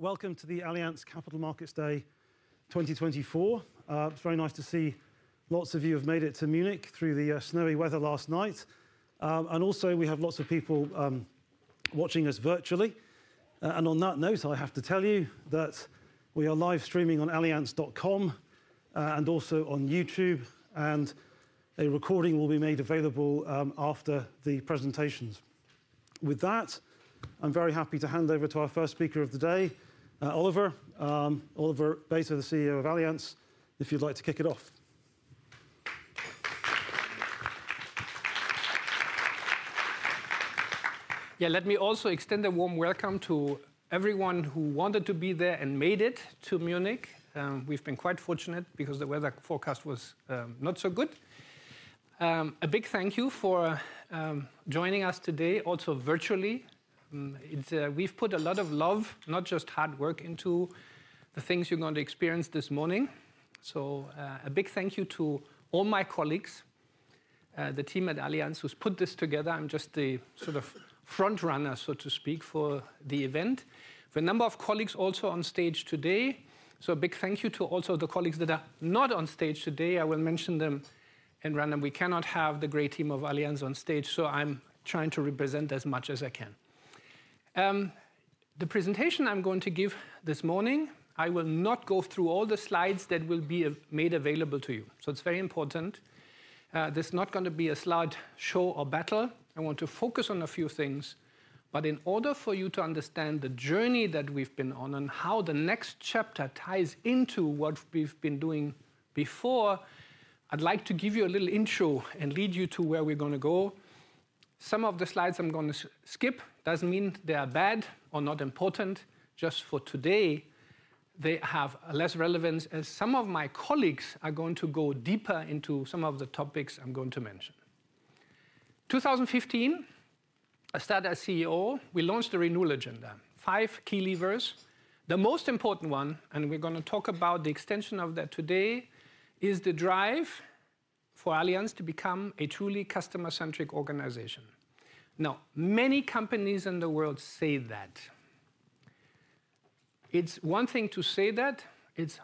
Welcome to the Allianz Capital Markets Day 2024. It's very nice to see lots of you have made it to Munich through the snowy weather last night. And also, we have lots of people watching us virtually. And on that note, I have to tell you that we are live streaming on allianz.com and also on YouTube, and a recording will be made available after the presentations. With that, I'm very happy to hand over to our first speaker of the day, Oliver. Oliver Bäte, the CEO of Allianz, if you'd like to kick it off. Yeah, let me also extend a warm welcome to everyone who wanted to be there and made it to Munich. We've been quite fortunate because the weather forecast was not so good. A big thank you for joining us today, also virtually. We've put a lot of love, not just hard work, into the things you're going to experience this morning. So a big thank you to all my colleagues, the team at Allianz who's put this together. I'm just the sort of front runner, so to speak, for the event. There are a number of colleagues also on stage today. So a big thank you to also the colleagues that are not on stage today. I will mention them at random. We cannot have the great team of Allianz on stage, so I'm trying to represent as much as I can. The presentation I'm going to give this morning. I will not go through all the slides that will be made available to you. So it's very important. This is not going to be a slide show or battle. I want to focus on a few things. But in order for you to understand the journey that we've been on and how the next chapter ties into what we've been doing before, I'd like to give you a little intro and lead you to where we're going to go. Some of the slides I'm going to skip doesn't mean they are bad or not important. Just for today, they have less relevance as some of my colleagues are going to go deeper into some of the topics I'm going to mention. In 2015, I started as CEO. We launched the Renewal Agenda, five key levers. The most important one, and we're going to talk about the extension of that today, is the drive for Allianz to become a truly customer-centric organization. Now, many companies in the world say that. It's one thing to say that. It's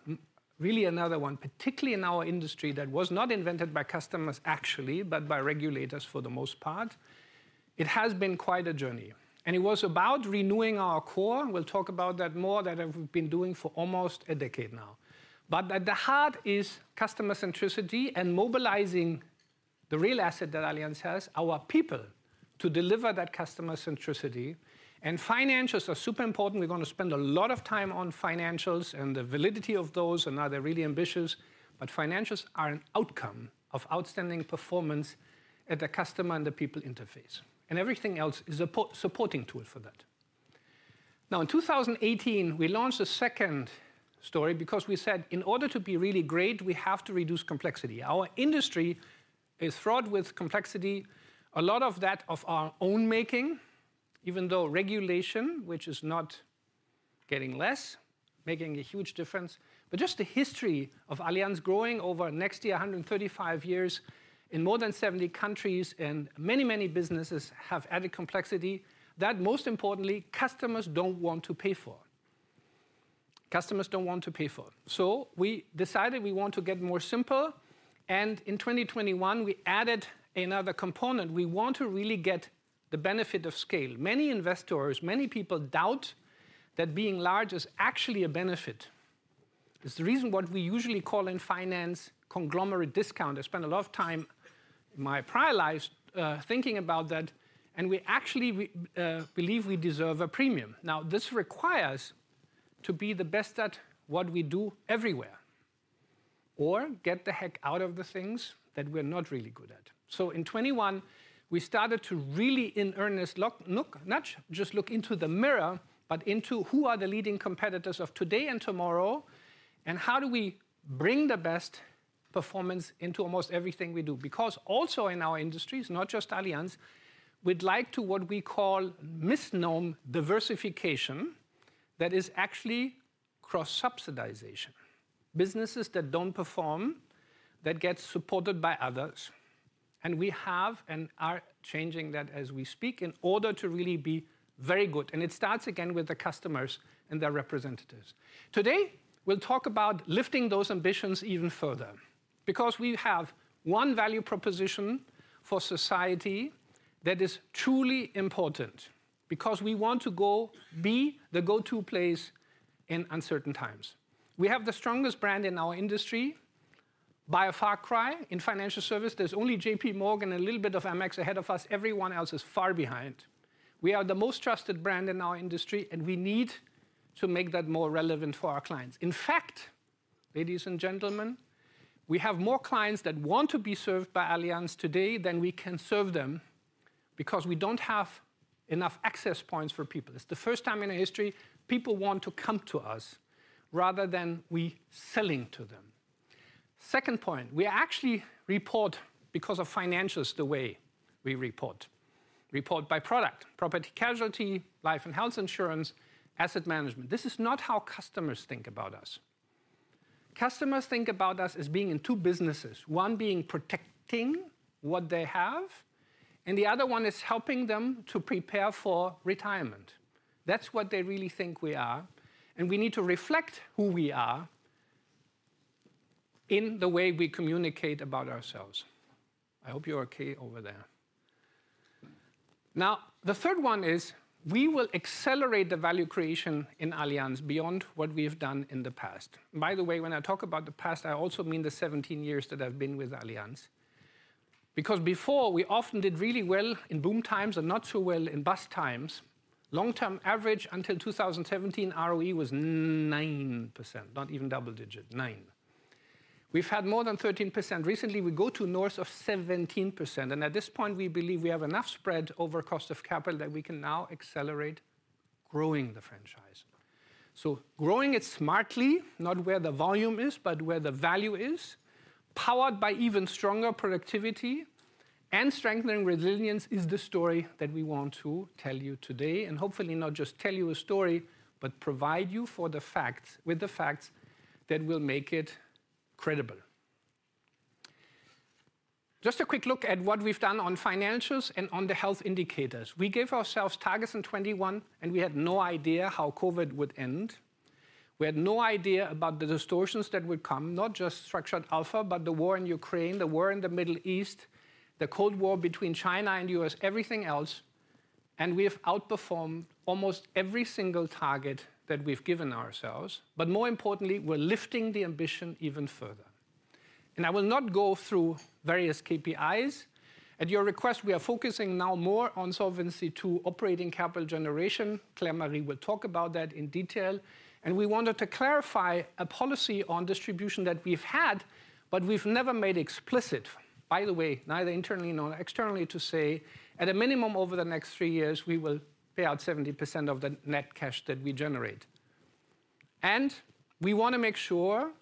really another one, particularly in our industry, that was not invented by customers, actually, but by regulators for the most part. It has been quite a journey, and it was about renewing our core. We'll talk about that more, that we've been doing for almost a decade now, but at the heart is customer-centricity and mobilizing the real asset that Allianz has, our people, to deliver that customer-centricity, and financials are super important. We're going to spend a lot of time on financials and the validity of those, and are they really ambitious, but financials are an outcome of outstanding performance at the customer and the people interface. Everything else is a supporting tool for that. Now, in 2018, we launched a second story because we said, in order to be really great, we have to reduce complexity. Our industry is fraught with complexity, a lot of that of our own making, even though regulation, which is not getting less, is making a huge difference. But just the history of Allianz growing over the years. In 135 years in more than 70 countries, and many, many businesses have added complexity that, most importantly, customers don't want to pay for. Customers don't want to pay for. So we decided we want to get more simple. In 2021, we added another component. We want to really get the benefit of scale. Many investors, many people doubt that being large is actually a benefit. It's the reason what we usually call in finance, conglomerate discount. I spent a lot of time in my prior life thinking about that. We actually believe we deserve a premium. Now, this requires to be the best at what we do everywhere or get the heck out of the things that we're not really good at. In 2021, we started to really, in earnest, not just look into the mirror, but into who are the leading competitors of today and tomorrow, and how do we bring the best performance into almost everything we do. Because also in our industries, not just Allianz, we'd like to what we call misnamed diversification that is actually cross-subsidization, businesses that don't perform that get supported by others. We have and are changing that as we speak in order to really be very good. It starts again with the customers and their representatives. Today, we'll talk about lifting those ambitions even further because we have one value proposition for society that is truly important because we want to be the go-to place in uncertain times. We have the strongest brand in our industry. By far in financial services, there's only JPMorgan and a little bit of Amex ahead of us. Everyone else is far behind. We are the most trusted brand in our industry, and we need to make that more relevant for our clients. In fact, ladies and gentlemen, we have more clients that want to be served by Allianz today than we can serve them because we don't have enough access points for people. It's the first time in our history people want to come to us rather than us selling to them. Second point, we actually report because of financials the way we report, report by product, Property-Casualty, Life and Health insurance, Asset Management. This is not how customers think about us. Customers think about us as being in two businesses, one being protecting what they have, and the other one is helping them to prepare for retirement. That's what they really think we are. And we need to reflect who we are in the way we communicate about ourselves. I hope you're OK over there. Now, the third one is we will accelerate the value creation in Allianz beyond what we have done in the past. By the way, when I talk about the past, I also mean the 17 years that I've been with Allianz. Because before, we often did really well in boom times and not so well in bust times. Long-term average until 2017 ROE was 9%, not even double-digit, 9. We've had more than 13%. Recently, we go to north of 17%. And at this point, we believe we have enough spread over cost of capital that we can now accelerate growing the franchise. So growing it smartly, not where the volume is, but where the value is, powered by even stronger productivity and strengthening resilience is the story that we want to tell you today. And hopefully, not just tell you a story, but provide you with the facts that will make it credible. Just a quick look at what we've done on financials and on the health indicators. We gave ourselves targets in 2021, and we had no idea how COVID would end. We had no idea about the distortions that would come, not just Structured Alpha, but the war in Ukraine, the war in the Middle East, the Cold War between China and the U.S., everything else. And we have outperformed almost every single target that we've given ourselves. But more importantly, we're lifting the ambition even further. And I will not go through various KPIs. At your request, we are focusing now more on solvency to operating capital generation. Claire-Marie will talk about that in detail. And we wanted to clarify a policy on distribution that we've had, but we've never made explicit, by the way, neither internally nor externally, to say at a minimum over the next three years, we will pay out 70% of the net cash that we generate. We want to make sure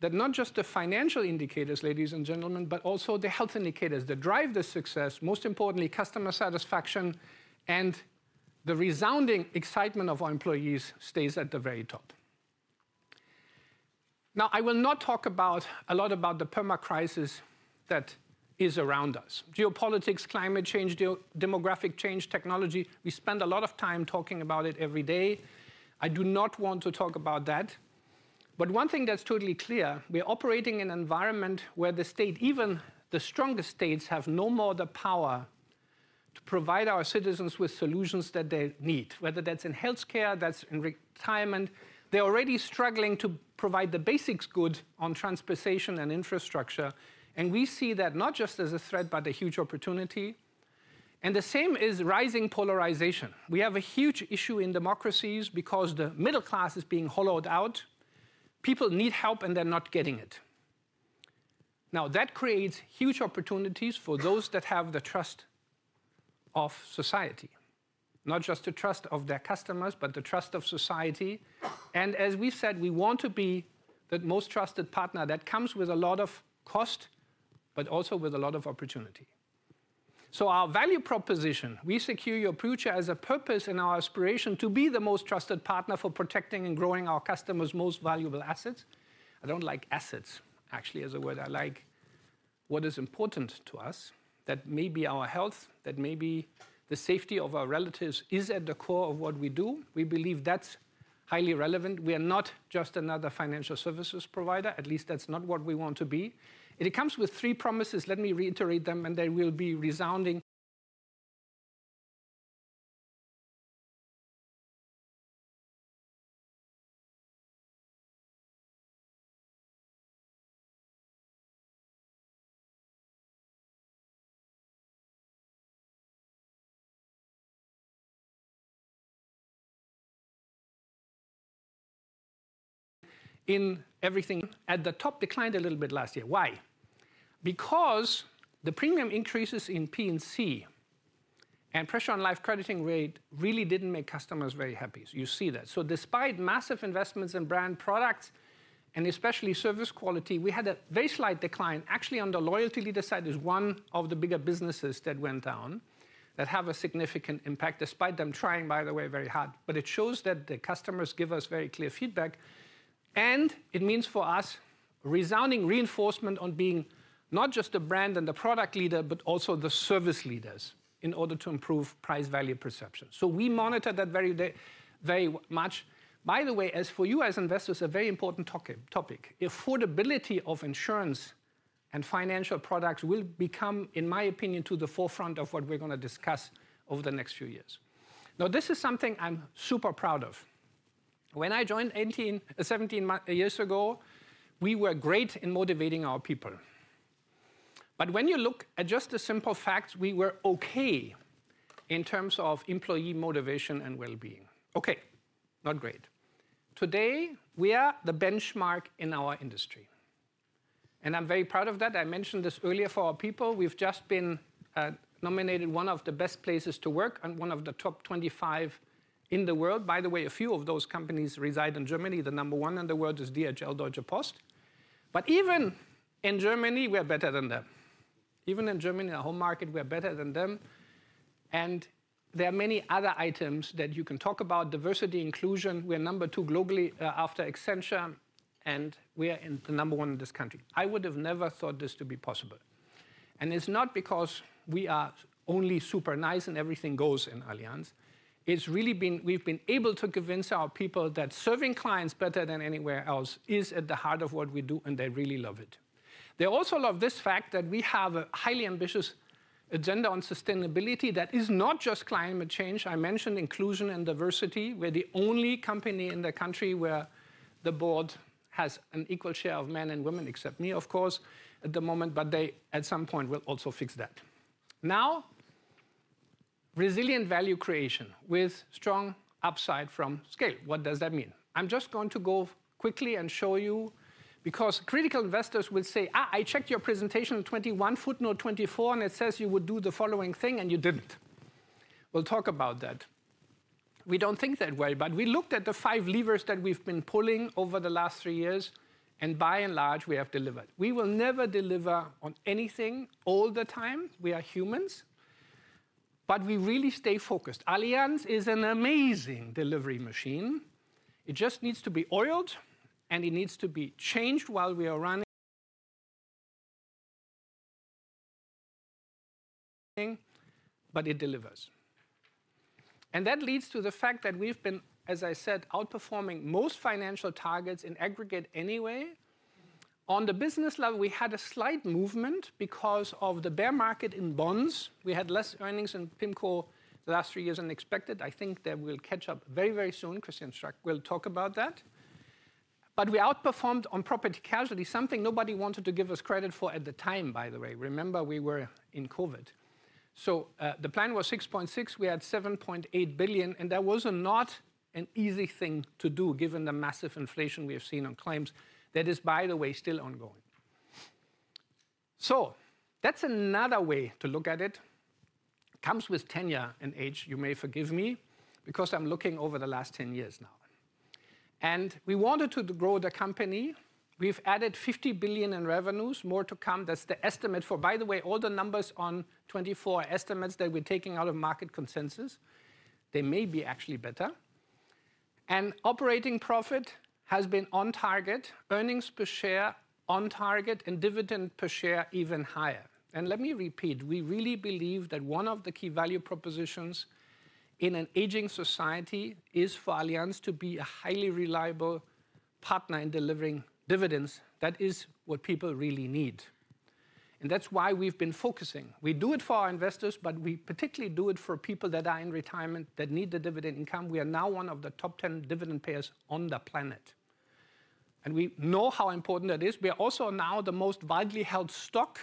that not just the financial indicators, ladies and gentlemen, but also the health indicators that drive the success, most importantly, customer satisfaction and the resounding excitement of our employees stays at the very top. Now, I will not talk a lot about the perma-crisis that is around us, geopolitics, climate change, demographic change, technology. We spend a lot of time talking about it every day. I do not want to talk about that. But one thing that's totally clear, we're operating in an environment where the state, even the strongest states, have no more the power to provide our citizens with solutions that they need, whether that's in health care, that's in retirement. They're already struggling to provide the basic goods on transportation and infrastructure. And we see that not just as a threat, but a huge opportunity. And the same is rising polarization. We have a huge issue in democracies because the middle class is being hollowed out. People need help, and they're not getting it. Now, that creates huge opportunities for those that have the trust of society, not just the trust of their customers, but the trust of society. And as we said, we want to be that most trusted partner that comes with a lot of cost, but also with a lot of opportunity. So our value proposition, we secure your future as a purpose and our aspiration to be the most trusted partner for protecting and growing our customers' most valuable assets. I don't like assets, actually, as a word. I like what is important to us, that may be our health, that may be the safety of our relatives is at the core of what we do. We believe that's highly relevant. We are not just another financial services provider. At least that's not what we want to be. And it comes with three promises. Let me reiterate them, and they will be resounding. In everything. At the top, declined a little bit last year. Why? Because the premium increases in P&C and pressure on life crediting rate really didn't make customers very happy. So you see that. So despite massive investments in brand products and especially service quality, we had a very slight decline. Actually, on the loyalty leader side, there's one of the bigger businesses that went down that have a significant impact despite them trying, by the way, very hard. But it shows that the customers give us very clear feedback. It means for us resounding reinforcement on being not just the brand and the product leader, but also the service leaders in order to improve price value perception. So we monitor that very much. By the way, as for you as investors, a very important topic, affordability of insurance and financial products will become, in my opinion, to the forefront of what we're going to discuss over the next few years. Now, this is something I'm super proud of. When I joined 17 years ago, we were great in motivating our people. But when you look at just the simple facts, we were OK in terms of employee motivation and well-being. OK, not great. Today, we are the benchmark in our industry. And I'm very proud of that. I mentioned this earlier for our people. We've just been nominated one of the best places to work and one of the top 25 in the world. By the way, a few of those companies reside in Germany. The number one in the world is DHL, Deutsche Post, but even in Germany, we are better than them. Even in Germany, the whole market, we are better than them, and there are many other items that you can talk about. Diversity, inclusion, we're number two globally after Accenture, and we're the number one in this country. I would have never thought this to be possible, and it's not because we are only super nice and everything goes in Allianz. It's really been we've been able to convince our people that serving clients better than anywhere else is at the heart of what we do, and they really love it. They also love this fact that we have a highly ambitious agenda on sustainability that is not just climate change. I mentioned inclusion and diversity. We're the only company in the country where the board has an equal share of men and women, except me, of course, at the moment. But they, at some point, will also fix that. Now, resilient value creation with strong upside from scale. What does that mean? I'm just going to go quickly and show you because critical investors will say, I checked your presentation in 2021, and it says you would do the following thing, and you didn't. We'll talk about that. We don't think that way, but we looked at the five levers that we've been pulling over the last three years, and by and large, we have delivered. We will never deliver on anything all the time. We are humans. But we really stay focused. Allianz is an amazing delivery machine. It just needs to be oiled, and it needs to be changed while we are running. But it delivers. And that leads to the fact that we've been, as I said, outperforming most financial targets in aggregate anyway. On the business level, we had a slight movement because of the bear market in bonds. We had less earnings in PIMCO the last three years than expected. I think that we'll catch up very, very soon. Christian Stracke will talk about that. But we outperformed on property casualty, something nobody wanted to give us credit for at the time, by the way. Remember, we were in COVID. So the plan was 6.6 billion. We had 7.8 billion. That was not an easy thing to do given the massive inflation we have seen on claims that is, by the way, still ongoing. So that's another way to look at it. It comes with tenure and age, you may forgive me, because I'm looking over the last 10 years now. We wanted to grow the company. We've added 50 billion in revenues, more to come. That's the estimate for, by the way, all the numbers on 2024 estimates that we're taking out of market consensus. They may be actually better. Operating profit has been on target, earnings per share on target, and dividend per share even higher. Let me repeat, we really believe that one of the key value propositions in an aging society is for Allianz to be a highly reliable partner in delivering dividends. That is what people really need. And that's why we've been focusing. We do it for our investors, but we particularly do it for people that are in retirement that need the dividend income. We are now one of the top 10 dividend payers on the planet. And we know how important that is. We are also now the most widely held stock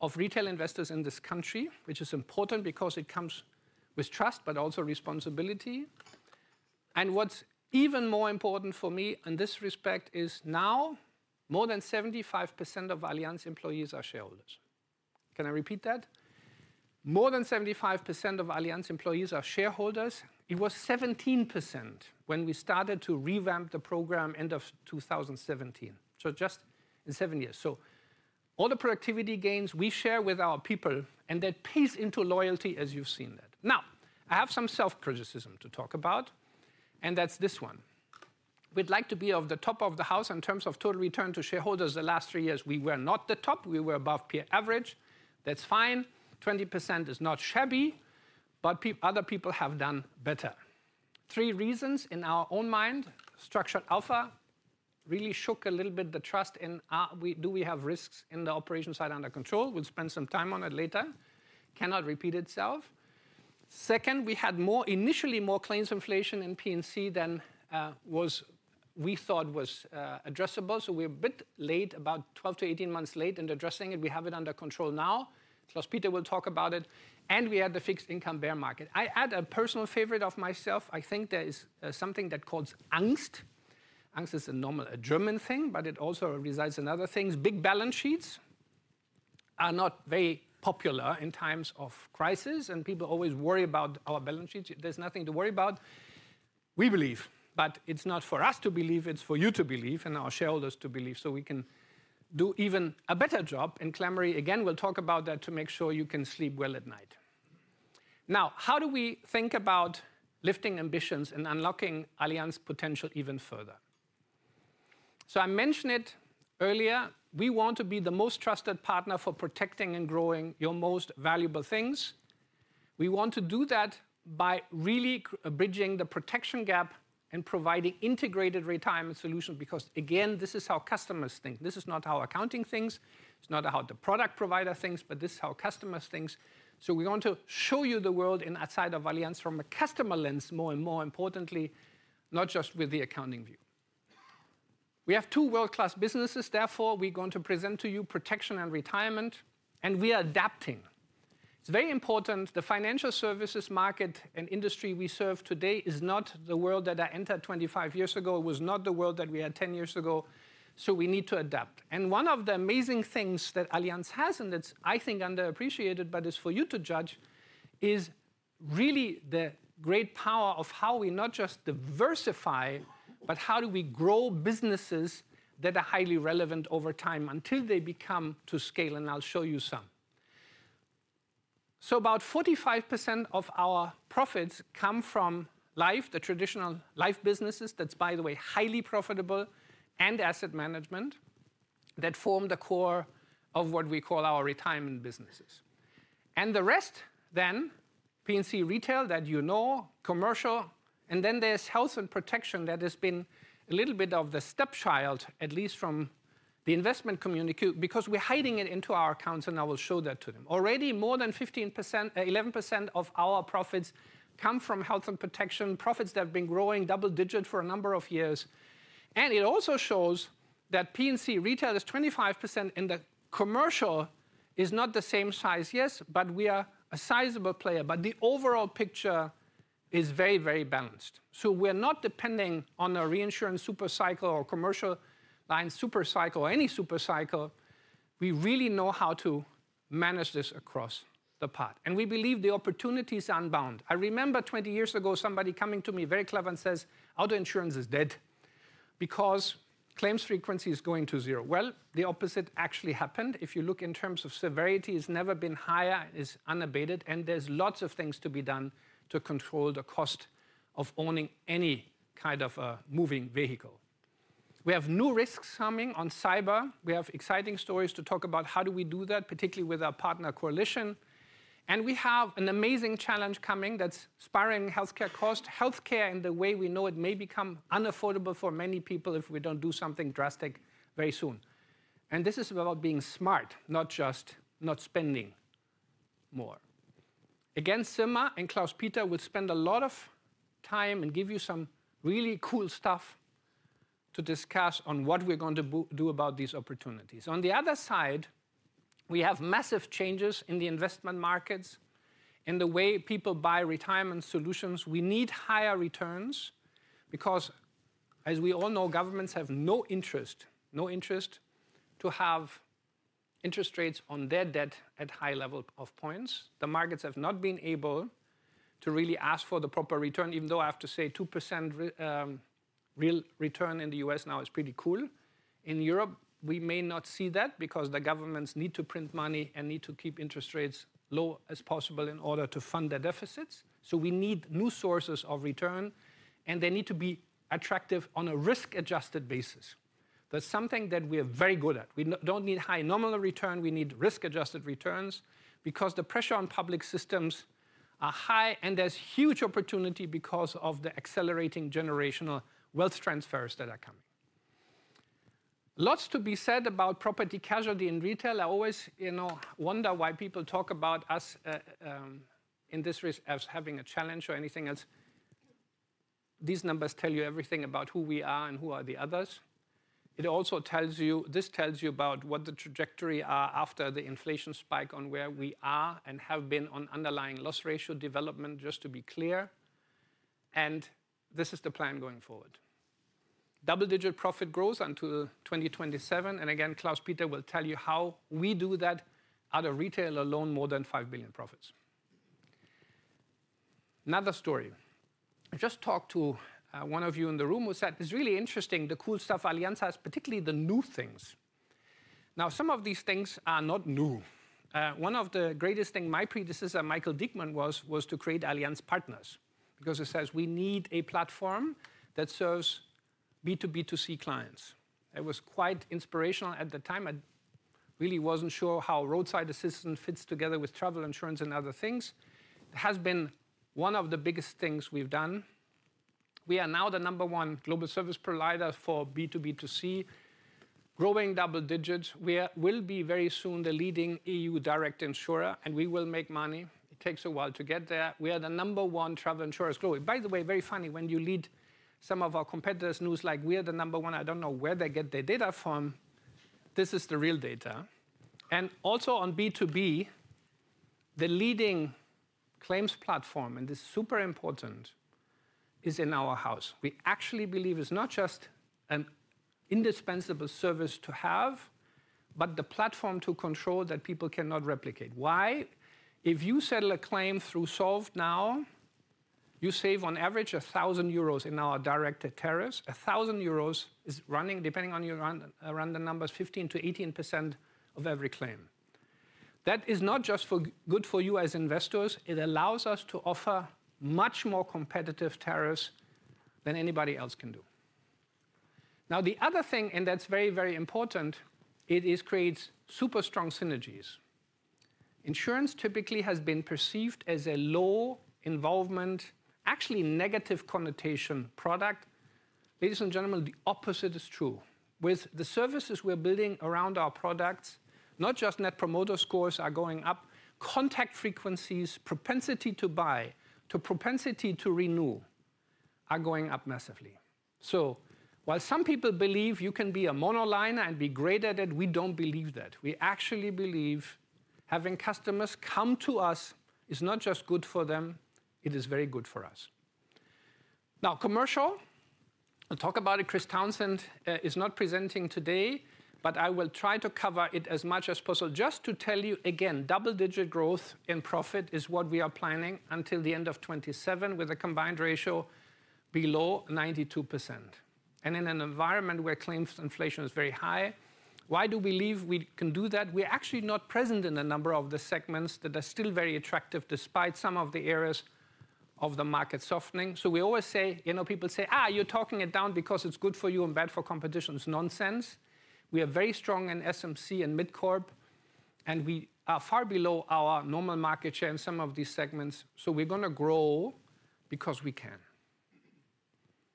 of retail investors in this country, which is important because it comes with trust, but also responsibility. And what's even more important for me in this respect is now more than 75% of Allianz employees are shareholders. Can I repeat that? More than 75% of Allianz employees are shareholders. It was 17% when we started to revamp the program end of 2017, so just in seven years. So all the productivity gains we share with our people, and that pays into loyalty, as you've seen that. Now, I have some self-criticism to talk about, and that's this one. We'd like to be at the top of the house in terms of total return to shareholders the last three years. We were not the top. We were above peer average. That's fine. 20% is not shabby, but other people have done better. Three reasons in our own mind. Structured Alpha really shook a little bit the trust in, do we have risks in the operations side under control? We'll spend some time on it later. Cannot repeat itself. Second, we had initially more claims inflation in P&C than we thought was addressable. So we're a bit late, about 12-18 months late in addressing it. We have it under control now. Klaus-Peter will talk about it, and we had the fixed income bear market. I add a personal favorite of myself. I think there is something that calls angst. Angst is a normal German thing, but it also resides in other things. Big balance sheets are not very popular in times of crisis, and people always worry about our balance sheets. There's nothing to worry about, we believe, but it's not for us to believe. It's for you to believe and our shareholders to believe so we can do even a better job, and Claire-Marie, again, we'll talk about that to make sure you can sleep well at night. Now, how do we think about lifting ambitions and unlocking Allianz potential even further, so I mentioned it earlier. We want to be the most trusted partner for protecting and growing your most valuable things. We want to do that by really bridging the protection gap and providing integrated retirement solutions. Because, again, this is how customers think. This is not how accounting thinks. It's not how the product provider thinks, but this is how customers thinks. So we want to show you the world outside of Allianz from a customer lens, more importantly, not just with the accounting view. We have two world-class businesses. Therefore, we're going to present to you protection and retirement. And we are adapting. It's very important. The financial services market and industry we serve today is not the world that I entered 25 years ago. It was not the world that we had 10 years ago. So we need to adapt. And one of the amazing things that Allianz has and that's, I think, underappreciated, but it's for you to judge, is really the great power of how we not just diversify, but how do we grow businesses that are highly relevant over time until they become to scale. And I'll show you some. So about 45% of our profits come from traditional life businesses. That's, by the way, highly profitable and Asset Management that form the core of what we call our retirement businesses. And the rest, then P&C retail that you know, commercial. And then there's health and protection that has been a little bit of the stepchild, at least from the investment community, because we're hiding it into our accounts. And I will show that to them. Already, more than 15%, 11% of our profits come from health and protection, profits that have been growing double-digit for a number of years. And it also shows that P&C retail is 25%, and the commercial is not the same size, yes, but we are a sizable player. But the overall picture is very, very balanced. So we're not depending on a reinsurance supercycle or commercial line supercycle or any supercycle. We really know how to manage this across the path. And we believe the opportunity is unbound. I remember 20 years ago, somebody coming to me very clever and says, auto insurance is dead because claims frequency is going to zero. Well, the opposite actually happened. If you look in terms of severity, it's never been higher. It's unabated. And there's lots of things to be done to control the cost of owning any kind of a moving vehicle. We have new risks coming on cyber. We have exciting stories to talk about. How do we do that, particularly with our partner coalition? And we have an amazing challenge coming that's spiraling health care cost. Health care, in the way we know it, may become unaffordable for many people if we don't do something drastic very soon, and this is about being smart, not just not spending more. Again, Sirma and Klaus-Peter will spend a lot of time and give you some really cool stuff to discuss on what we're going to do about these opportunities. On the other side, we have massive changes in the investment markets and the way people buy retirement solutions. We need higher returns because, as we all know, governments have no interest, no interest to have interest rates on their debt at high level of points. The markets have not been able to really ask for the proper return, even though I have to say 2% real return in the U.S. now is pretty cool. In Europe, we may not see that because the governments need to print money and need to keep interest rates low as possible in order to fund their deficits. So we need new sources of return. And they need to be attractive on a risk-adjusted basis. That's something that we are very good at. We don't need high nominal return. We need risk-adjusted returns because the pressure on public systems is high. And there's huge opportunity because of the accelerating generational wealth transfers that are coming. Lots to be said about property casualty in retail. I always wonder why people talk about us in this risk as having a challenge or anything else. These numbers tell you everything about who we are and who are the others. It also tells you about what the trajectory is after the inflation spike on where we are and have been on underlying loss ratio development, just to be clear. And this is the plan going forward. Double-digit profit growth until 2027. And again, Klaus-Peter will tell you how we do that out of retail alone, more than 5 billion profits. Another story. I just talked to one of you in the room who said, it's really interesting, the cool stuff Allianz has, particularly the new things. Now, some of these things are not new. One of the greatest things my predecessor, Michael Diekmann, was to create Allianz Partners because he says, we need a platform that serves B2B2C clients. It was quite inspirational at the time. I really wasn't sure how roadside assistance fits together with travel insurance and other things. It has been one of the biggest things we've done. We are now the number one global service provider for B2B2C, growing double digits. We will be very soon the leading EU direct insurer, and we will make money. It takes a while to get there. We are the number one travel insurer globally. By the way, very funny, when you read some of our competitors' news, like we are the number one, I don't know where they get their data from. This is the real data, and also on B2B, the leading claims platform, and this is super important, is in our house. We actually believe it's not just an indispensable service to have, but the platform to control that people cannot replicate. Why? If you settle a claim through SolveNow, you save on average 1,000 euros in our directed tariffs. 1,000 is running, depending on your run the numbers, 15%-18% of every claim. That is not just good for you as investors. It allows us to offer much more competitive tariffs than anybody else can do. Now, the other thing, and that's very, very important, it creates super strong synergies. Insurance typically has been perceived as a low-involvement, actually negative connotation product. Ladies and gentlemen, the opposite is true. With the services we're building around our products, not just Net Promoter Scores are going up, contact frequencies, propensity to buy, to propensity to renew are going up massively. So while some people believe you can be a monoliner and be great at it, we don't believe that. We actually believe having customers come to us is not just good for them. It is very good for us. Now, commercial, I'll talk about it. Chris Townsend is not presenting today, but I will try to cover it as much as possible. Just to tell you again, double-digit growth in profit is what we are planning until the end of 2027 with a combined ratio below 92%. In an environment where claims inflation is very high, why do we believe we can do that? We're actually not present in a number of the segments that are still very attractive despite some of the areas of the market XOLVening. We always say, you know, people say, you're talking it down because it's good for you and bad for competitors. Nonsense. We are very strong in SMC and Mid-Corp. We are far below our normal market share in some of these segments. We're going to grow because we can.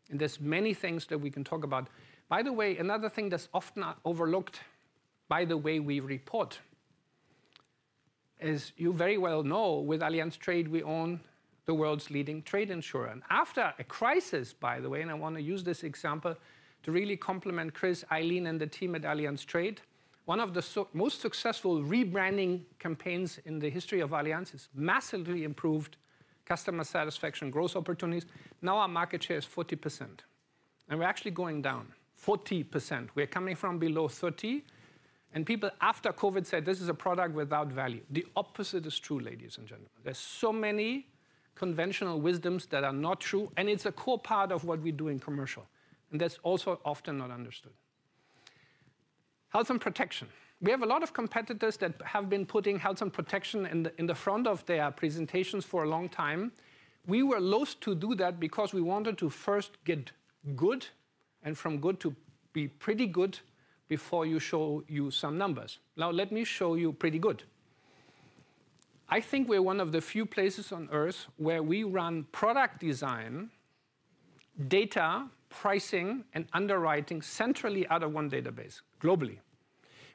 There's many things that we can talk about. By the way, another thing that's often overlooked by the way we report is, you very well know, with Allianz Trade, we own the world's leading trade insurer. After a crisis, by the way, I want to use this example to really complement Chris, Aylin, and the team at Allianz Trade. One of the most successful rebranding campaigns in the history of Allianz has massively improved customer satisfaction [and] growth opportunities. Now our market share is 40%. We're actually up 40%. We're coming from below 30%. People after COVID said, this is a product without value. The opposite is true, ladies and gentlemen. There's so many conventional wisdoms that are not true. It's a core part of what we do in commercial. That's also often not understood. Health and protection. We have a lot of competitors that have been putting health and protection in the front of their presentations for a long time. We were loath to do that because we wanted to first get good and from good to be pretty good before we show you some numbers. Now, let me show you pretty good. I think we're one of the few places on Earth where we run product design, data, pricing, and underwriting centrally out of one database globally.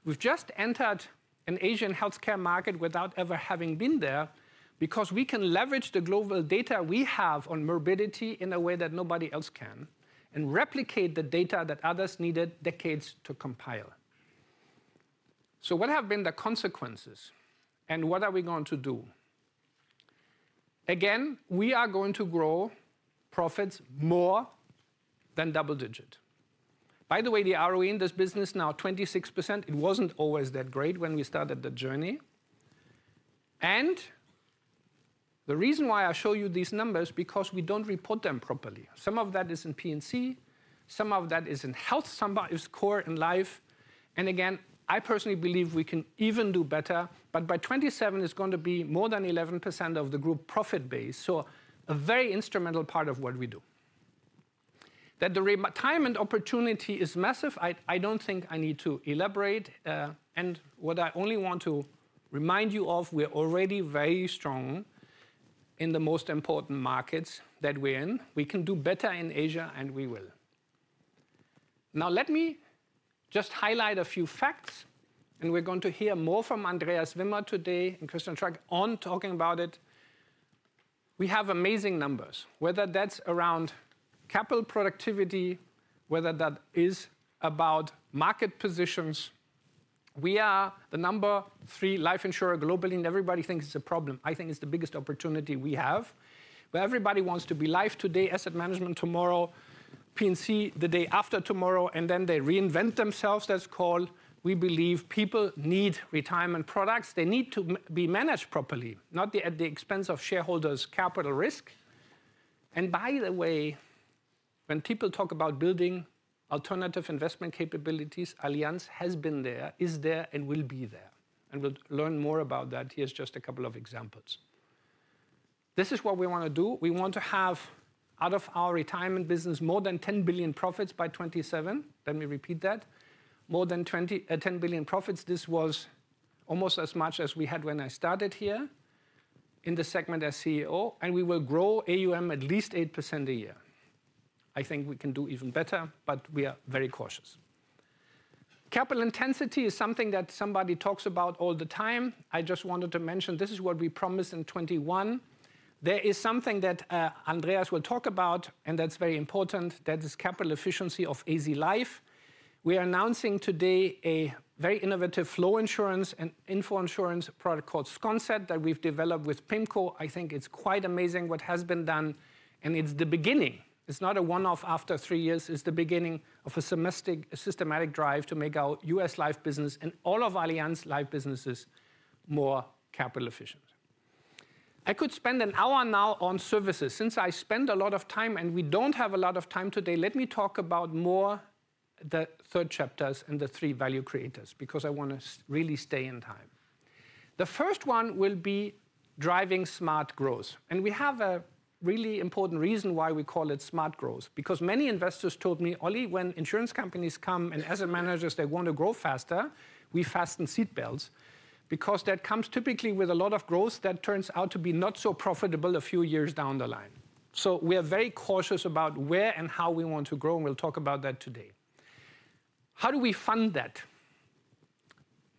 We've just entered an Asian health care market without ever having been there because we can leverage the global data we have on morbidity in a way that nobody else can and replicate the data that others needed decades to compile. So what have been the consequences? And what are we going to do? Again, we are going to grow profits more than double-digit. By the way, we are in this business now 26%. It wasn't always that great when we started the journey, and the reason why I show you these numbers is because we don't report them properly. Some of that is in P&C. Some of that is in health, some of it is core and life, and again, I personally believe we can even do better, but by 2027, it's going to be more than 11% of the group profit base, so a very instrumental part of what we do. That the retirement opportunity is massive, I don't think I need to elaborate, and what I only want to remind you of, we're already very strong in the most important markets that we're in. We can do better in Asia, and we will. Now, let me just highlight a few facts. And we're going to hear more from Andreas Wimmer today and Christian Stracke on talking about it. We have amazing numbers. Whether that's around capital productivity, whether that is about market positions, we are the number three life insurer globally. And everybody thinks it's a problem. I think it's the biggest opportunity we have. But everybody wants to be life today, Asset Management tomorrow, P&C the day after tomorrow. And then they reinvent themselves. That's called. We believe people need retirement products. They need to be managed properly, not at the expense of shareholders' capital risk. And by the way, when people talk about building alternative investment capabilities, Allianz has been there, is there, and will be there. And we'll learn more about that. Here's just a couple of examples. This is what we want to do. We want to have out of our retirement business more than 10 billion profits by 2027. Let me repeat that. More than 10 billion profits. This was almost as much as we had when I started here in the segment as CEO. And we will grow AUM at least 8% a year. I think we can do even better, but we are very cautious. Capital intensity is something that somebody talks about all the time. I just wanted to mention this is what we promised in 2021. There is something that Andreas will talk about, and that's very important. That is capital efficiency of Allianz Life. We are announcing today a very innovative flow reinsurance and in-force reinsurance product called Sconset that we've developed with PIMCO. I think it's quite amazing what has been done. And it's the beginning. It's not a one-off after three years. It's the beginning of a systematic drive to make our US life business and all of Allianz Life businesses more capital efficient. I could spend an hour now on services. Since I spent a lot of time and we don't have a lot of time today, let me talk about more the third chapters and the three value creators because I want to really stay in time. The first one will be driving smart growth, and we have a really important reason why we call it smart growth. Because many investors told me, Ollie, when insurance companies come and asset managers, they want to grow faster, we fasten seatbelts because that comes typically with a lot of growth that turns out to be not so profitable a few years down the line. So we are very cautious about where and how we want to grow. We'll talk about that today. How do we fund that?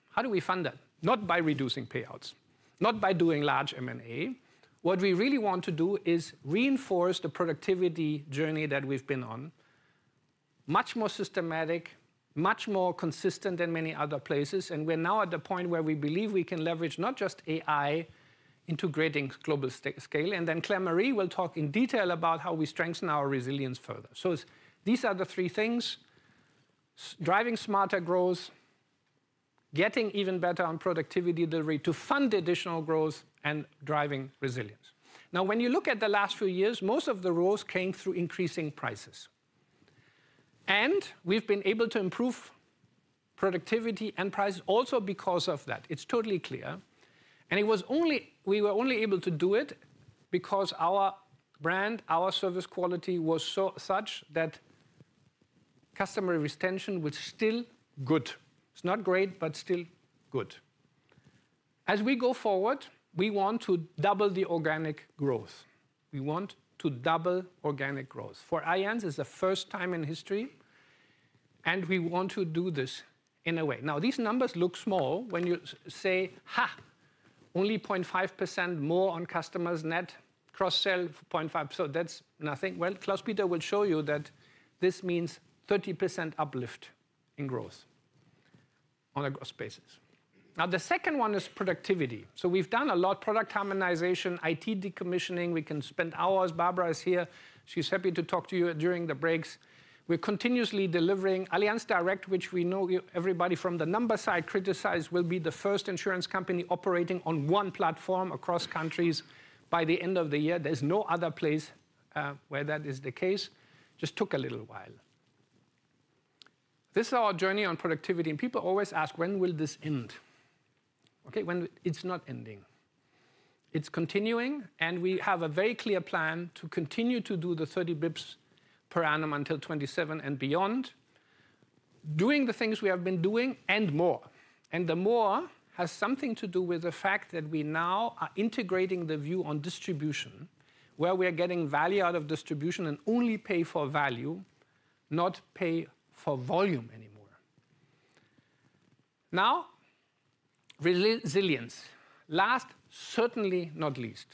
How do we fund that? Not by reducing payouts, not by doing large M&A. What we really want to do is reinforce the productivity journey that we've been on, much more systematic, much more consistent than many other places. We're now at the point where we believe we can leverage not just AI integrating global scale. Then Claire-Marie will talk in detail about how we strengthen our resilience further. These are the three things: driving smarter growth, getting even better on productivity delivery to fund additional growth, and driving resilience. Now, when you look at the last few years, most of the growth came through increasing prices. We've been able to improve productivity and price also because of that. It's totally clear. We were only able to do it because our brand, our service quality was such that customer retention was still good. It's not great, but still good. As we go forward, we want to double the organic growth. We want to double organic growth. For Allianz, it's the first time in history. We want to do this in a way. Now, these numbers look small when you say, ha, only 0.5% more on customers' net cross-sale 0.5%. So that's nothing. Klaus-Peter will show you that this means 30% uplift in growth on a gross basis. Now, the second one is productivity. So we've done a lot: product harmonization, IT decommissioning. We can spend hours. Barbara is here. She's happy to talk to you during the breaks. We're continuously delivering Allianz Direct, which we know everybody from the number side criticized, will be the first insurance company operating on one platform across countries by the end of the year. There's no other place where that is the case. Just took a little while. This is our journey on productivity. And people always ask, when will this end? Okay, when it's not ending. It's continuing. And we have a very clear plan to continue to do the 30 basis points per annum until 2027 and beyond, doing the things we have been doing and more. And the more has something to do with the fact that we now are integrating the view on distribution, where we are getting value out of distribution and only pay for value, not pay for volume anymore. Now, resilience. Last, certainly not least.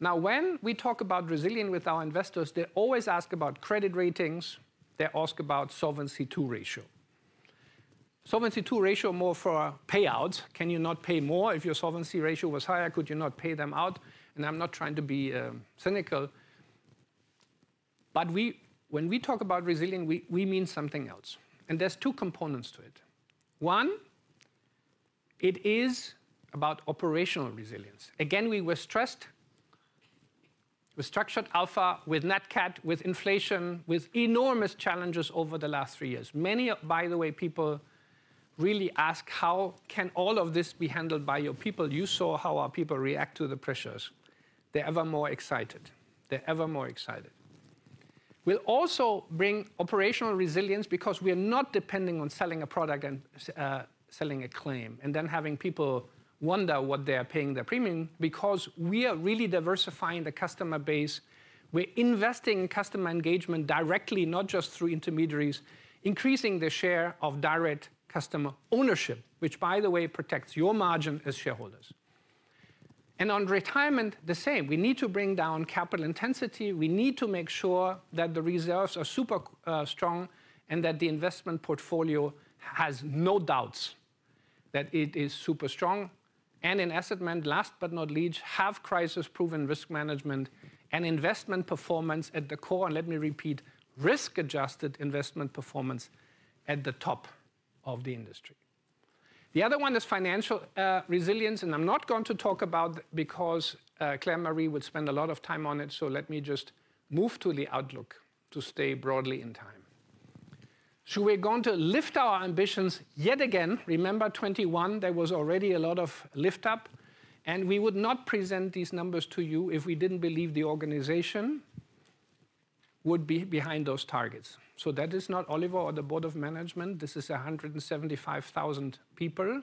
Now, when we talk about resilience with our investors, they always ask about credit ratings. They ask about Solvency II ratio. Solvency II ratio more for payouts. Can you not pay more? If your solvency ratio was higher, could you not pay them out? And I'm not trying to be cynical. But when we talk about resilience, we mean something else. And there's two components to it. One, it is about operational resilience. Again, we were stressed with Structured Alpha, with NatCat, with inflation, with enormous challenges over the last three years. Many, by the way, people really ask, how can all of this be handled by your people? You saw how our people react to the pressures. They're ever more excited. They're ever more excited. We'll also bring operational resilience because we are not depending on selling a product and selling a claim and then having people wonder what they are paying their premium because we are really diversifying the customer base. We're investing in customer engagement directly, not just through intermediaries, increasing the share of direct customer ownership, which, by the way, protects your margin as shareholders. And on retirement, the same. We need to bring down capital intensity. We need to make sure that the reserves are super strong and that the investment portfolio has no doubts that it is super strong. And in Asset Management, last but not least, have crisis-proven risk management and investment performance at the core. And let me repeat, risk-adjusted investment performance at the top of the industry. The other one is financial resilience. I'm not going to talk about it because Claire-Marie will spend a lot of time on it. So let me just move to the outlook to stay broadly in time. We're going to lift our ambitions yet again. Remember 2021, there was already a lot of lift-up. We would not present these numbers to you if we didn't believe the organization would be behind those targets. That is not Oliver or the board of management. This is 175,000 people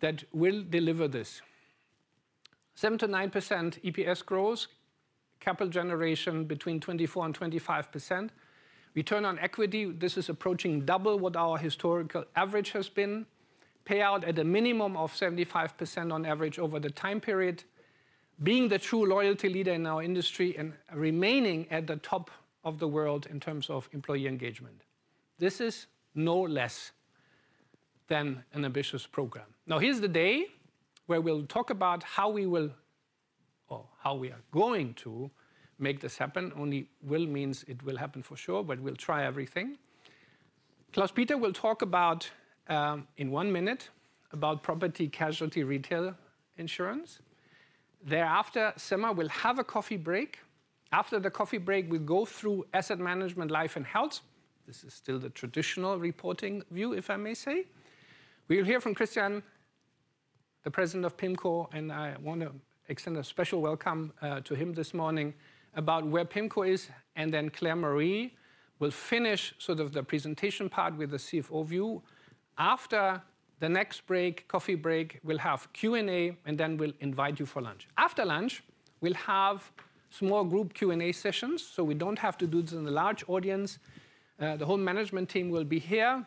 that will deliver this. 7%-9% EPS growth, capital generation between 24% and 25%. Return on equity, this is approaching double what our historical average has been. Payout at a minimum of 75% on average over the time period, being the true loyalty leader in our industry and remaining at the top of the world in terms of employee engagement. This is no less than an ambitious program. Now, here's the day where we'll talk about how we will, or how we are going to make this happen. Only will means it will happen for sure, but we'll try everything. Klaus-Peter will talk about in one minute about property casualty retail insurance. Thereafter, Sirma will have a coffee break. After the coffee break, we'll go through Asset Management, life, and health. This is still the traditional reporting view, if I may say. We'll hear from Christian, the president of PIMCO. And I want to extend a special welcome to him this morning about where PIMCO is. And then Claire-Marie will finish sort of the presentation part with the CFO view. After the next break, coffee break, we'll have Q&A. And then we'll invite you for lunch. After lunch, we'll have small group Q&A sessions. So we don't have to do this in the large audience. The whole management team will be here.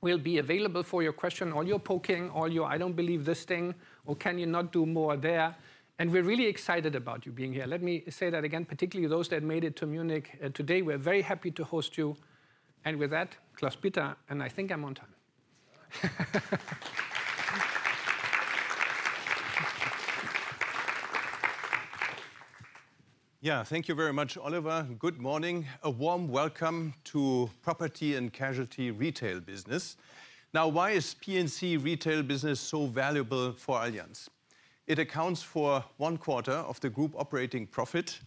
We'll be available for your question, all your poking, all your, I don't believe this thing, or can you not do more there. And we're really excited about you being here. Let me say that again, particularly those that made it to Munich today. We're very happy to host you. And with that, Klaus-Peter, and I think I'm on time. Yeah, thank you very much, Oliver. Good morning. A warm welcome to Property and Casualty retail business. Now, why is P&C retail business so valuable for Allianz? It accounts for one quarter of the group operating profit.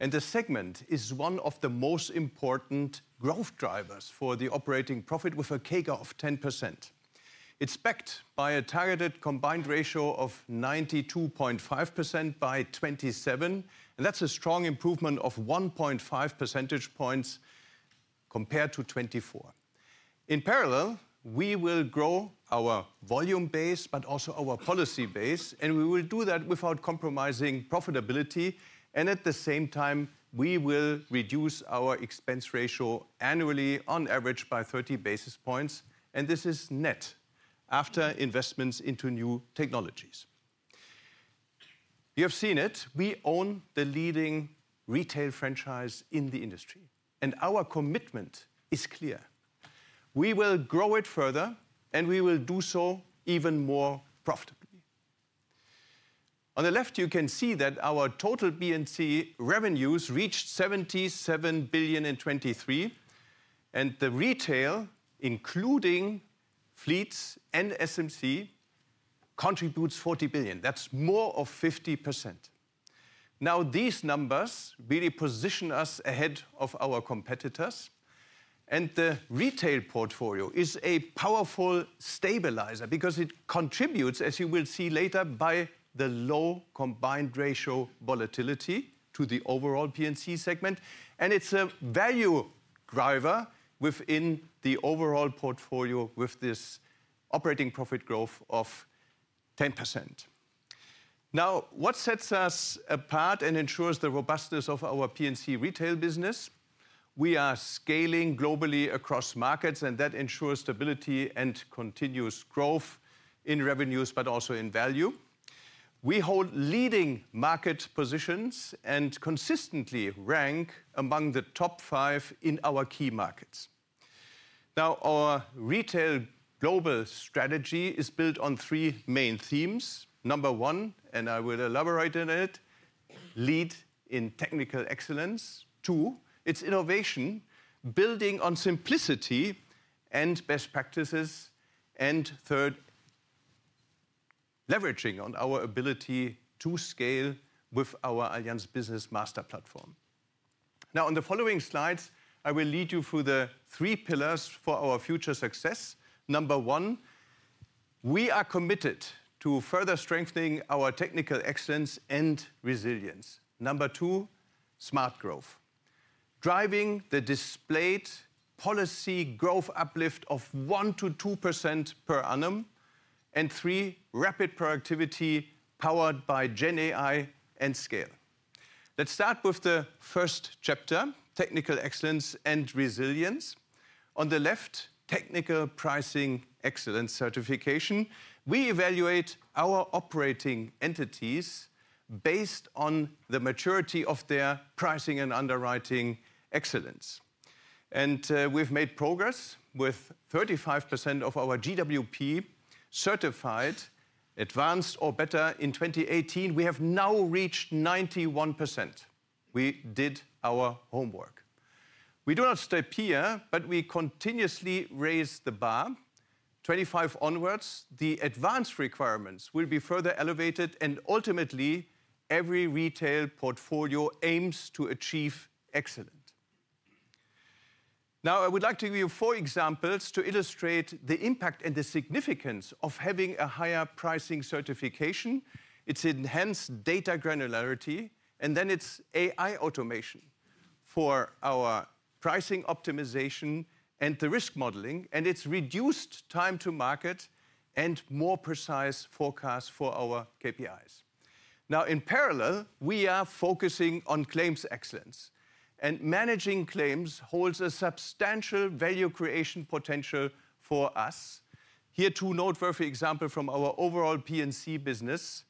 And the segment is one of the most important growth drivers for the operating profit with a CAGR of 10%. It's backed by a targeted combined ratio of 92.5% by 2027. And that's a strong improvement of 1.5 percentage points compared to 2024. In parallel, we will grow our volume base, but also our policy base. And we will do that without compromising profitability. And at the same time, we will reduce our expense ratio annually on average by 30 basis points. And this is net after investments into new technologies. You have seen it. We own the leading retail franchise in the industry. And our commitment is clear. We will grow it further, and we will do so even more profitably. On the left, you can see that our total P&C revenues reached 77 billion in 2023. And the retail, including fleets and SMC, contributes 40 billion. That's more than 50%. Now, these numbers really position us ahead of our competitors. The retail portfolio is a powerful stabilizer because it contributes, as you will see later, by the low combined ratio volatility to the overall P&C segment. It's a value driver within the overall portfolio with this operating profit growth of 10%. Now, what sets us apart and ensures the robustness of our P&C retail business? We are scaling globally across markets, and that ensures stability and continuous growth in revenues, but also in value. We hold leading market positions and consistently rank among the top five in our key markets. Now, our retail global strategy is built on three main themes. Number one, and I will elaborate on it, lead in technical excellence. Two, it's innovation, building on simplicity and best practices. Third, leveraging on our ability to scale with our Allianz Business Master Platform. Now, on the following slides, I will lead you through the three pillars for our future success. Number one, we are committed to further strengthening our technical excellence and resilience. Number two, smart growth, driving the displayed policy growth uplift of 1%-2% per annum, and three, rapid productivity powered by GenAI and scale. Let's start with the first chapter, technical excellence and resilience. On the left, technical pricing excellence certification. We evaluate our operating entities based on the maturity of their pricing and underwriting excellence, and we've made progress with 35% of our GWP certified, advanced, or better in 2018. We have now reached 91%. We did our homework. We do not stop here, but we continuously raise the bar. 2025 onwards, the advanced requirements will be further elevated, and ultimately, every retail portfolio aims to achieve excellence. Now, I would like to give you four examples to illustrate the impact and the significance of having a higher pricing certification. It's enhanced data granularity, and then it's AI automation for our pricing optimization and the risk modeling, and it's reduced time to market and more precise forecasts for our KPIs. Now, in parallel, we are focusing on claims excellence, and managing claims holds a substantial value creation potential for us. Here, two noteworthy examples from our overall P&C business.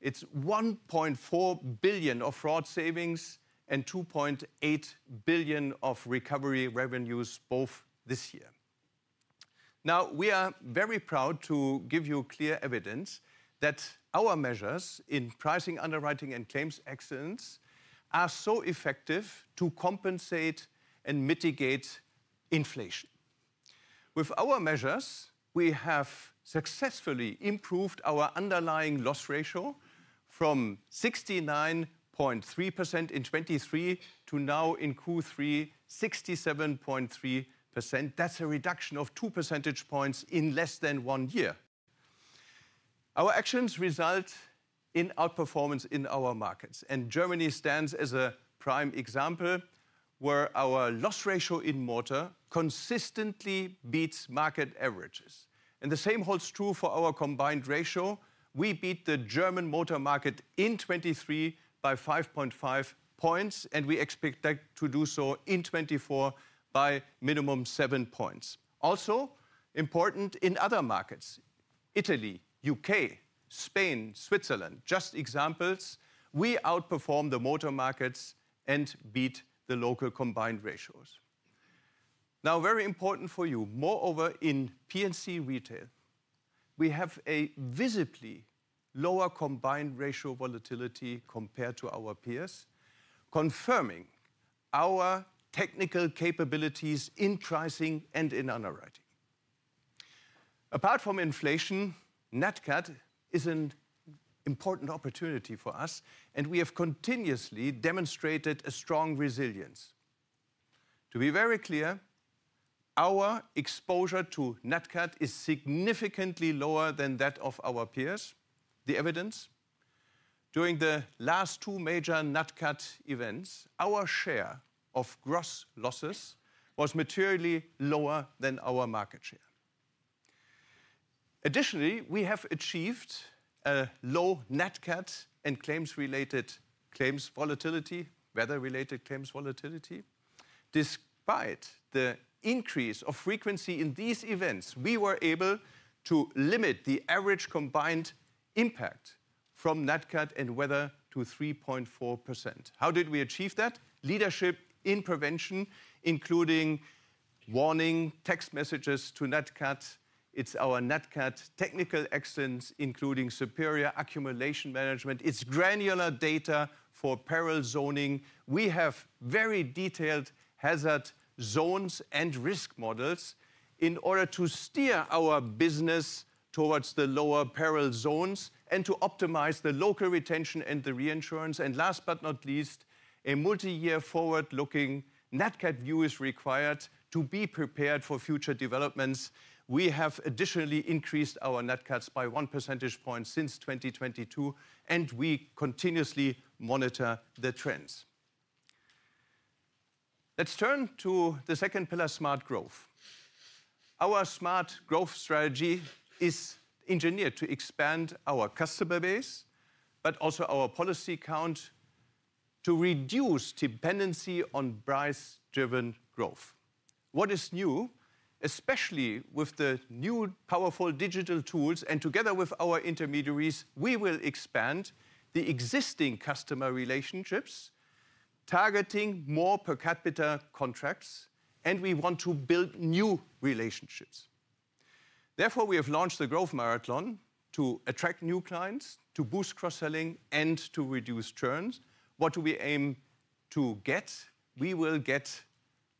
It's 1.4 billion of fraud savings and 2.8 billion of recovery revenues, both this year. Now, we are very proud to give you clear evidence that our measures in pricing, underwriting, and claims excellence are so effective to compensate and mitigate inflation. With our measures, we have successfully improved our underlying loss ratio from 69.3% in 2023 to now in 2023, 67.3%. That's a reduction of two percentage points in less than one year. Our actions result in outperformance in our markets, and Germany stands as a prime example where our loss ratio in motor consistently beats market averages, and the same holds true for our combined ratio. We beat the German motor market in 2023 by 5.5 points, and we expect to do so in 2024 by minimum 7 points. Also, important in other markets, Italy, UK, Spain, Switzerland, just examples, we outperform the motor markets and beat the local combined ratios. Now, very important for you, moreover in P&C retail, we have a visibly lower combined ratio volatility compared to our peers, confirming our technical capabilities in pricing and in underwriting. Apart from inflation, NatCat is an important opportunity for us, and we have continuously demonstrated a strong resilience. To be very clear, our exposure to NatCat is significantly lower than that of our peers. The evidence, during the last two major NatCat events, our share of gross losses was materially lower than our market share. Additionally, we have achieved a low NatCat and claims-related claims volatility, weather-related claims volatility. Despite the increase of frequency in these events, we were able to limit the average combined impact from NatCat and weather to 3.4%. How did we achieve that? Leadership in prevention, including warning text messages to NatCat. It's our NatCat technical excellence, including superior accumulation management. It's granular data for peril zoning. We have very detailed hazard zones and risk models in order to steer our business towards the lower peril zones and to optimize the local retention and the reinsurance. Last but not least, a multi-year forward-looking NatCat view is required to be prepared for future developments. We have additionally increased our NatCats by one percentage point since 2022. We continuously monitor the trends. Let's turn to the second pillar, smart growth. Our smart growth strategy is engineered to expand our customer base, but also our policy count to reduce dependency on price-driven growth. What is new, especially with the new powerful digital tools and together with our intermediaries, we will expand the existing customer relationships, targeting more per capita contracts. We want to build new relationships. Therefore, we have launched the Growth Marathon to attract new clients, to boost cross-selling, and to reduce churns. What do we aim to get? We will get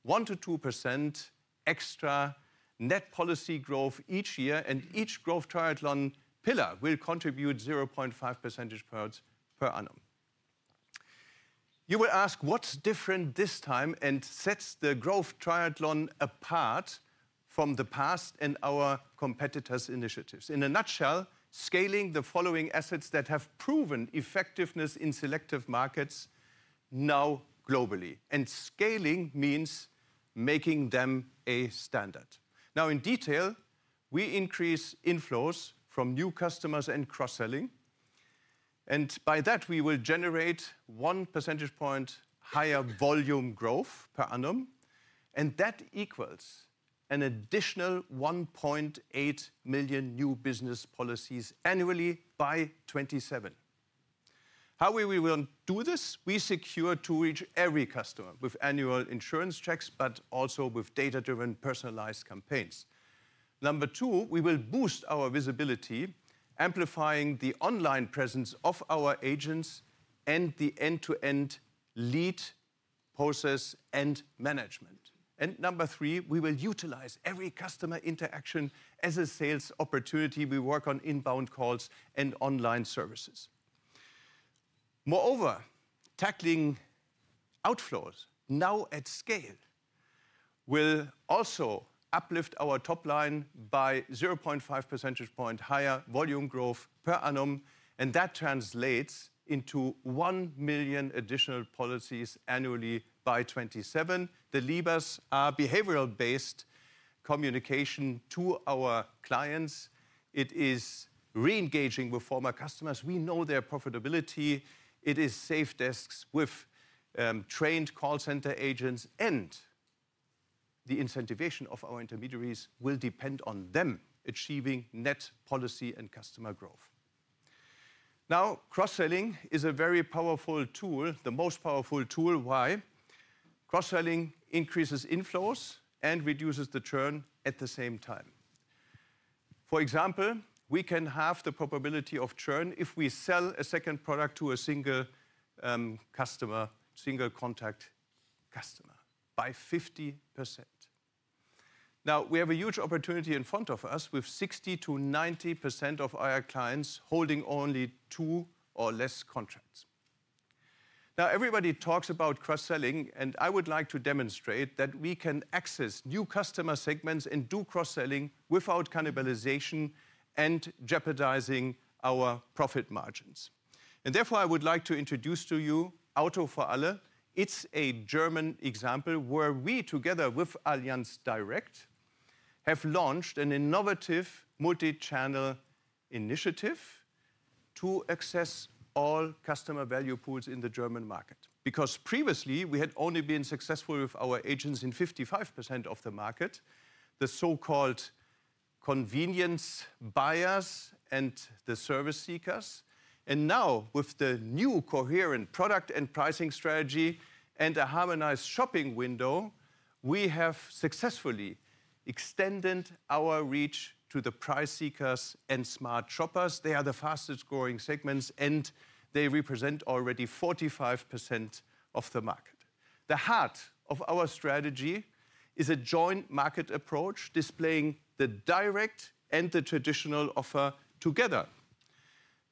1%-2% extra net policy growth each year. Each Growth Triathlon pillar will contribute 0.5 percentage points per annum. You will ask, what's different this time and sets the Growth Triathlon apart from the past and our competitors' initiatives? In a nutshell, scaling the following assets that have proven effectiveness in selective markets now globally. And scaling means making them a standard. Now, in detail, we increase inflows from new customers and cross-selling. And by that, we will generate one percentage point higher volume growth per annum. And that equals an additional 1.8 million new business policies annually by 2027. How will we do this? We seek to reach every customer with annual insurance checks, but also with data-driven personalized campaigns. Number two, we will boost our visibility, amplifying the online presence of our agents and the end-to-end lead process and management. And number three, we will utilize every customer interaction as a sales opportunity. We work on inbound calls and online services. Moreover, tackling outflows now at scale will also uplift our top line by 0.5 percentage point higher volume growth per annum. And that translates into 1 million additional policies annually by 2027. The levers are behavioral-based communication to our clients. It is re-engaging with former customers. We know their profitability. It is save desks with trained call center agents. And the incentivization of our intermediaries will depend on them achieving net policy and customer growth. Now, cross-selling is a very powerful tool, the most powerful tool. Why? Cross-selling increases inflows and reduces the churn at the same time. For example, we can halve the probability of churn if we sell a second product to a single customer, single contact customer, by 50%. Now, we have a huge opportunity in front of us with 60%-90% of our clients holding only two or less contracts. Now, everybody talks about cross-selling. I would like to demonstrate that we can access new customer segments and do cross-selling without cannibalization and jeopardizing our profit margins. Therefore, I would like to introduce to you Auto für Alle. It's a German example where we, together with Allianz Direct, have launched an innovative multi-channel initiative to access all customer value pools in the German market. Because previously, we had only been successful with our agents in 55% of the market, the so-called convenience buyers and the service seekers. Now, with the new coherent product and pricing strategy and a harmonized shopping window, we have successfully extended our reach to the price seekers and smart shoppers. They are the fastest growing segments, and they represent already 45% of the market. The heart of our strategy is a joint market approach displaying the direct and the traditional offer together.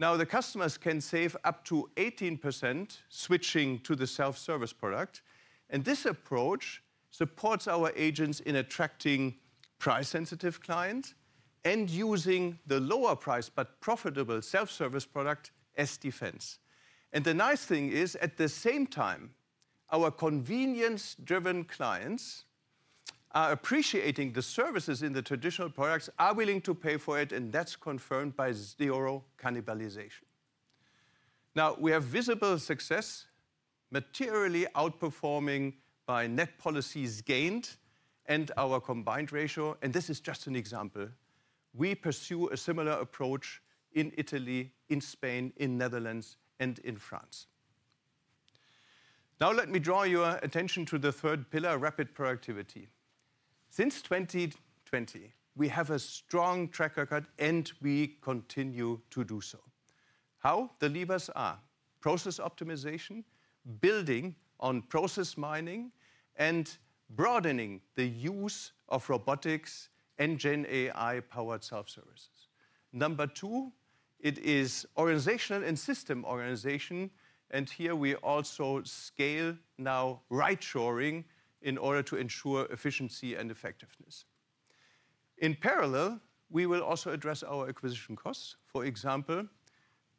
Now, the customers can save up to 18% switching to the self-service product. And this approach supports our agents in attracting price-sensitive clients and using the lower price but profitable self-service product as defense. And the nice thing is, at the same time, our convenience-driven clients are appreciating the services in the traditional products, are willing to pay for it, and that's confirmed by zero cannibalization. Now, we have visible success materially outperforming by net policies gained and our combined ratio. And this is just an example. We pursue a similar approach in Italy, in Spain, in Netherlands, and in France. Now, let me draw your attention to the third pillar, rapid productivity. Since 2020, we have a strong track record, and we continue to do so. How? The levers are process optimization, building on process mining, and broadening the use of robotics and GenAI-powered self-services. Number two, it is organizational and system organization. And here, we also scale now right shoring in order to ensure efficiency and effectiveness. In parallel, we will also address our acquisition costs, for example,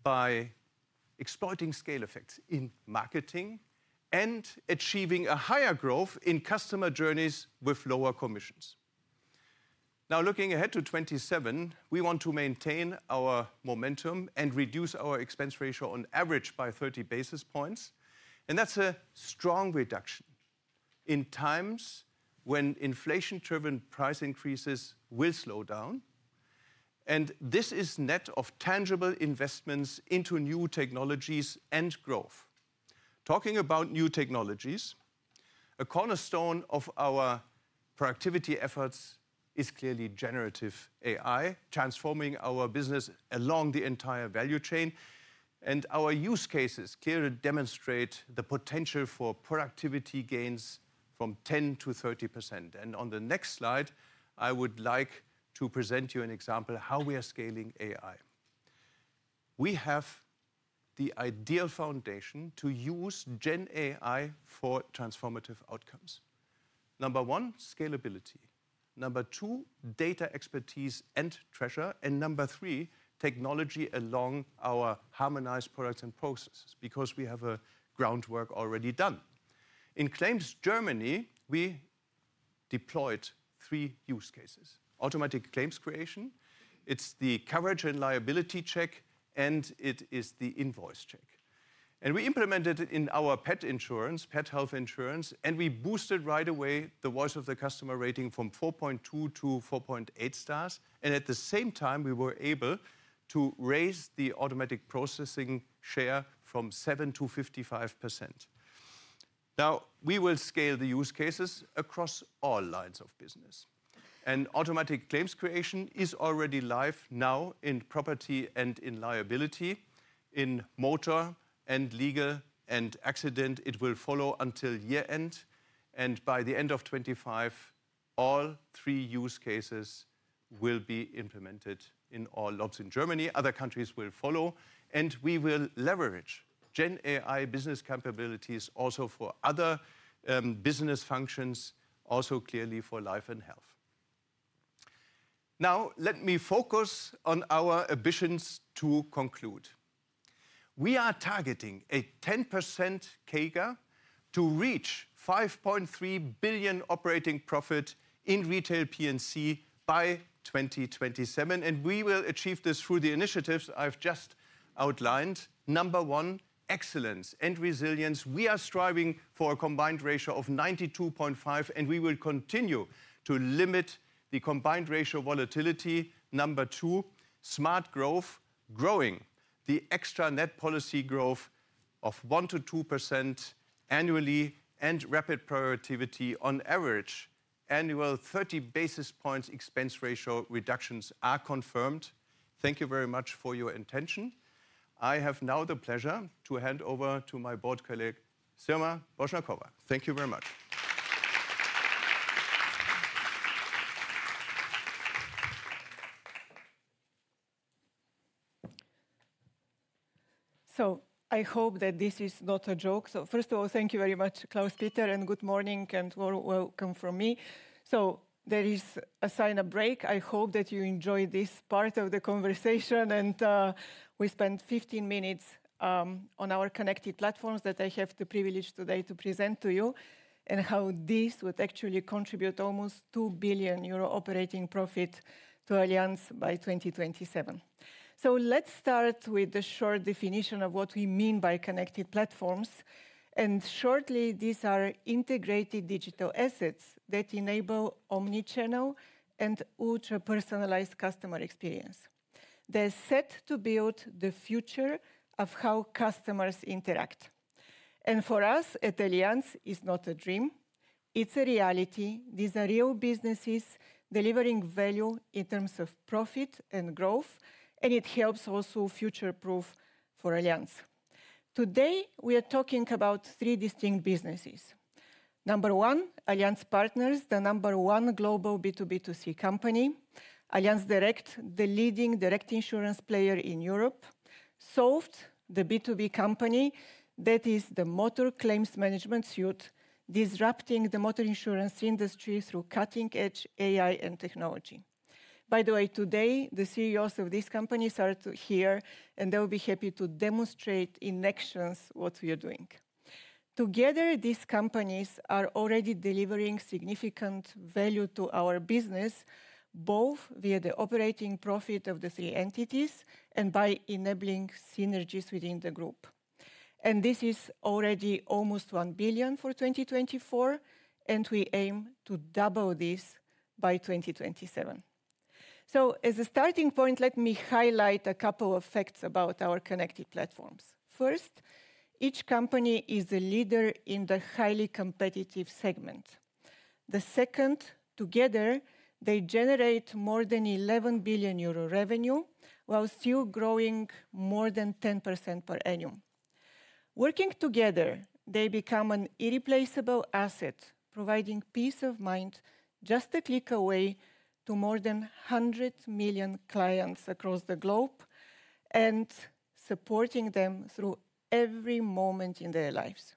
by exploiting scale effects in marketing and achieving a higher growth in customer journeys with lower commissions. Now, looking ahead to 2027, we want to maintain our momentum and reduce our expense ratio on average by 30 basis points. And that's a strong reduction in times when inflation-driven price increases will slow down. And this is net of tangible investments into new technologies and growth. Talking about new technologies, a cornerstone of our productivity efforts is clearly generative AI, transforming our business along the entire value chain. And our use cases clearly demonstrate the potential for productivity gains from 10%-30%. On the next slide, I would like to present you an example of how we are scaling AI. We have the ideal foundation to use GenAI for transformative outcomes. Number one, scalability. Number two, data expertise and treasury. Number three, technology along our harmonized products and processes because we have a groundwork already done. In claims Germany, we deployed three use cases: automatic claims creation. It is the coverage and liability check, and it is the invoice check. We implemented it in our pet insurance, pet health insurance. We boosted right away the voice of the customer rating from 4.2 to 4.8 stars. At the same time, we were able to raise the automatic processing share from 7% to 55%. Now, we will scale the use cases across all lines of business. Automatic claims creation is already live now in property and in liability, in motor and legal and accident. It will follow until year-end. By the end of 2025, all three use cases will be implemented in all loBs in Germany. Other countries will follow. We will leverage GenAI business capabilities also for other business functions, also clearly for life and health. Now, let me focus on our ambitions to conclude. We are targeting a 10% CAGR to reach 5.3 billion operating profit in retail P&C by 2027. We will achieve this through the initiatives I've just outlined. Number one, excellence and resilience. We are striving for a combined ratio of 92.5%, and we will continue to limit the combined ratio volatility. Number two, smart growth, growing the extra net policy growth of 1%-2% annually and rapid productivity on average. Annual 30 basis points expense ratio reductions are confirmed. Thank you very much for your attention. I have now the pleasure to hand over to my board colleague, Sirma Boshnakova. Thank you very much. So I hope that this is not a joke. So first of all, thank you very much, Klaus-Peter, and good morning and warm welcome from me. So there is a sign of break. I hope that you enjoyed this part of the conversation. And we spent 15 minutes on our connected platforms that I have the privilege today to present to you and how this would actually contribute almost 2 billion euro operating profit to Allianz by 2027. So let's start with the short definition of what we mean by connected platforms. And shortly, these are integrated digital assets that enable omnichannel and ultra-personalized customer experience. They're set to build the future of how customers interact. For us at Allianz, it's not a dream. It's a reality. These are real businesses delivering value in terms of profit and growth. It helps also future-proof for Allianz. Today, we are talking about three distinct businesses. Number one, Allianz Partners, the number one global B2B2C company. Allianz Direct, the leading direct insurance player in Europe, XOLV the B2B company that is the motor claims management suite, disrupting the motor insurance industry through cutting-edge AI and technology. By the way, today, the CEOs of these companies are here, and they will be happy to demonstrate in actions what we are doing. Together, these companies are already delivering significant value to our business, both via the operating profit of the three entities and by enabling synergies within the group. This is already almost 1 billion for 2024, and we aim to double this by 2027. As a starting point, let me highlight a couple of facts about our connected platforms. First, each company is a leader in the highly competitive segment. The second, together, they generate more than 11 billion euro revenue while still growing more than 10% per annum. Working together, they become an irreplaceable asset, providing peace of mind just a click away to more than 100 million clients across the globe and supporting them through every moment in their lives.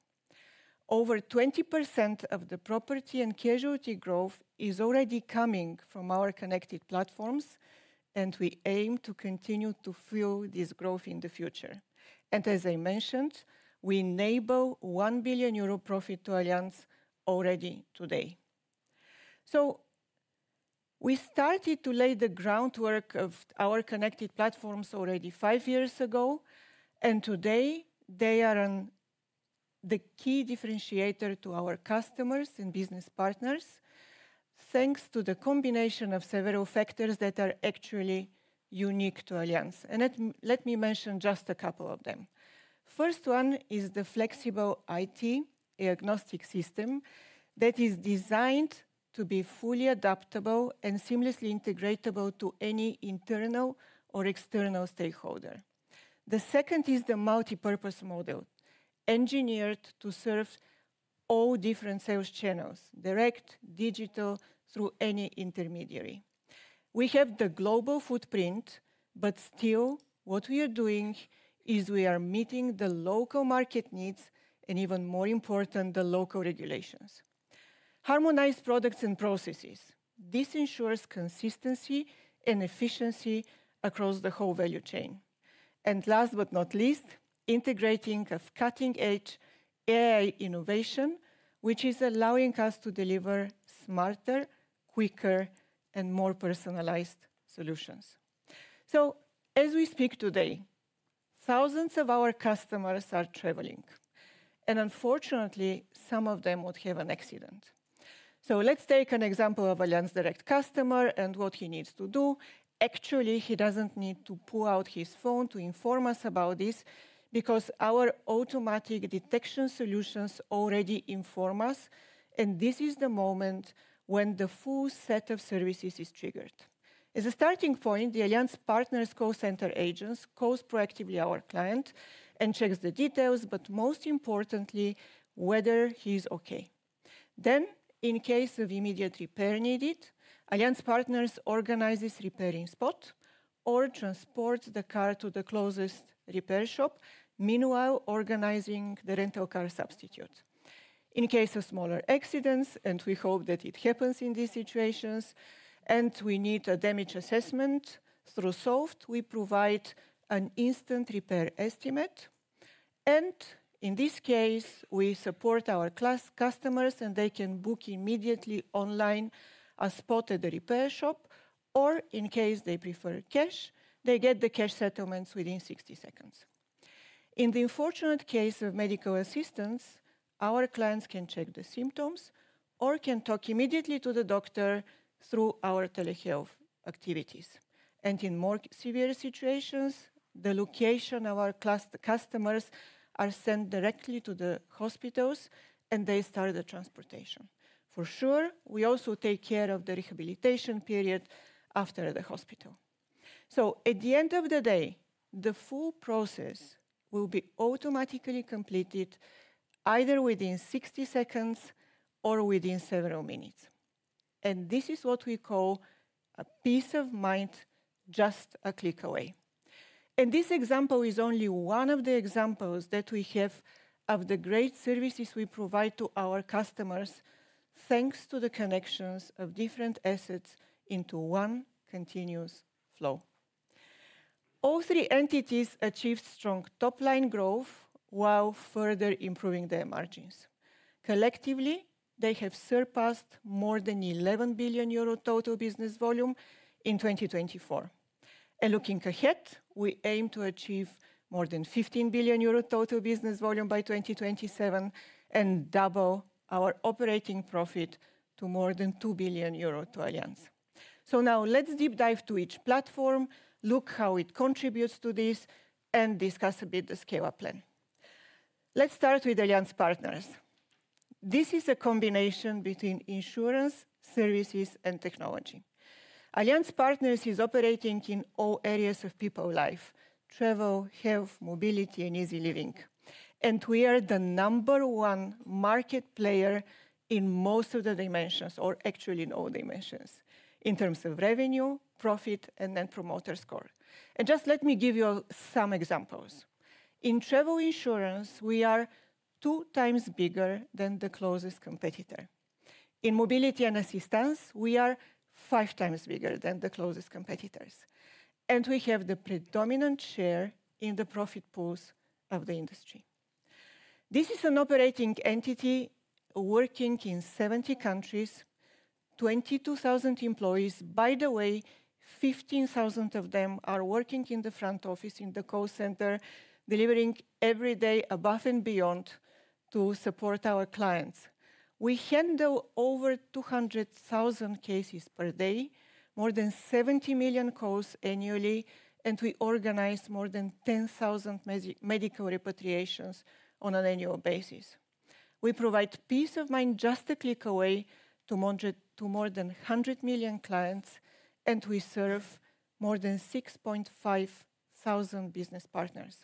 Over 20% of the Property-Casualty growth is already coming from our connected platforms, and we aim to continue to fuel this growth in the future. As I mentioned, we enable 1 billion euro profit to Allianz already today. We started to lay the groundwork of our connected platforms already five years ago. And today, they are the key differentiator to our customers and business partners, thanks to the combination of several factors that are actually unique to Allianz. And let me mention just a couple of them. First one is the flexible IT diagnostic system that is designed to be fully adaptable and seamlessly integratable to any internal or external stakeholder. The second is the multipurpose model, engineered to serve all different sales channels, direct, digital, through any intermediary. We have the global footprint, but still, what we are doing is we are meeting the local market needs and, even more important, the local regulations. Harmonized products and processes. This ensures consistency and efficiency across the whole value chain. And last but not least, integrating a cutting-edge AI innovation, which is allowing us to deliver smarter, quicker, and more personalized solutions. So as we speak today, thousands of our customers are traveling. Unfortunately, some of them would have an accident. Let's take an example of Allianz Direct customer and what he needs to do. Actually, he doesn't need to pull out his phone to inform us about this because our automatic detection solutions already inform us. This is the moment when the full set of services is triggered. As a starting point, the Allianz Partners call center agents calls proactively our client and checks the details, but most importantly, whether he is okay. In case of immediate repair needed, Allianz Partners organizes repair in spot or transports the car to the closest repair shop, meanwhile organizing the rental car substitute. In case of smaller accidents, and we hope that it happens in these situations, and we need a damage assessment through XOLV, we provide an instant repair estimate. In this case, we support our customers, and they can book immediately online a spot at the repair shop, or in case they prefer cash, they get the cash settlements within 60 seconds. In the unfortunate case of medical assistance, our clients can check the symptoms or can talk immediately to the doctor through our telehealth activities. In more severe situations, the location of our customers is sent directly to the hospitals, and they start the transportation. For sure, we also take care of the rehabilitation period after the hospital. At the end of the day, the full process will be automatically completed either within 60 seconds or within several minutes. This is what we call a peace of mind just a click away. This example is only one of the examples that we have of the great services we provide to our customers, thanks to the connections of different assets into one continuous flow. All three entities achieved strong top-line growth while further improving their margins. Collectively, they have surpassed more than 11 billion euro total business volume in 2024. Looking ahead, we aim to achieve more than 15 billion euro total business volume by 2027 and double our operating profit to more than 2 billion euro to Allianz. Now let's deep dive to each platform, look how it contributes to this, and discuss a bit the scale-up plan. Let's start with Allianz Partners. This is a combination between insurance, services, and technology. Allianz Partners is operating in all areas of people's life: travel, health, mobility, and easy living. We are the number one market player in most of the dimensions, or actually in all dimensions, in terms of revenue, profit, and then promoter score. Just let me give you some examples. In travel insurance, we are two times bigger than the closest competitor. In mobility and assistance, we are five times bigger than the closest competitors. We have the predominant share in the profit pools of the industry. This is an operating entity working in 70 countries, 22,000 employees. By the way, 15,000 of them are working in the front office in the call center, delivering every day above and beyond to support our clients. We handle over 200,000 cases per day, more than 70 million calls annually, and we organize more than 10,000 medical repatriations on an annual basis. We provide peace of mind just a click away to more than 100 million clients, and we serve more than 6,500 business partners.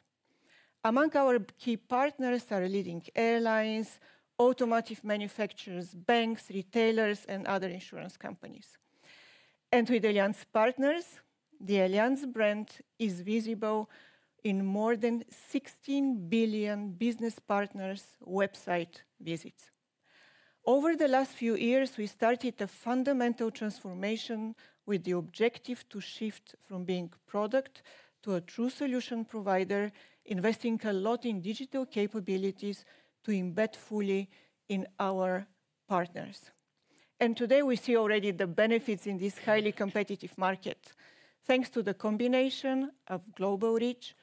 Among our key partners are leading airlines, automotive manufacturers, banks, retailers, and other insurance companies, and with Allianz Partners, the Allianz brand is visible in more than 16 billion business partners' website visits. Over the last few years, we started a fundamental transformation with the objective to shift from being product to a true solution provider, investing a lot in digital capabilities to embed fully in our partners, and today, we see already the benefits in this highly competitive market. Thanks to the combination of global reach,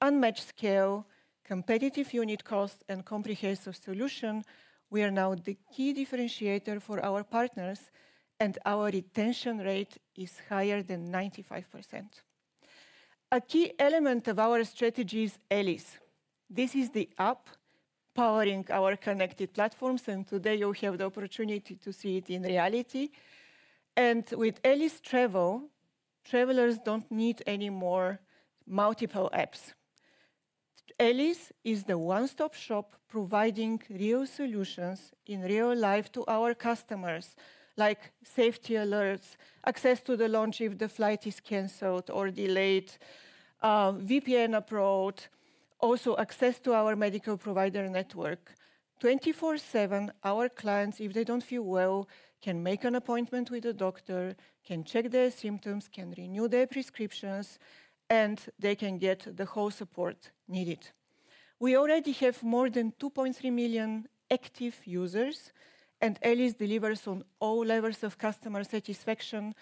unmatched scale, competitive unit cost, and comprehensive solution, we are now the key differentiator for our partners, and our retention rate is higher than 95%. A key element of our strategy is allyz. This is the app powering our connected platforms, and today you have the opportunity to see it in reality, and with allyz Travel, travelers don't need any more multiple apps. allyz is the one-stop shop providing real solutions in real life to our customers, like safety alerts, access to the lounge if the flight is canceled or delayed, VPN access, also access to our medical provider network. 24/7, our clients, if they don't feel well, can make an appointment with a doctor, can check their symptoms, can renew their prescriptions, and they can get the whole support needed. We already have more than 2.3 million active users, and allyz delivers on all levels of customer satisfaction: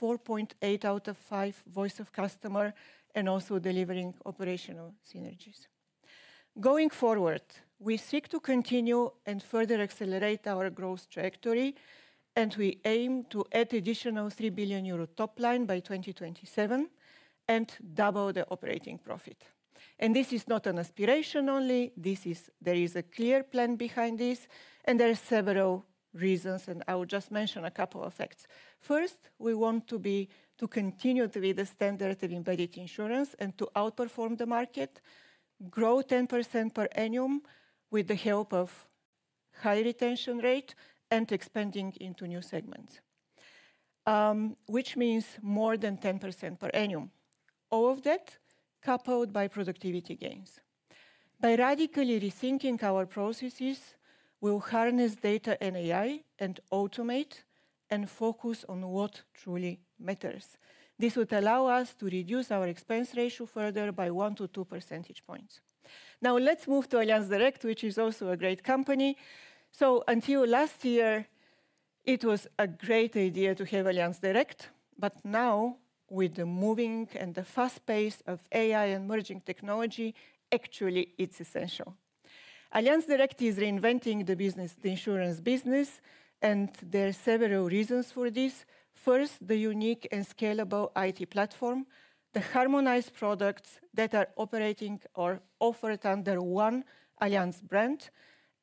4.8 out of 5 voice of customer and also delivering operational synergies. Going forward, we seek to continue and further accelerate our growth trajectory, and we aim to add an additional 3 billion euro top line by 2027 and double the operating profit. And this is not an aspiration only. There is a clear plan behind this, and there are several reasons, and I will just mention a couple of facts. First, we want to continue to be the standard of embedded insurance and to outperform the market, grow 10% per annum with the help of a high retention rate and expanding into new segments, which means more than 10% per annum. All of that coupled by productivity gains. By radically rethinking our processes, we'll harness data and AI and automate and focus on what truly matters. This would allow us to reduce our expense ratio further by one to two percentage points. Now, let's move to Allianz Direct, which is also a great company. So until last year, it was a great idea to have Allianz Direct, but now, with the moving and the fast pace of AI and emerging technology, actually, it's essential. Allianz Direct is reinventing the insurance business, and there are several reasons for this. First, the unique and scalable IT platform, the harmonized products that are operating or offered under one Allianz brand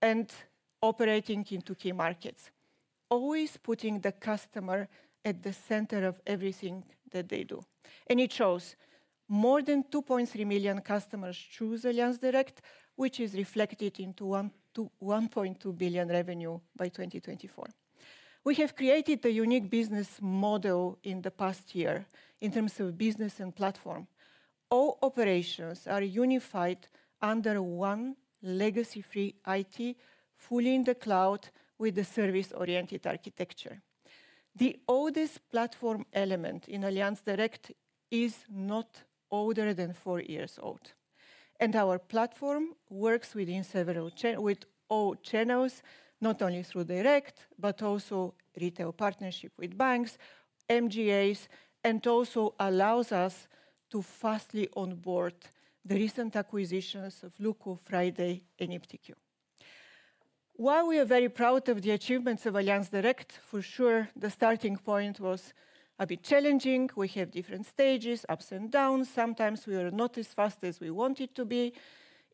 and operating in two key markets, always putting the customer at the center of everything that they do, and it shows more than 2.3 million customers choose Allianz Direct, which is reflected in 1.2 billion revenue by 2024. We have created a unique business model in the past year in terms of business and platform. All operations are unified under one legacy-free IT, fully in the cloud with a service-oriented architecture. The oldest platform element in Allianz Direct is not older than four years old. And our platform works with all channels, not only through direct, but also retail partnership with banks, MGAs, and also allows us to fastly onboard the recent acquisitions of Luko, Friday, and iptiQ. While we are very proud of the achievements of Allianz Direct, for sure, the starting point was a bit challenging. We have different stages, ups and downs. Sometimes we are not as fast as we want it to be.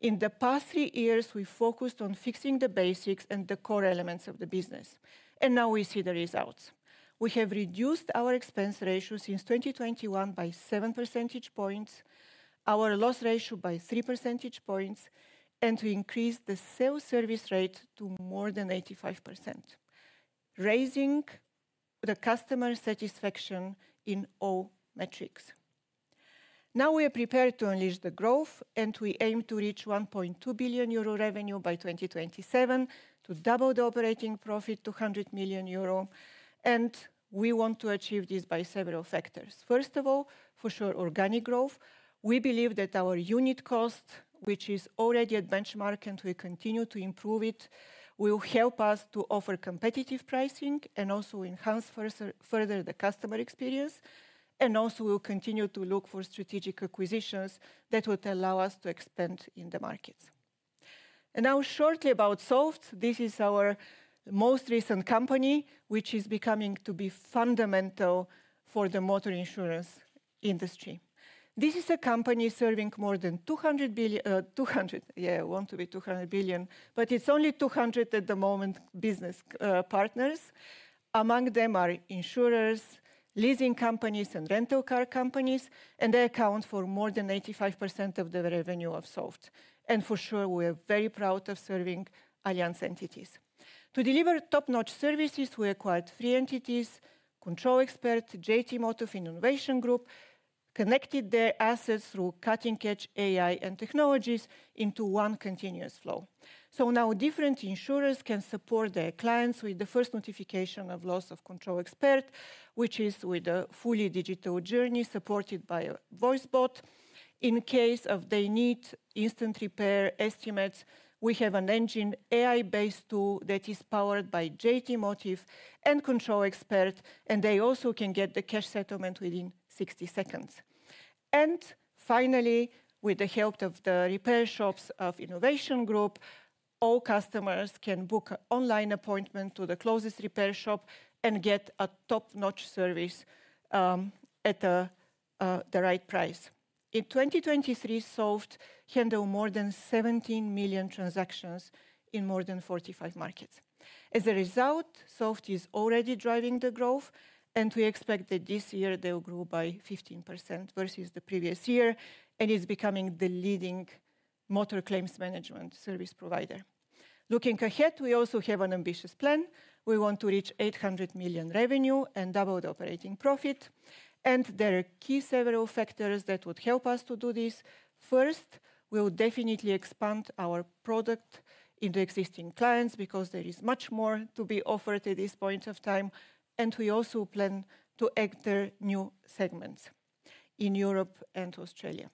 In the past three years, we focused on fixing the basics and the core elements of the business. And now we see the results. We have reduced our expense ratio since 2021 by 7 percentage points, our loss ratio by 3 percentage points, and we increased the sales service rate to more than 85%, raising the customer satisfaction in all metrics. Now we are prepared to unleash the growth, and we aim to reach 1.2 billion euro revenue by 2027, to double the operating profit to 100 million euro. We want to achieve this by several factors. First of all, for sure, organic growth. We believe that our unit cost, which is already at benchmark and we continue to improve it, will help us to offer competitive pricing and also enhance further the customer experience. We'll continue to look for strategic acquisitions that will allow us to expand in the markets. Now, shortly about XOLV, this is our most recent company, which is becoming to be fundamental for the motor insurance industry. This is a company serving more than 200 billion, yeah, want to be 200 billion, but it's only 200 at the moment business partners. Among them are insurers, leasing companies, and rental car companies, and they account for more than 85% of the revenue of XOLV. And for sure, we are very proud of serving Allianz entities. To deliver top-notch services, we acquired three entities: ControlExpert, GT Motive, Innovation Group, connected their assets through cutting-edge AI and technologies into one continuous flow. So now different insurers can support their clients with the first notification of loss of ControlExpert, which is with a fully digital journey supported by a voice bot. In case of they need instant repair estimates, we have an engine AI-based tool that is powered by GT Motive and ControlExpert, and they also can get the cash settlement within 60 seconds. Finally, with the help of the repair shops of Innovation Group, all customers can book an online appointment to the closest repair shop and get a top-notch service at the right price. In 2023, XOLV handled more than 17 million transactions in more than 45 markets. As a result, XOLV is already driving the growth, and we expect that this year they'll grow by 15% versus the previous year, and it's becoming the leading motor claims management service provider. Looking ahead, we also have an ambitious plan. We want to reach 800 million revenue and double the operating profit. And there are key several factors that would help us to do this. First, we will definitely expand our product into existing clients because there is much more to be offered at this point of time, and we also plan to enter new segments in Europe and Australia.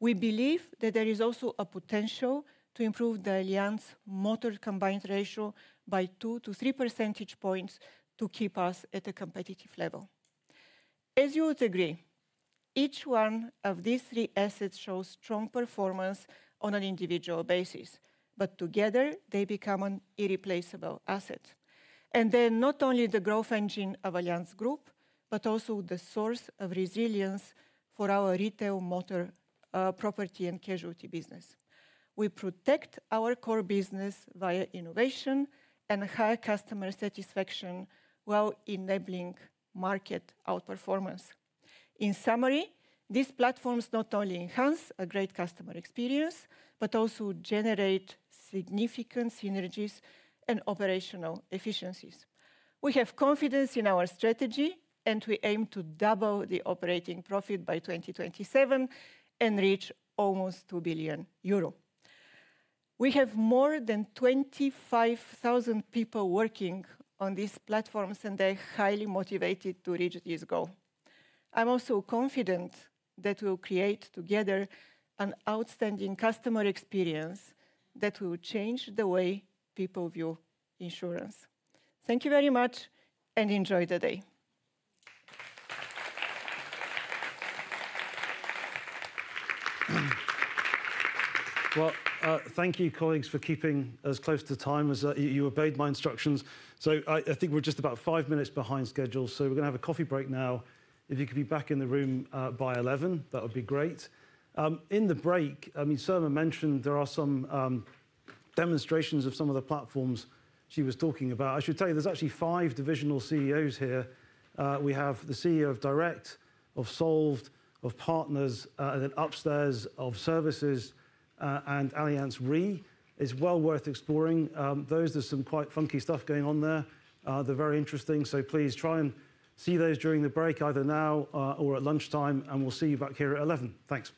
We believe that there is also a potential to improve the Allianz motor combined ratio by 2-3 percentage points to keep us at a competitive level. As you would agree, each one of these three assets shows strong performance on an individual basis, but together they become an irreplaceable asset. And they're not only the growth engine of Allianz Group, but also the source of resilience for our retail motor property and casualty business. We protect our core business via innovation and high customer satisfaction while enabling market outperformance. In summary, these platforms not only enhance a great customer experience, but also generate significant synergies and operational efficiencies. We have confidence in our strategy, and we aim to double the operating profit by 2027 and reach almost 2 billion euro. We have more than 25,000 people working on these platforms, and they're highly motivated to reach this goal. I'm also confident that we'll create together an outstanding customer experience that will change the way people view insurance. Thank you very much, and enjoy the day. Well, thank you, colleagues, for keeping us close to time as you obeyed my instructions. So I think we're just about five minutes behind schedule, so we're going to have a coffee break now. If you could be back in the room by 11:00 A.M., that would be great. In the break, I mean, Sirma mentioned there are some demonstrations of some of the platforms she was talking about. I should tell you, there's actually five divisional CEOs here. We have the CEO of Direct, of XOLV, of Partners, and then upstairs of Services, and Allianz Re is well worth exploring. Those are some quite funky stuff going on there. They're very interesting, so please try and see those during the break, either now or at lunchtime, and we'll see you back here at 11. Thanks.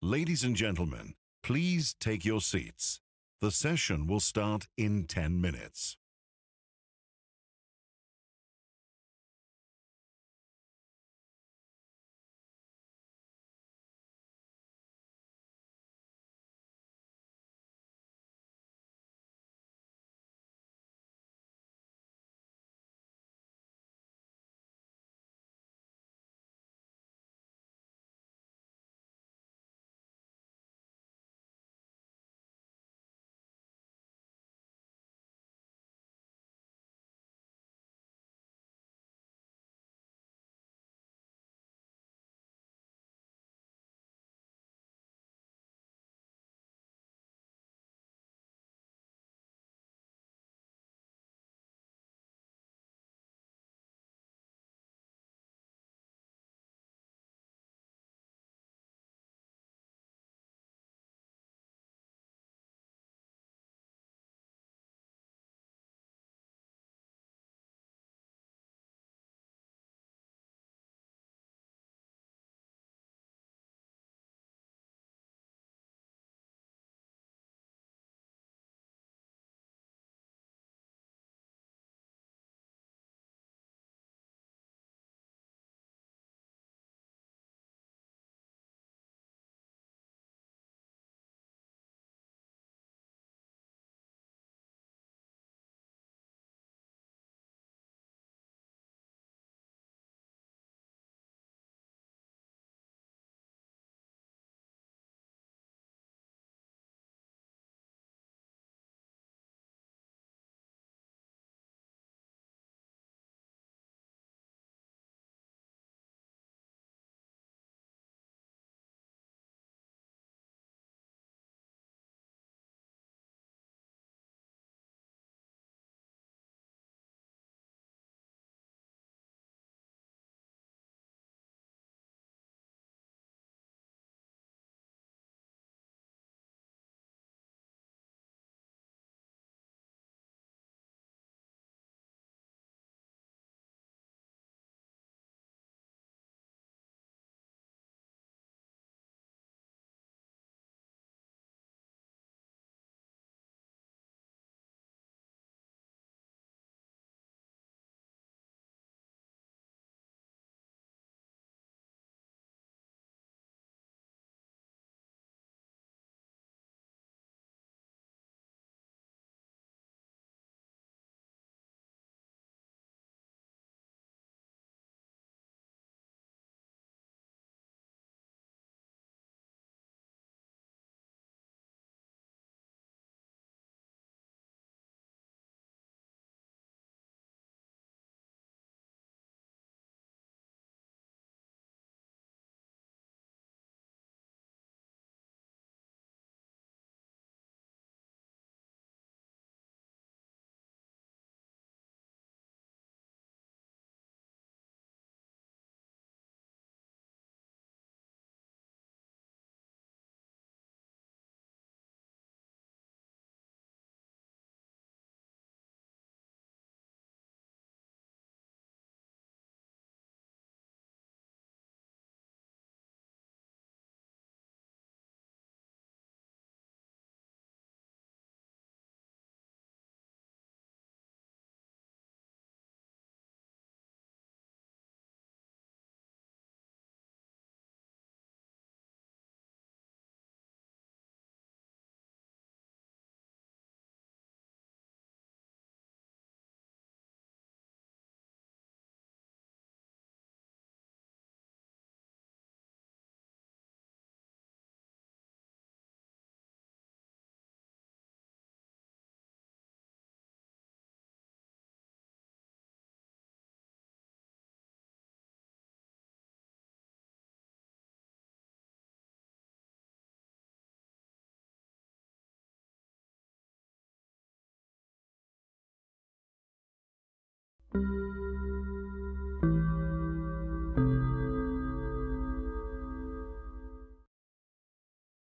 Ladies and gentlemen, please take your seats. The session will start in 10 minutes.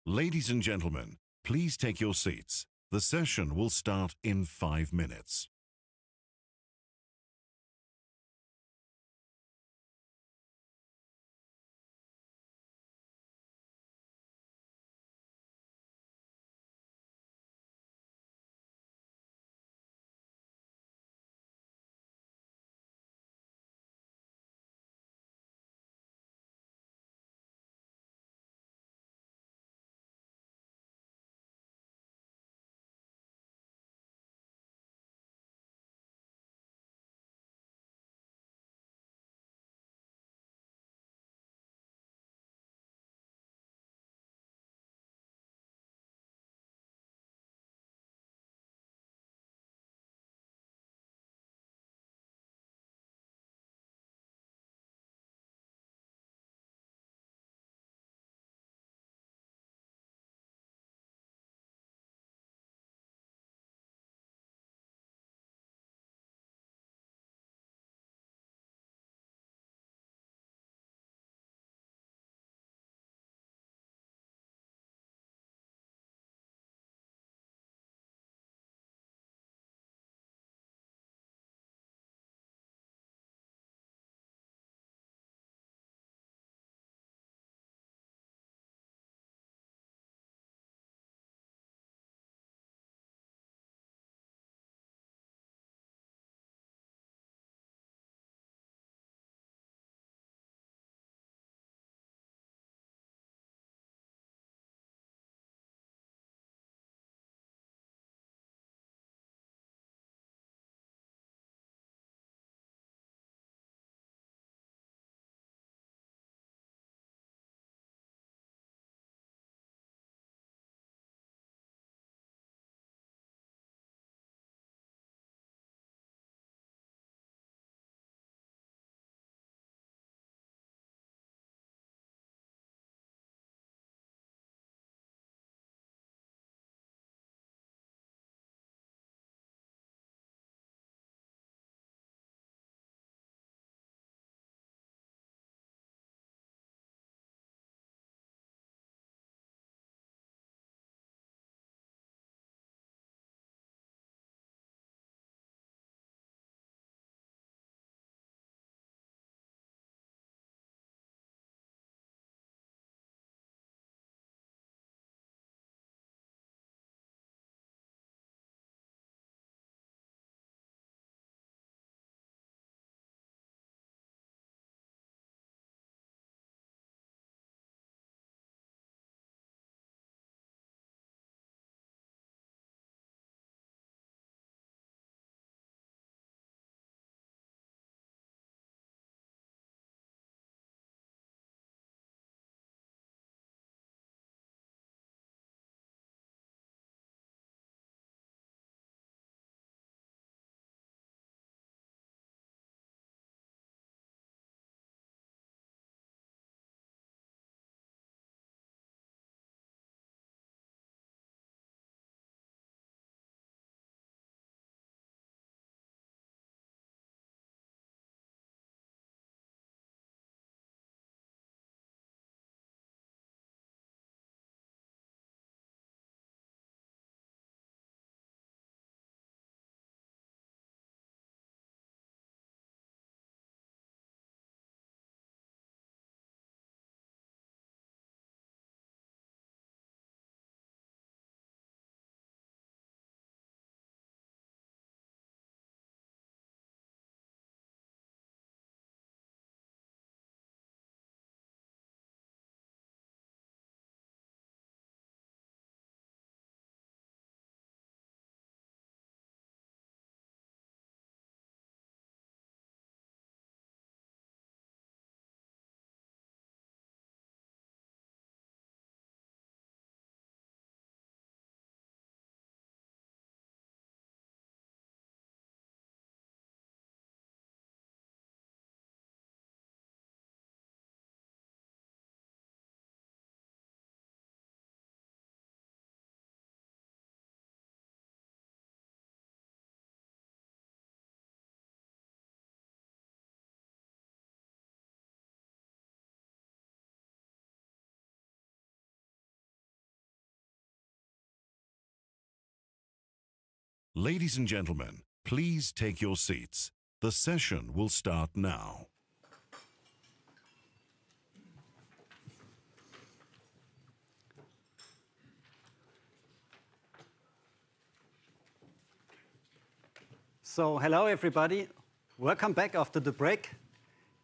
Ladies and gentlemen, please take your seats. The session will start in five minutes. Ladies and gentlemen, please take your seats. The session will start now. So, hello everybody. Welcome back after the break.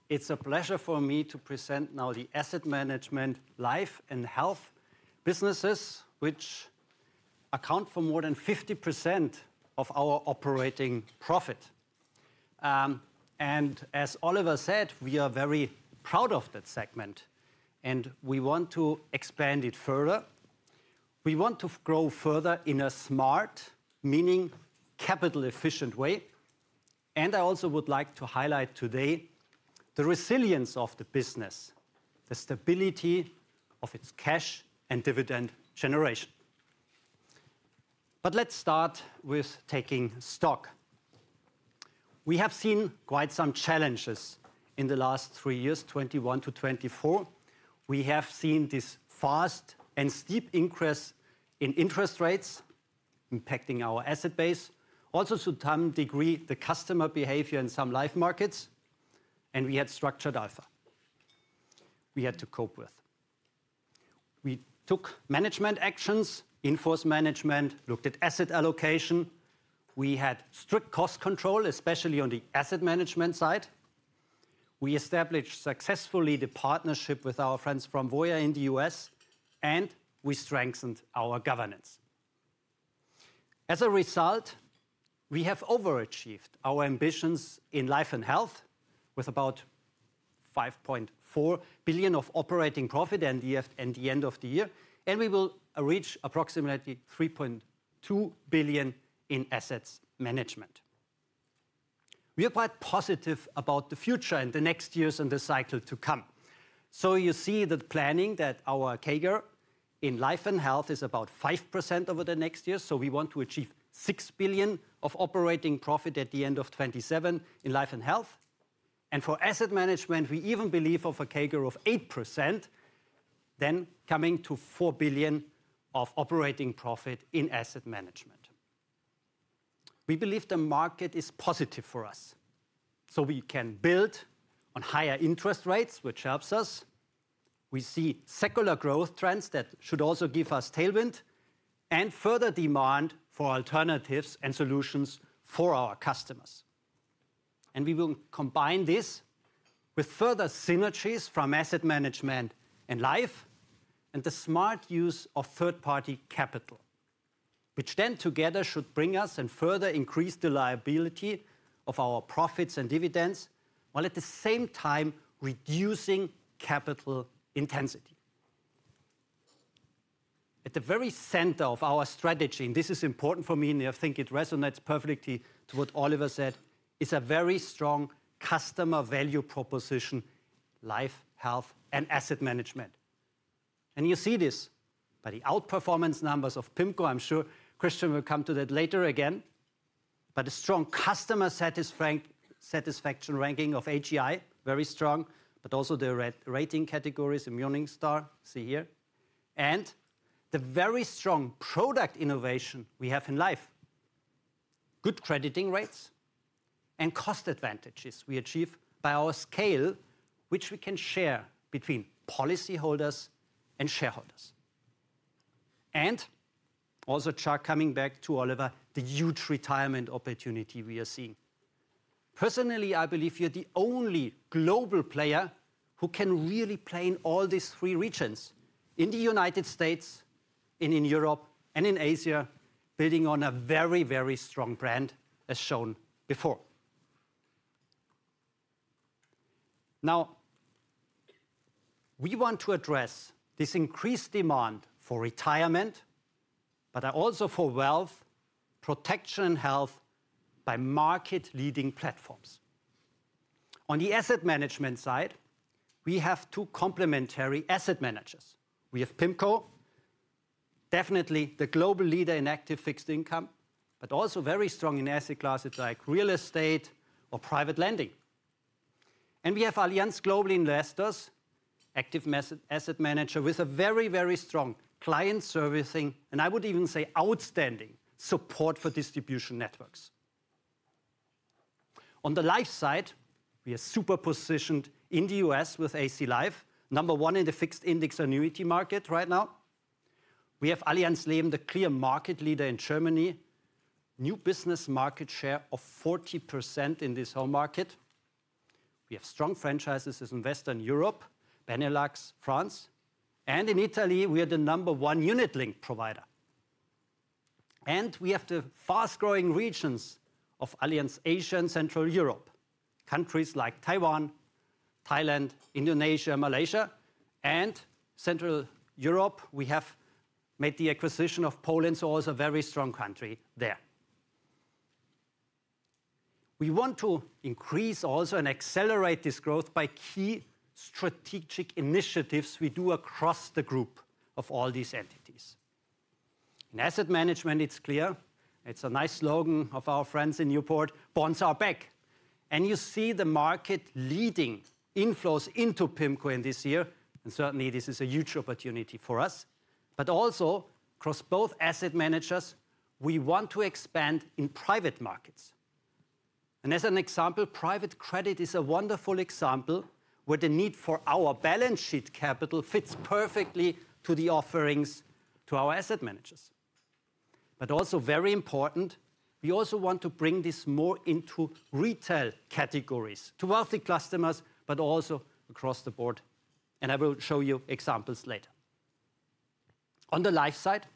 It's a pleasure for me to present now the Asset Management life and health businesses, which account for more than 50% of our operating profit. And as Oliver said, we are very proud of that segment, and we want to expand it further. We want to grow further in a smart, meaning capital efficient way. And I also would like to highlight today the resilience of the business, the stability of its cash and dividend generation. But let's start with taking stock. We have seen quite some challenges in the last three years, 2021 to 2024. We have seen this fast and steep increase in interest rates impacting our asset base, also to some degree the customer behavior in some life markets. And we had Structured Alpha we had to cope with. We took management actions, enforced management, looked at asset allocation. We had strict cost control, especially on the Asset Management side. We established successfully the partnership with our friends from Voya in the US, and we strengthened our governance. As a result, we have overachieved our ambitions in life and health with about 5.4 billion of operating profit at the end of the year, and we will reach approximately 3.2 billion in Asset Management. We are quite positive about the future and the next years and the cycle to come. You see that planning that our CAGR in life and health is about 5% over the next year. We want to achieve 6 billion of operating profit at the end of 2027 in life and health. For Asset Management, we even believe of a CAGR of 8%, then coming to 4 billion of operating profit in Asset Management. We believe the market is positive for us, so we can build on higher interest rates, which helps us. We see secular growth trends that should also give us tailwind and further demand for alternatives and solutions for our customers. We will combine this with further synergies from Asset Management and life and the smart use of third-party capital, which then together should bring us and further increase the viability of our profits and dividends, while at the same time reducing capital intensity. At the very center of our strategy, and this is important for me, and I think it resonates perfectly to what Oliver said, is a very strong customer value proposition, life, health, and Asset Management. And you see this by the outperformance numbers of PIMCO. I'm sure Christian will come to that later again. But a strong customer satisfaction ranking of AGI, very strong, but also the rating categories of Morningstar, see here, and the very strong product innovation we have in life, good crediting rates, and cost advantages we achieve by our scale, which we can share between policyholders and shareholders. And also a chart coming back to Oliver, the huge retirement opportunity we are seeing. Personally, I believe you're the only global player who can really play in all these three regions in the United States, in Europe, and in Asia, building on a very, very strong brand as shown before. Now, we want to address this increased demand for retirement, but also for wealth protection and health by market-leading platforms. On the Asset Management side, we have two complementary asset managers. We have PIMCO, definitely the global leader in active fixed income, but also very strong in asset classes like real estate or private lending. And we have Allianz Global Investors, active asset manager with a very, very strong client servicing, and I would even say outstanding support for distribution networks. On the life side, we are super positioned in the U.S. with Allianz Life, number one in the fixed index annuity market right now. We have Allianz Leben, the clear market leader in Germany, new business market share of 40% in this whole market. We have strong franchises as investor in Europe, Benelux, France, and in Italy, we are the number one unit-linked provider. We have the fast-growing regions of Allianz Asia, Central Europe, countries like Taiwan, Thailand, Indonesia, Malaysia, and Central Europe. We have made the acquisition in Poland, so also a very strong country there. We want to increase also and accelerate this growth by key strategic initiatives we do across the group of all these entities. In Asset Management, it's clear. It's a nice slogan of our friends in Newport, "Bonds are back." You see the market leading inflows into PIMCO in this year, and certainly this is a huge opportunity for us. But also across both asset managers, we want to expand in private markets. And as an example, private credit is a wonderful example where the need for our balance sheet capital fits perfectly to the offerings to our asset managers. But also very important, we also want to bring this more into retail categories to wealthy customers, but also across the board. And I will show you examples later. On the life side,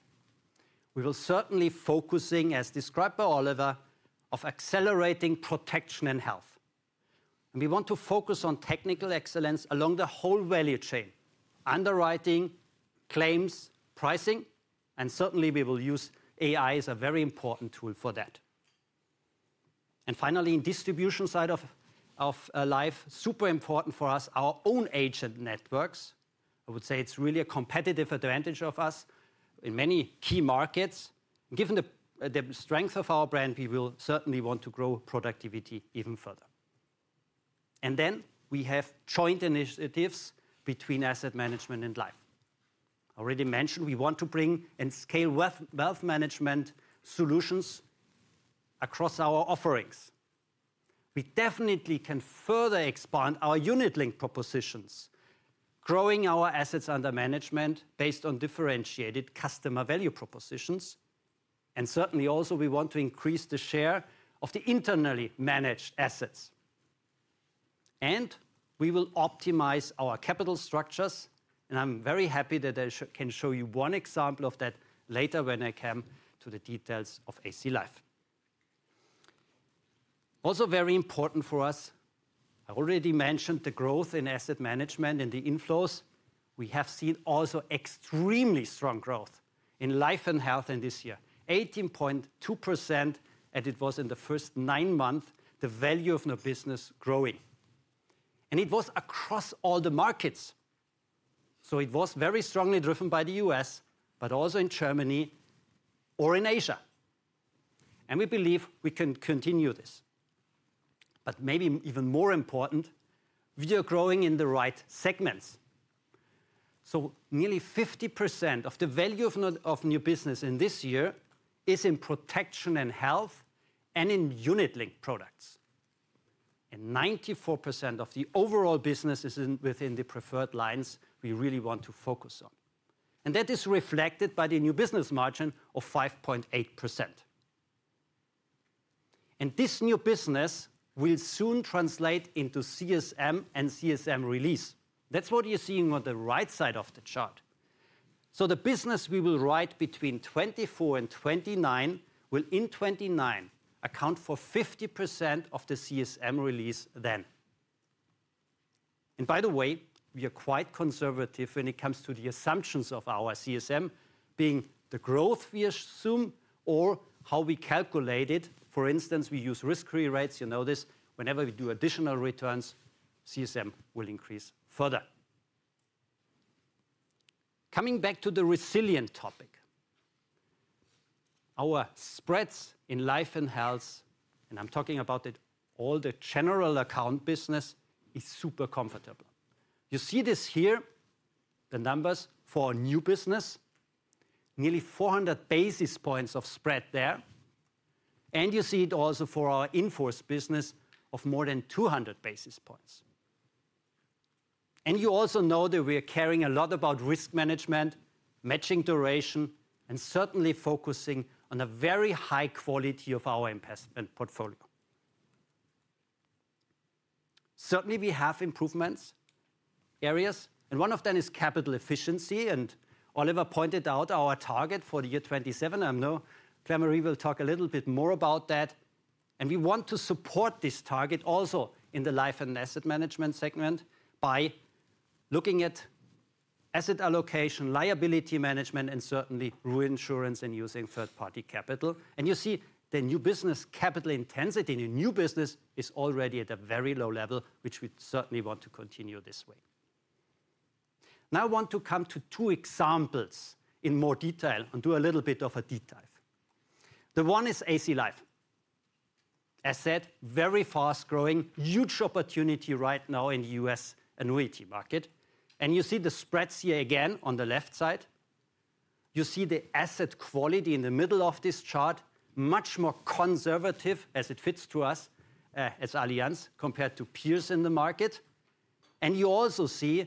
we will certainly focusing, as described by Oliver, on accelerating protection and health. And we want to focus on technical excellence along the whole value chain: underwriting, claims, pricing, and certainly we will use AI as a very important tool for that. And finally, in the distribution side of life, super important for us, our own agent networks. I would say it's really a competitive advantage of us in many key markets. Given the strength of our brand, we will certainly want to grow productivity even further. And then we have joint initiatives between Asset Management and life. I already mentioned we want to bring and scale wealth management solutions across our offerings. We definitely can further expand our unit link propositions, growing our assets under management based on differentiated customer value propositions. And certainly also we want to increase the share of the internally managed assets. And we will optimize our capital structures. And I'm very happy that I can show you one example of that later when I come to the details of Allianz Life. Also very important for us, I already mentioned the growth in Asset Management and the inflows. We have seen also extremely strong growth in life and health in this year, 18.2%, as it was in the first nine months, the value of the business growing. And it was across all the markets. So it was very strongly driven by the US, but also in Germany or in Asia. And we believe we can continue this. But maybe even more important, we are growing in the right segments. So nearly 50% of the value of new business in this year is in protection and health and in unit link products. And 94% of the overall business is within the preferred lines we really want to focus on. And that is reflected by the new business margin of 5.8%. And this new business will soon translate into CSM and CSM release. That's what you're seeing on the right side of the chart. So the business we will write between 2024 and 2029 will in 2029 account for 50% of the CSM release then. And by the way, we are quite conservative when it comes to the assumptions of our CSM, being the growth we assume or how we calculate it. For instance, we use risk-free rates. You know this. Whenever we do additional returns, CSM will increase further. Coming back to the resilient topic, our spreads in life and health, and I'm talking about it, all the general account business is super comfortable. You see this here, the numbers for a new business, nearly 400 basis points of spread there. And you see it also for our in-force business of more than 200 basis points. And you also know that we are caring a lot about risk management, matching duration, and certainly focusing on a very high quality of our investment portfolio. Certainly, we have improvement areas, and one of them is capital efficiency. Oliver pointed out our target for the year 2027. I know Claire-Marie will talk a little bit more about that. We want to support this target also in the life and Asset Management segment by looking at asset allocation, liability management, and certainly reinsurance and using third-party capital. You see the new business capital intensity in a new business is already at a very low level, which we certainly want to continue this way. Now I want to come to two examples in more detail and do a little bit of a deep dive. The one is Allianz Life. As said, very fast growing, huge opportunity right now in the U.S. annuity market. You see the spreads here again on the left side. You see the asset quality in the middle of this chart, much more conservative as it fits to us as Allianz compared to peers in the market. And you also see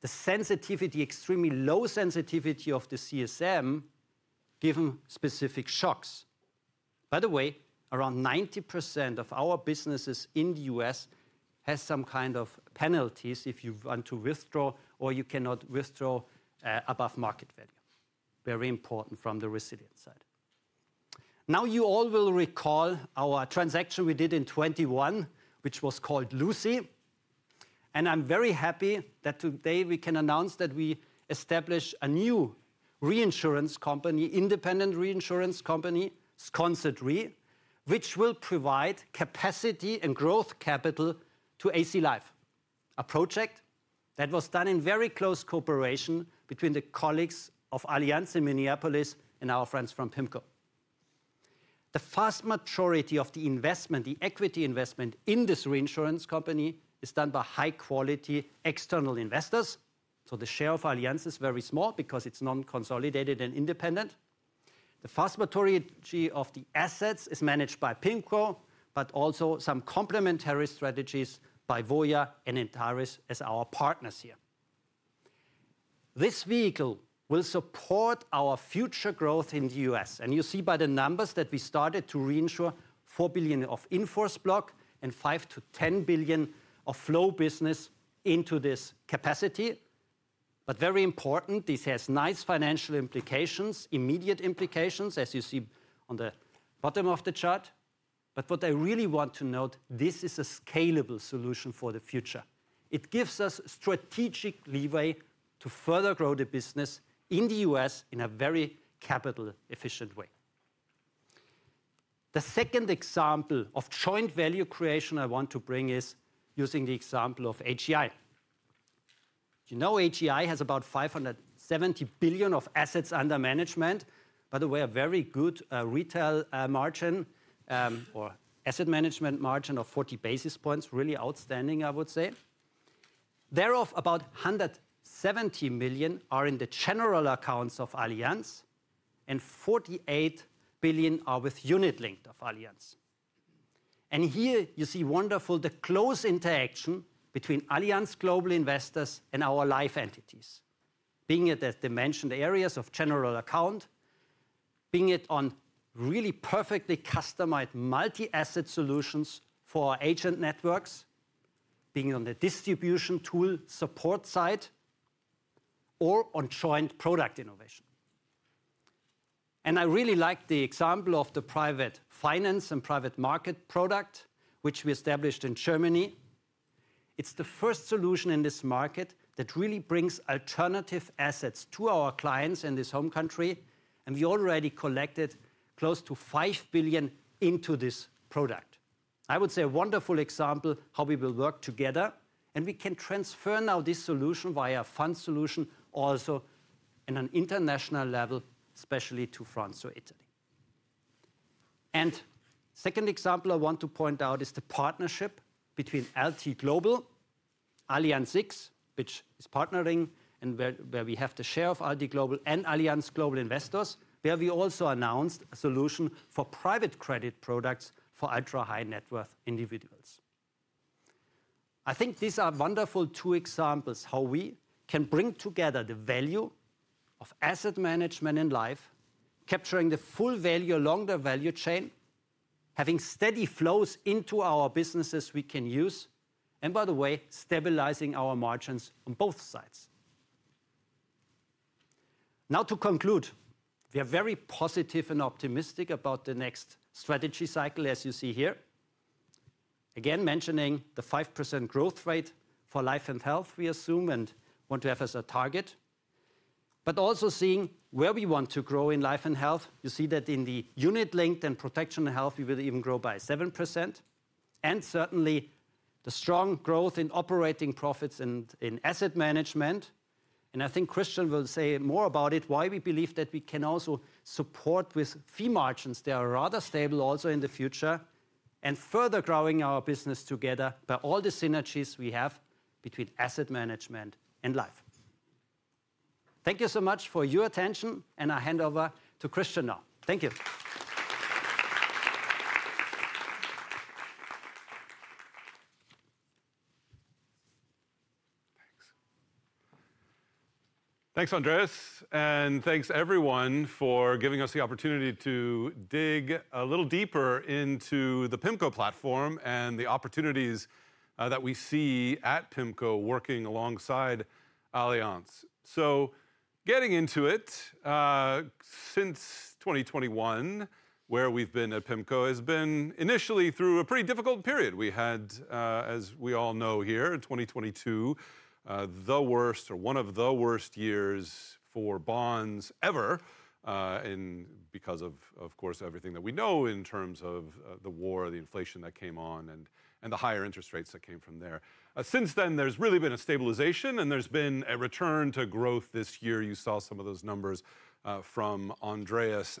the sensitivity, extremely low sensitivity of the CSM given specific shocks. By the way, around 90% of our businesses in the U.S. has some kind of penalties if you want to withdraw or you cannot withdraw above market value. Very important from the resilient side. Now you all will recall our transaction we did in 2021, which was called Lucy. And I'm very happy that today we can announce that we established a new reinsurance company, independent reinsurance company, Sconset Re, which will provide capacity and growth capital to Allianz Life. A project that was done in very close cooperation between the colleagues of Allianz in Minneapolis and our friends from PIMCO. The vast majority of the investment, the equity investment in this reinsurance company is done by high-quality external investors. So the share of Allianz is very small because it's non-consolidated and independent. The vast majority of the assets is managed by PIMCO, but also some complementary strategies by Voya and Antares as our partners here. This vehicle will support our future growth in the U.S. And you see by the numbers that we started to reinsure $4 billion of in-force block and $5-$10 billion of flow business into this capacity. But very important, this has nice financial implications, immediate implications, as you see on the bottom of the chart. But what I really want to note, this is a scalable solution for the future. It gives us strategic leeway to further grow the business in the U.S. in a very capital-efficient way. The second example of joint value creation I want to bring is using the example of AGI. You know AGI has about 570 billion of assets under management. By the way, a very good retail margin or Asset Management margin of 40 basis points, really outstanding, I would say. Thereof about 170 million are in the general accounts of Allianz, and 48 billion are with unit-linked of Allianz. Here you see wonderfully the close interaction between Allianz Global Investors and our life entities, being in the mentioned areas of general account, being it on really perfectly customized multi-asset solutions for our agent networks, being it on the distribution tool support side, or on joint product innovation. I really like the example of the private finance and private market product, which we established in Germany. It's the first solution in this market that really brings alternative assets to our clients in this home country, and we already collected close to 5 billion into this product. I would say a wonderful example how we will work together, and we can transfer now this solution via a fund solution also at an international level, especially to France or Italy. Second example I want to point out is the partnership between AlTi Global, Allianz X, which is partnering, and where we have the share of AlTi Global and Allianz Global Investors, where we also announced a solution for private credit products for ultra-high net worth individuals. I think these are wonderful two examples how we can bring together the value of Asset Management and life, capturing the full value along the value chain, having steady flows into our businesses we can use, and by the way, stabilizing our margins on both sides. Now to conclude, we are very positive and optimistic about the next strategy cycle, as you see here. Again, mentioning the five% growth rate for life and health we assume and want to have as a target, but also seeing where we want to grow in life and health. You see that in the unit-linked and protection and health, we will even grow by seven%. And certainly the strong growth in operating profits and in Asset Management. And I think Christian will say more about it, why we believe that we can also support with fee margins. They are rather stable also in the future and further growing our business together by all the synergies we have between Asset Management and life. Thank you so much for your attention, and I hand over to Christian now. Thank you. Thanks. Thanks, Andreas. And thanks, everyone, for giving us the opportunity to dig a little deeper into the PIMCO platform and the opportunities that we see at PIMCO working alongside Allianz. So getting into it, since 2021, where we've been at PIMCO has been initially through a pretty difficult period. We had, as we all know here, in 2022, the worst or one of the worst years for bonds ever, because of, of course, everything that we know in terms of the war, the inflation that came on, and the higher interest rates that came from there. Since then, there's really been a stabilization, and there's been a return to growth this year. You saw some of those numbers from Andreas.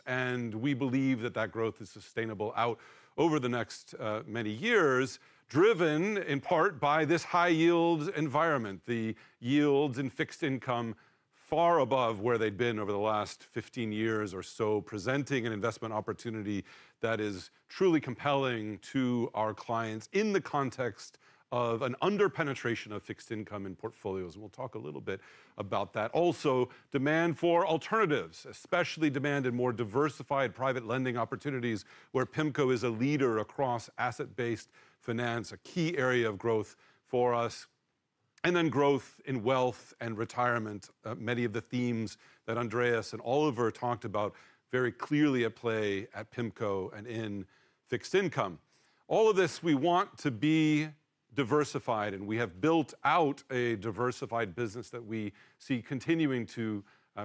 We believe that that growth is sustainable out over the next many years, driven in part by this high-yield environment, the yields in fixed income far above where they'd been over the last 15 years or so, presenting an investment opportunity that is truly compelling to our clients in the context of an under-penetration of fixed income in portfolios. We'll talk a little bit about that. Also, demand for alternatives, especially demand in more diversified private lending opportunities, where PIMCO is a leader across asset-based finance, a key area of growth for us. Then growth in wealth and retirement, many of the themes that Andreas and Oliver talked about very clearly at play at PIMCO and in fixed income. All of this, we want to be diversified, and we have built out a diversified business that we see continuing to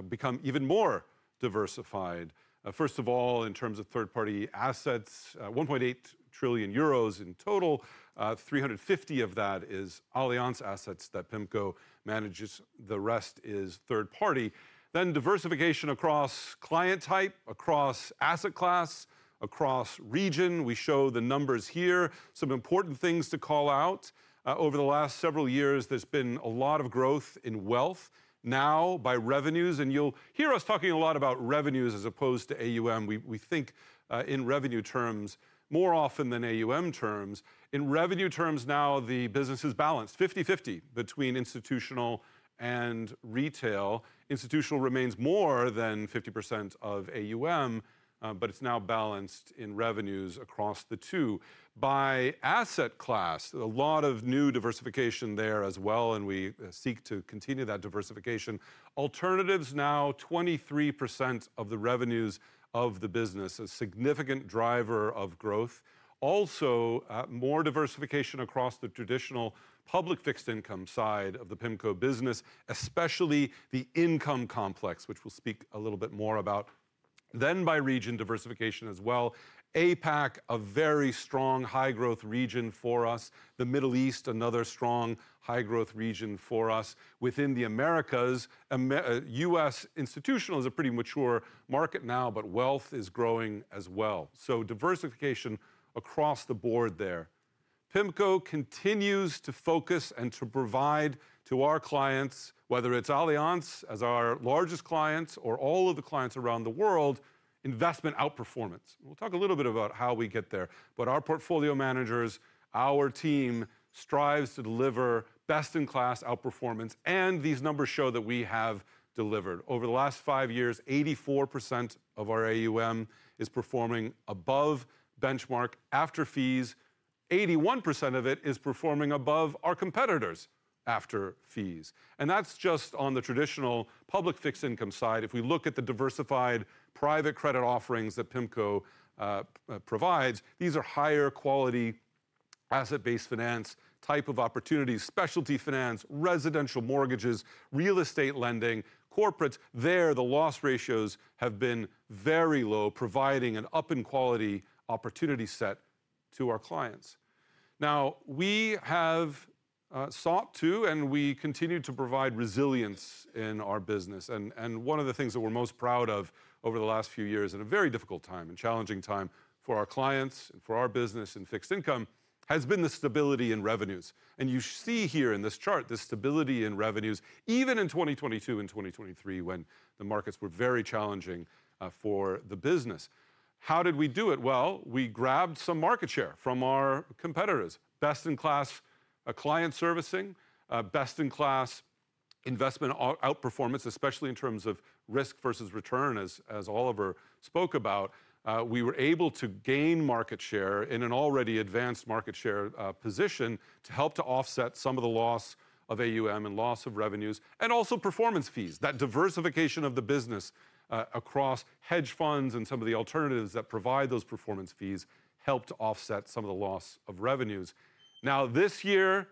become even more diversified. First of all, in terms of third-party assets, 1.8 trillion euros in total, 350 of that is Allianz assets that PIMCO manages. The rest is third-party. Then diversification across client type, across asset class, across region. We show the numbers here. Some important things to call out. Over the last several years, there's been a lot of growth in wealth now by revenues. And you'll hear us talking a lot about revenues as opposed to AUM. We think in revenue terms more often than AUM terms. In revenue terms now, the business is balanced 50/50 between institutional and retail. Institutional remains more than 50% of AUM, but it's now balanced in revenues across the two. By asset class, a lot of new diversification there as well, and we seek to continue that diversification. Alternatives now, 23% of the revenues of the business, a significant driver of growth. Also, more diversification across the traditional public fixed income side of the PIMCO business, especially the income complex, which we'll speak a little bit more about, then by region diversification as well. APAC, a very strong high-growth region for us. The Middle East, another strong high-growth region for us. Within the Americas, US institutional is a pretty mature market now, but wealth is growing as well, so diversification across the board there. PIMCO continues to focus and to provide to our clients, whether it's Allianz as our largest clients or all of the clients around the world, investment outperformance. We'll talk a little bit about how we get there, but our portfolio managers, our team strives to deliver best-in-class outperformance, and these numbers show that we have delivered. Over the last five years, 84% of our AUM is performing above benchmark after fees. 81% of it is performing above our competitors after fees. And that's just on the traditional public fixed income side. If we look at the diversified private credit offerings that PIMCO provides, these are higher quality asset-based finance type of opportunities, specialty finance, residential mortgages, real estate lending, corporates. There, the loss ratios have been very low, providing an up-in-quality opportunity set to our clients. Now, we have sought to, and we continue to provide resilience in our business. And one of the things that we're most proud of over the last few years in a very difficult time and challenging time for our clients and for our business in fixed income has been the stability in revenues. And you see here in this chart the stability in revenues, even in 2022 and 2023, when the markets were very challenging for the business. How did we do it? We grabbed some market share from our competitors. Best-in-class client servicing, best-in-class investment outperformance, especially in terms of risk versus return, as Oliver spoke about. We were able to gain market share in an already advanced market share position to help to offset some of the loss of AUM and loss of revenues, and also performance fees. That diversification of the business across hedge funds and some of the alternatives that provide those performance fees helped offset some of the loss of revenues. Now, this year,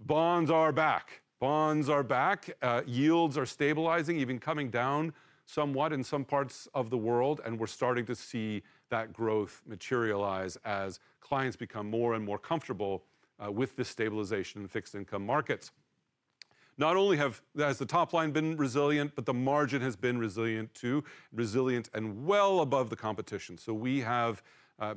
bonds are back. Bonds are back. Yields are stabilizing, even coming down somewhat in some parts of the world. We're starting to see that growth materialize as clients become more and more comfortable with the stabilization in fixed income markets. Not only has the top line been resilient, but the margin has been resilient too, resilient and well above the competition. We have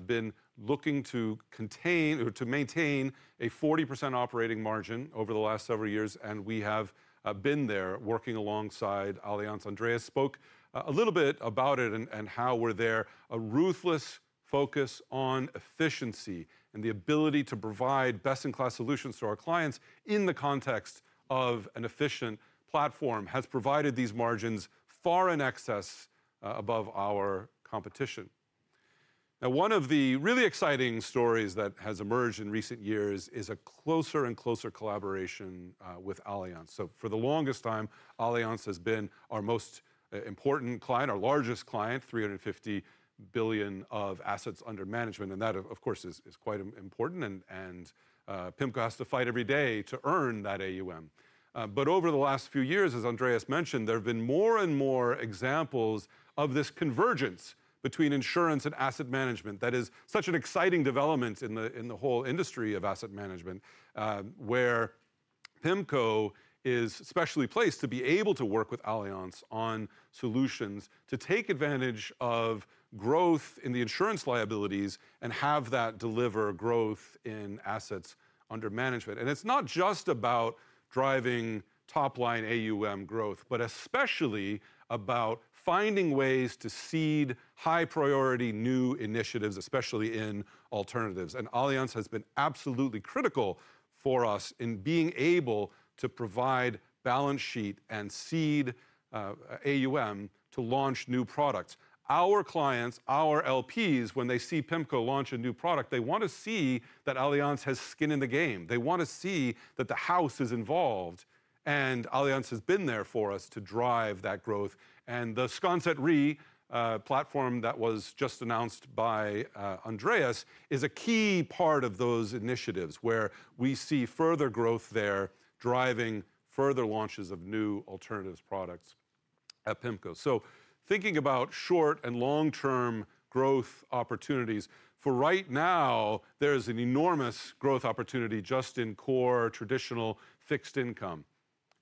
been looking to maintain a 40% operating margin over the last several years, and we have been there working alongside Allianz. Andreas spoke a little bit about it and how we're there. A ruthless focus on efficiency and the ability to provide best-in-class solutions to our clients in the context of an efficient platform has provided these margins far in excess above our competition. One of the really exciting stories that has emerged in recent years is a closer and closer collaboration with Allianz. For the longest time, Allianz has been our most important client, our largest client, 350 billion of assets under management. That, of course, is quite important. PIMCO has to fight every day to earn that AUM. But over the last few years, as Andreas mentioned, there have been more and more examples of this convergence between insurance and Asset Management. That is such an exciting development in the whole industry of Asset Management, where PIMCO is specially placed to be able to work with Allianz on solutions to take advantage of growth in the insurance liabilities and have that deliver growth in assets under management. And it's not just about driving top-line AUM growth, but especially about finding ways to seed high-priority new initiatives, especially in alternatives. And Allianz has been absolutely critical for us in being able to provide balance sheet and seed AUM to launch new products. Our clients, our LPs, when they see PIMCO launch a new product, they want to see that Allianz has skin in the game. They want to see that the house is involved. And Allianz has been there for us to drive that growth. And the Sconset Re platform that was just announced by Andreas is a key part of those initiatives where we see further growth there driving further launches of new alternative products at PIMCO. So thinking about short and long-term growth opportunities, for right now, there is an enormous growth opportunity just in core traditional fixed income,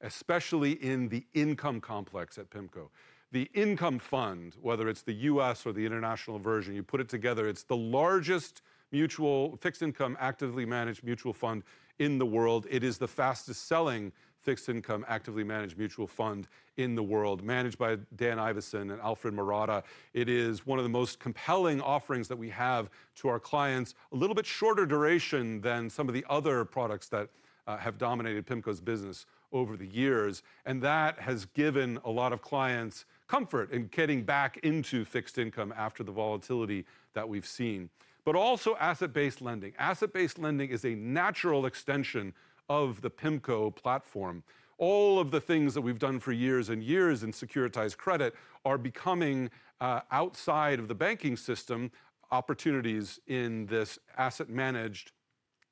especially in the income complex at PIMCO. The Income Fund, whether it's the U.S. or the international version, you put it together, it's the largest fixed income actively managed mutual fund in the world. It is the fastest-selling fixed income actively managed mutual fund in the world, managed by Dan Ivascyn and Alfred Murata. It is one of the most compelling offerings that we have to our clients, a little bit shorter duration than some of the other products that have dominated PIMCO's business over the years, and that has given a lot of clients comfort in getting back into fixed income after the volatility that we've seen. But also asset-based lending. Asset-based lending is a natural extension of the PIMCO platform. All of the things that we've done for years and years in securitized credit are becoming outside of the banking system opportunities in this asset-managed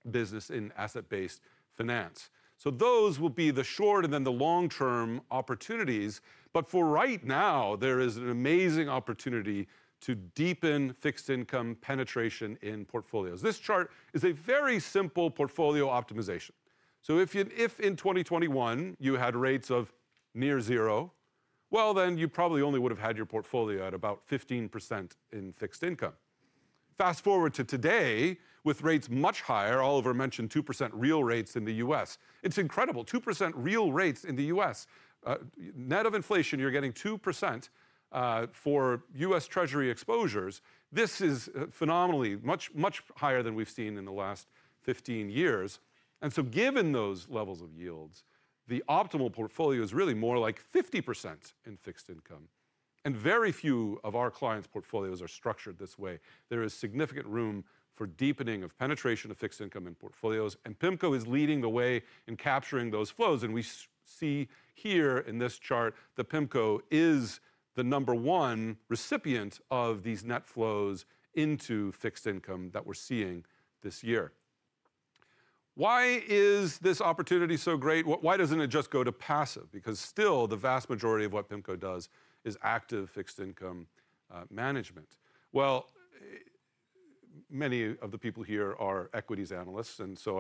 business in asset-based finance. So those will be the short and then the long-term opportunities, but for right now, there is an amazing opportunity to deepen fixed income penetration in portfolios. This chart is a very simple portfolio optimization. So if in 2021 you had rates of near zero, well, then you probably only would have had your portfolio at about 15% in fixed income. Fast forward to today with rates much higher. Oliver mentioned 2% real rates in the U.S. It's incredible, 2% real rates in the U.S. Net of inflation, you're getting 2% for U.S. Treasury exposures. This is phenomenally much higher than we've seen in the last 15 years. And so given those levels of yields, the optimal portfolio is really more like 50% in fixed income. And very few of our clients' portfolios are structured this way. There is significant room for deepening of penetration of fixed income in portfolios. And PIMCO is leading the way in capturing those flows. We see here in this chart that PIMCO is the number one recipient of these net flows into fixed income that we're seeing this year. Why is this opportunity so great? Why doesn't it just go to passive? Because still, the vast majority of what PIMCO does is active fixed income management. Many of the people here are equities analysts. So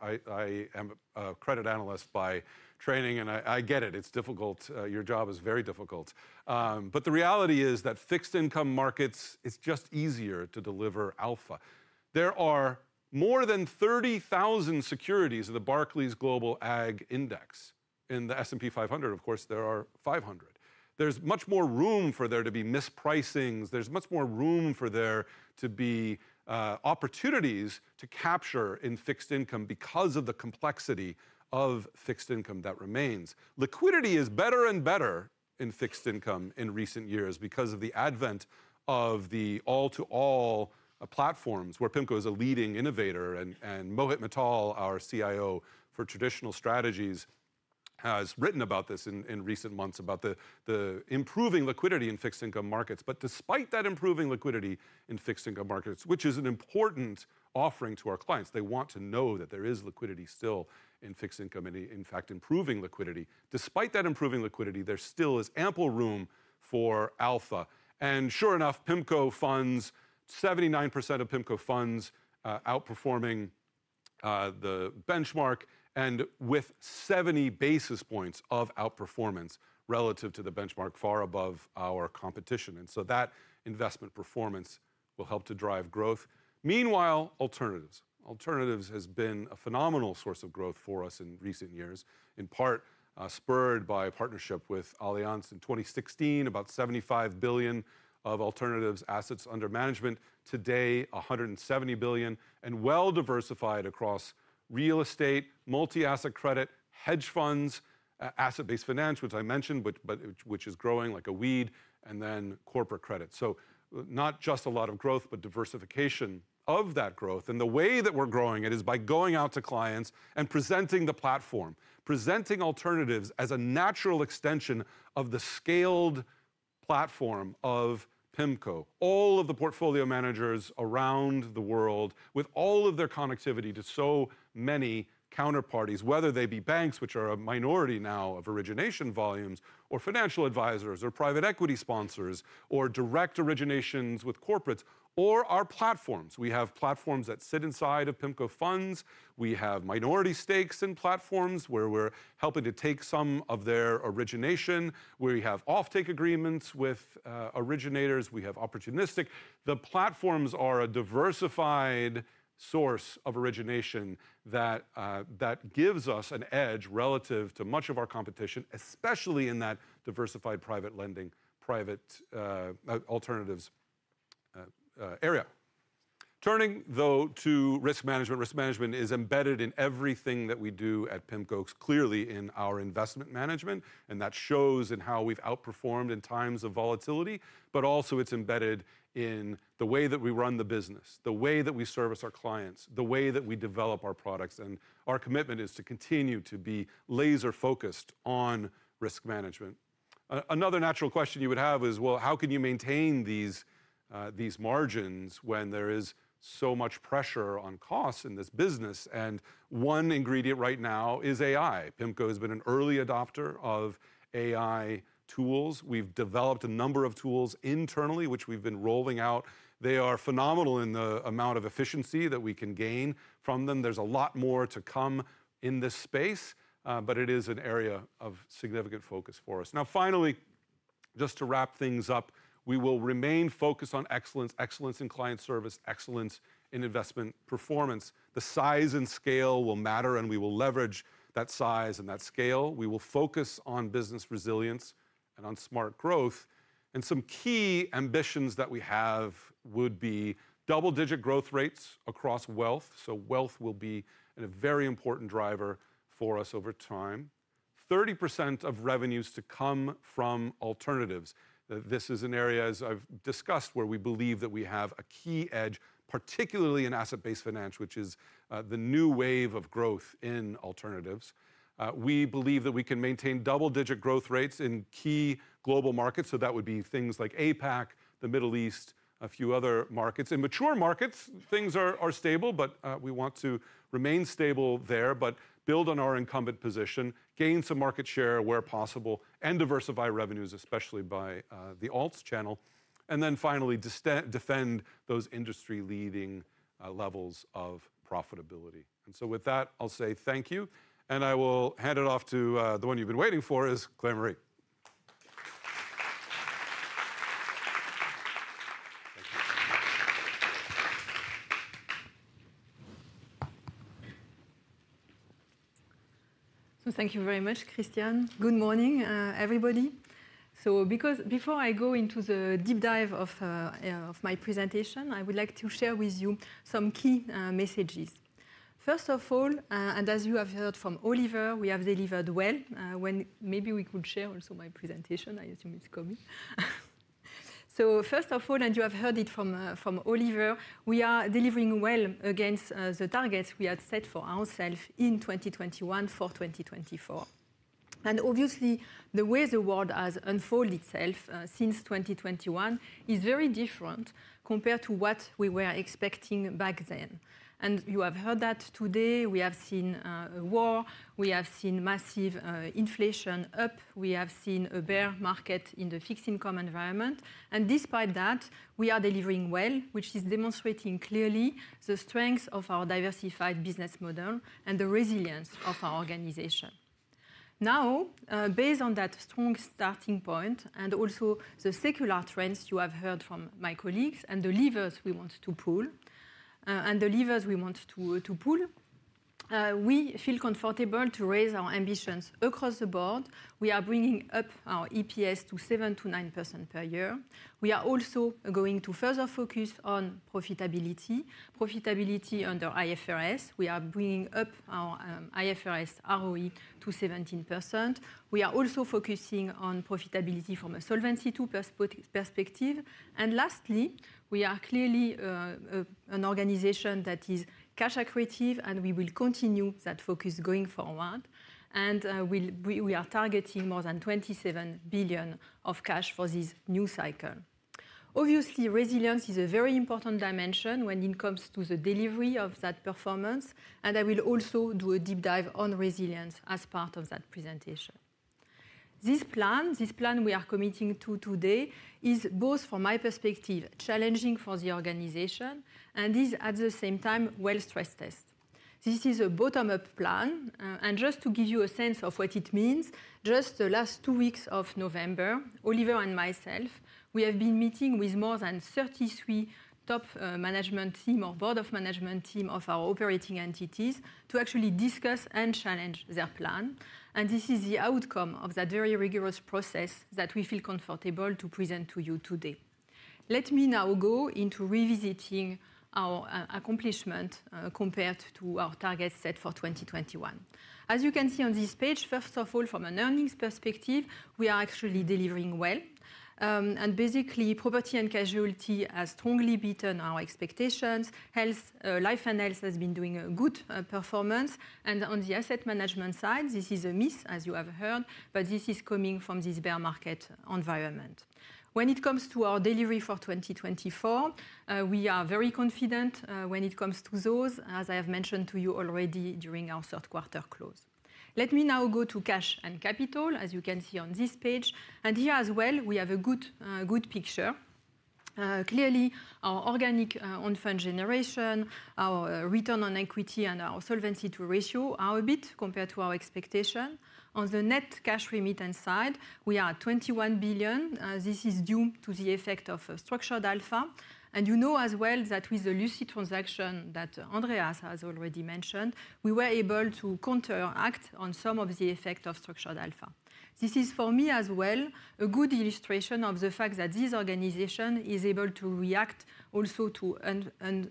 I am a credit analyst by training. I get it. It's difficult. Your job is very difficult. But the reality is that fixed income markets, it's just easier to deliver alpha. There are more than 30,000 securities in the Barclays Global Aggregate Index in the S&P 500. Of course, there are 500. There's much more room for there to be mispricings. There's much more room for there to be opportunities to capture in fixed income because of the complexity of fixed income that remains. Liquidity is better and better in fixed income in recent years because of the advent of the all-to-all platforms where PIMCO is a leading innovator, and Mohit Mittal, our CIO for Traditional Strategies, has written about this in recent months about the improving liquidity in fixed income markets, but despite that improving liquidity in fixed income markets, which is an important offering to our clients, they want to know that there is liquidity still in fixed income and, in fact, improving liquidity. Despite that improving liquidity, there still is ample room for alpha, and sure enough, PIMCO funds, 79% of PIMCO funds outperforming the benchmark and with 70 basis points of outperformance relative to the benchmark, far above our competition, and so that investment performance will help to drive growth. Meanwhile, alternatives. Alternatives has been a phenomenal source of growth for us in recent years, in part spurred by a partnership with Allianz in 2016, about $75 billion of alternatives assets under management. Today, $170 billion and well-diversified across real estate, multi-asset credit, hedge funds, asset-based finance, which I mentioned, which is growing like a weed, and then corporate credit. So not just a lot of growth, but diversification of that growth. And the way that we're growing it is by going out to clients and presenting the platform, presenting alternatives as a natural extension of the scaled platform of PIMCO. All of the portfolio managers around the world, with all of their connectivity to so many counterparties, whether they be banks, which are a minority now of origination volumes, or financial advisors, or private equity sponsors, or direct originations with corporates, or our platforms. We have platforms that sit inside of PIMCO funds. We have minority stakes in platforms where we're helping to take some of their origination, where we have offtake agreements with originators. We have opportunistic. The platforms are a diversified source of origination that gives us an edge relative to much of our competition, especially in that diversified private lending, private alternatives area. Turning, though, to risk management. Risk management is embedded in everything that we do at PIMCO, clearly in our investment management. And that shows in how we've outperformed in times of volatility. But also, it's embedded in the way that we run the business, the way that we service our clients, the way that we develop our products. And our commitment is to continue to be laser-focused on risk management. Another natural question you would have is, well, how can you maintain these margins when there is so much pressure on costs in this business? And one ingredient right now is AI. PIMCO has been an early adopter of AI tools. We've developed a number of tools internally, which we've been rolling out. They are phenomenal in the amount of efficiency that we can gain from them. There's a lot more to come in this space, but it is an area of significant focus for us. Now, finally, just to wrap things up, we will remain focused on excellence, excellence in client service, excellence in investment performance. The size and scale will matter, and we will leverage that size and that scale. We will focus on business resilience and on smart growth. And some key ambitions that we have would be double-digit growth rates across wealth. So wealth will be a very important driver for us over time. 30% of revenues to come from alternatives. This is an area, as I've discussed, where we believe that we have a key edge, particularly in asset-based finance, which is the new wave of growth in alternatives. We believe that we can maintain double-digit growth rates in key global markets. So that would be things like APAC, the Middle East, a few other markets. In mature markets, things are stable, but we want to remain stable there, but build on our incumbent position, gain some market share where possible, and diversify revenues, especially by the alts channel. And then finally, defend those industry-leading levels of profitability. And so with that, I'll say thank you. And I will hand it off to the one you've been waiting for, Claire-Marie. So thank you very much, Christian. Good morning, everybody. So before I go into the deep dive of my presentation, I would like to share with you some key messages. First of all, and as you have heard from Oliver, we have delivered well. Maybe we could share also my presentation. I assume it's coming. So first of all, and you have heard it from Oliver, we are delivering well against the targets we had set for ourselves in 2021 for 2024. And obviously, the way the world has unfolded itself since 2021 is very different compared to what we were expecting back then. And you have heard that today. We have seen a war. We have seen massive inflation up. We have seen a bear market in the fixed income environment. And despite that, we are delivering well, which is demonstrating clearly the strength of our diversified business model and the resilience of our organization. Now, based on that strong starting point and also the secular trends you have heard from my colleagues and the levers we want to pull, we feel comfortable to raise our ambitions across the board. We are bringing up our EPS to 7%-9% per year. We are also going to further focus on profitability under IFRS. We are bringing up our IFRS ROE to 17%. We are also focusing on profitability from a solvency perspective. Lastly, we are clearly an organization that is cash accretive, and we will continue that focus going forward. We are targeting more than 27 billion of cash for this new cycle. Obviously, resilience is a very important dimension when it comes to the delivery of that performance. I will also do a deep dive on resilience as part of that presentation. This plan, this plan we are committing to today, is both, from my perspective, challenging for the organization, and is at the same time well stress-tested. This is a bottom-up plan. And just to give you a sense of what it means, just the last two weeks of November, Oliver and myself, we have been meeting with more than 33 top management teams or board of management teams of our operating entities to actually discuss and challenge their plan. And this is the outcome of that very rigorous process that we feel comfortable to present to you today. Let me now go into revisiting our accomplishment compared to our targets set for 2021. As you can see on this page, first of all, from an earnings perspective, we are actually delivering well. And basically, Property and Casualty has strongly beaten our expectations. Life and health has been doing a good performance, and on the Asset Management side, this is a miss, as you have heard, but this is coming from this bear market environment. When it comes to our delivery for 2024, we are very confident when it comes to those, as I have mentioned to you already during our third quarter close. Let me now go to cash and capital, as you can see on this page, and here as well, we have a good picture. Clearly, our organic own funds generation, our return on equity, and our solvency ratio are a bit compared to our expectation. On the net cash remittance side, we are at 21 billion. This is due to the effect of Structured Alpha. You know as well that with the Luko transaction that Andreas has already mentioned, we were able to counteract on some of the effect of Structured Alpha. This is, for me as well, a good illustration of the fact that this organization is able to react also to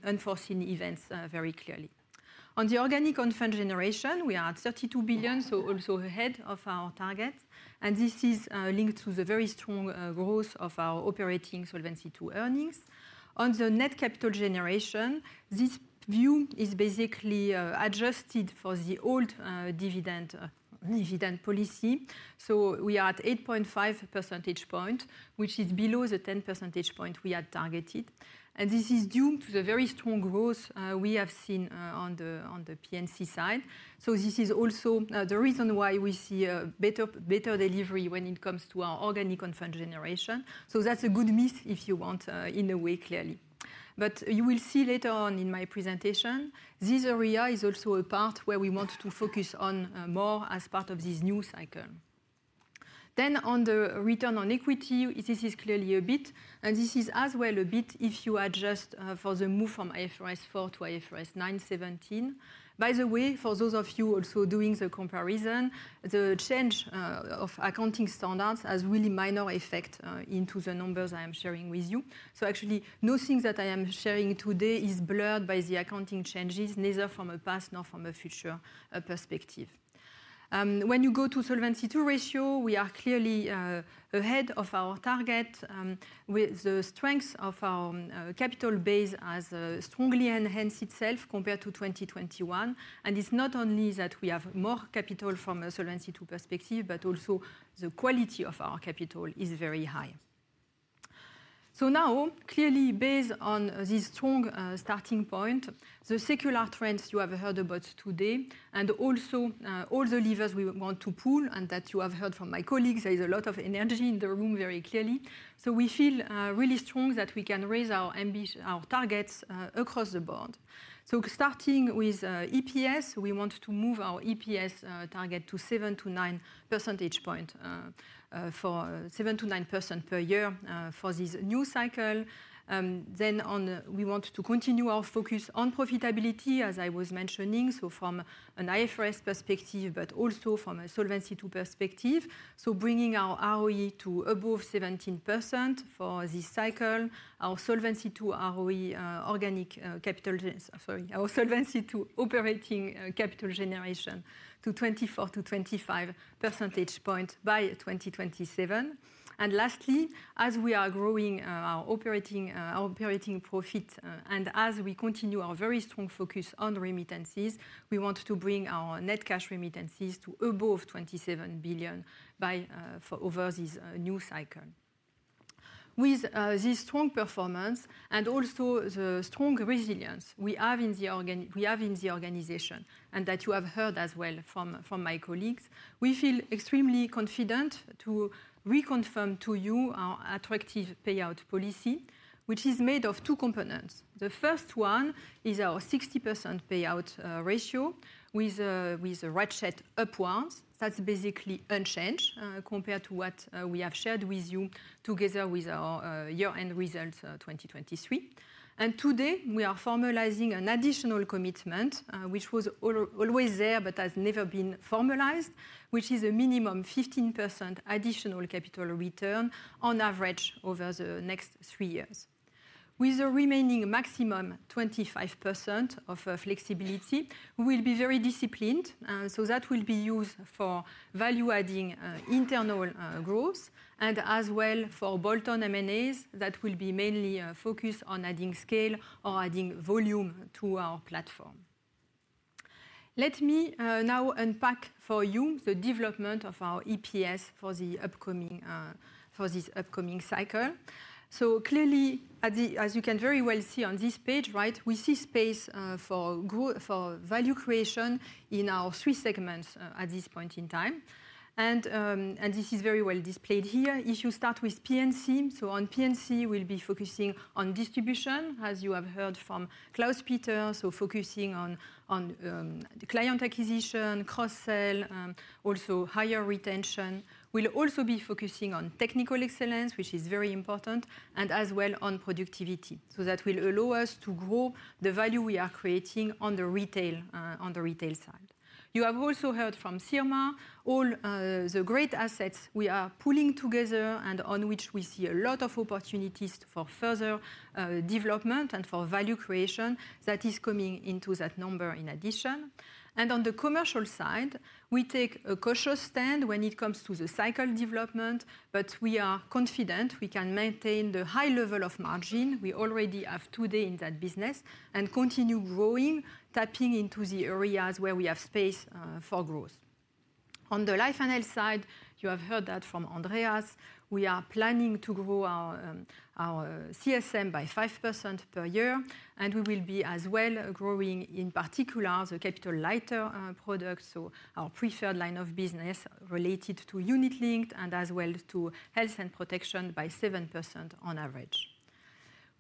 unforeseen events very clearly. On the organic own funds generation, we are at 32 billion, so also ahead of our target. This is linked to the very strong growth of our operating solvency to earnings. On the net capital generation, this view is basically adjusted for the old dividend policy. We are at 8.5 percentage points, which is below the 10 percentage points we had targeted. This is due to the very strong growth we have seen on the P&C side. So this is also the reason why we see a better delivery when it comes to our organic own funds generation. So that's a good miss, if you want, in a way, clearly. But you will see later on in my presentation, this area is also a part where we want to focus on more as part of this new cycle. Then, on the return on equity, this is clearly a bit. And this is as well a bit if you adjust for the move from IFRS 4 to IFRS 17. By the way, for those of you also doing the comparison, the change of accounting standards has really minor effect into the numbers I am sharing with you. So actually, nothing that I am sharing today is blurred by the accounting changes, neither from a past nor from a future perspective. When you go to Solvency II ratio, we are clearly ahead of our target with the strength of our capital base as strongly enhanced itself compared to 2021. It's not only that we have more capital from a Solvency II perspective, but also the quality of our capital is very high. Now, clearly, based on this strong starting point, the secular trends you have heard about today, and also all the levers we want to pull, and that you have heard from my colleagues, there is a lot of energy in the room very clearly. We feel really strong that we can raise our targets across the board. Starting with EPS, we want to move our EPS target to 7%-9% percentage points for 7%-9% per year for this new cycle. Then, we want to continue our focus on profitability, as I was mentioning, so from an IFRS perspective, but also from a Solvency II perspective. So bringing our ROE to above 17% for this cycle, our Solvency II ROE organic capital, sorry, our Solvency II operating capital generation to 24%-25% percentage points by 2027. And lastly, as we are growing our operating profit and as we continue our very strong focus on remittances, we want to bring our net cash remittances to above 27 billion over this new cycle. With this strong performance and also the strong resilience we have in the organization, and that you have heard as well from my colleagues, we feel extremely confident to reconfirm to you our attractive payout policy, which is made of two components. The first one is our 60% payout ratio with a ratchet upwards. That's basically unchanged compared to what we have shared with you together with our year-end results 2023, and today, we are formalizing an additional commitment, which was always there but has never been formalized, which is a minimum 15% additional capital return on average over the next three years. With the remaining maximum 25% of flexibility, we will be very disciplined, so that will be used for value-adding internal growth and as well for bolt-on M&As that will be mainly focused on adding scale or adding volume to our platform. Let me now unpack for you the development of our EPS for this upcoming cycle, so clearly, as you can very well see on this page, we see space for value creation in our three segments at this point in time, and this is very well displayed here. If you start with P&C, so on P&C, we'll be focusing on distribution, as you have heard from Klaus-Peter, so focusing on client acquisition, cross-sale, also higher retention. We'll also be focusing on technical excellence, which is very important, and as well on productivity. So that will allow us to grow the value we are creating on the retail side. You have also heard from Sirma, all the great assets we are pulling together and on which we see a lot of opportunities for further development and for value creation that is coming into that number in addition. On the commercial side, we take a cautious stand when it comes to the cycle development, but we are confident we can maintain the high level of margin we already have today in that business and continue growing, tapping into the areas where we have space for growth. On the life and health side, you have heard that from Andreas. We are planning to grow our CSM by 5% per year, and we will be as well growing in particular the capital lighter products, so our preferred line of business related to unit-linked and as well to health and protection by 7% on average.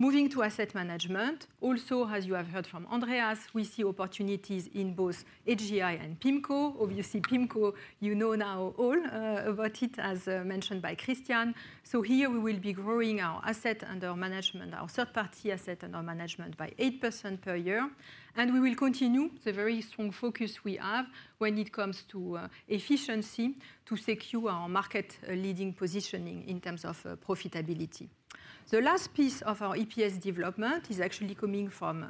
Moving to Asset Management, also, as you have heard from Andreas, we see opportunities in both AGI and PIMCO. Obviously, PIMCO, you know now all about it, as mentioned by Christian. So here, we will be growing our asset under management, our third-party asset under management by 8% per year. And we will continue the very strong focus we have when it comes to efficiency to secure our market-leading positioning in terms of profitability. The last piece of our EPS development is actually coming from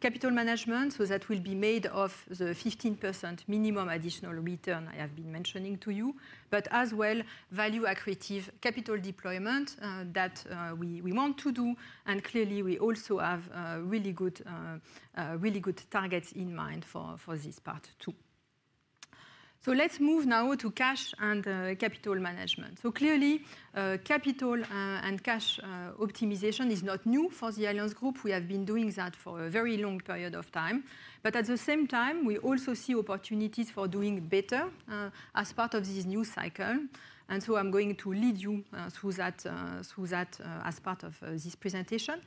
capital management, so that will be made of the 15% minimum additional return I have been mentioning to you, but as well value-accretive capital deployment that we want to do. And clearly, we also have really good targets in mind for this part too. So let's move now to cash and capital management. So clearly, capital and cash optimization is not new for the Allianz Group. We have been doing that for a very long period of time. But at the same time, we also see opportunities for doing better as part of this new cycle. And so I'm going to lead you through that as part of this presentation.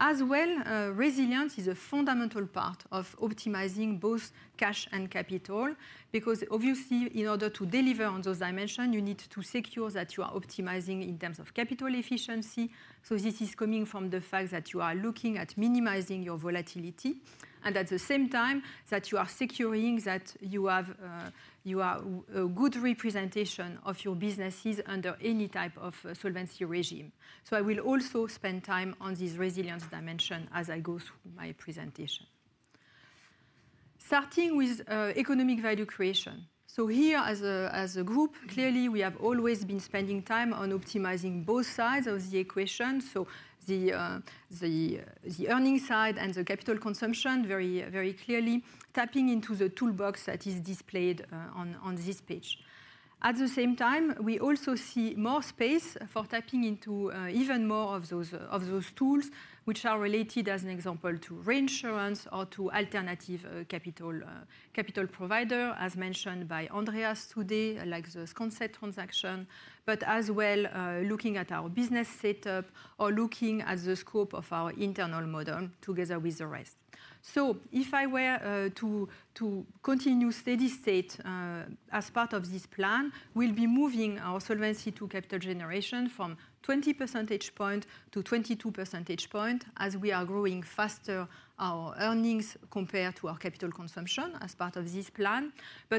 As well, resilience is a fundamental part of optimizing both cash and capital because, obviously, in order to deliver on those dimensions, you need to secure that you are optimizing in terms of capital efficiency. So this is coming from the fact that you are looking at minimizing your volatility and at the same time that you are securing that you have a good representation of your businesses under any type of solvency regime. So I will also spend time on this resilience dimension as I go through my presentation. Starting with economic value creation. So here, as a group, clearly, we have always been spending time on optimizing both sides of the equation, so the earning side and the capital consumption very clearly, tapping into the toolbox that is displayed on this page. At the same time, we also see more space for tapping into even more of those tools, which are related, as an example, to reinsurance or to alternative capital provider, as mentioned by Andreas today, like the Sconset transaction, but as well looking at our business setup or looking at the scope of our internal model together with the rest. If I were to continue steady state as part of this plan, we'll be moving our solvency to capital generation from 20 percentage points to 22 percentage points as we are growing faster our earnings compared to our capital consumption as part of this plan.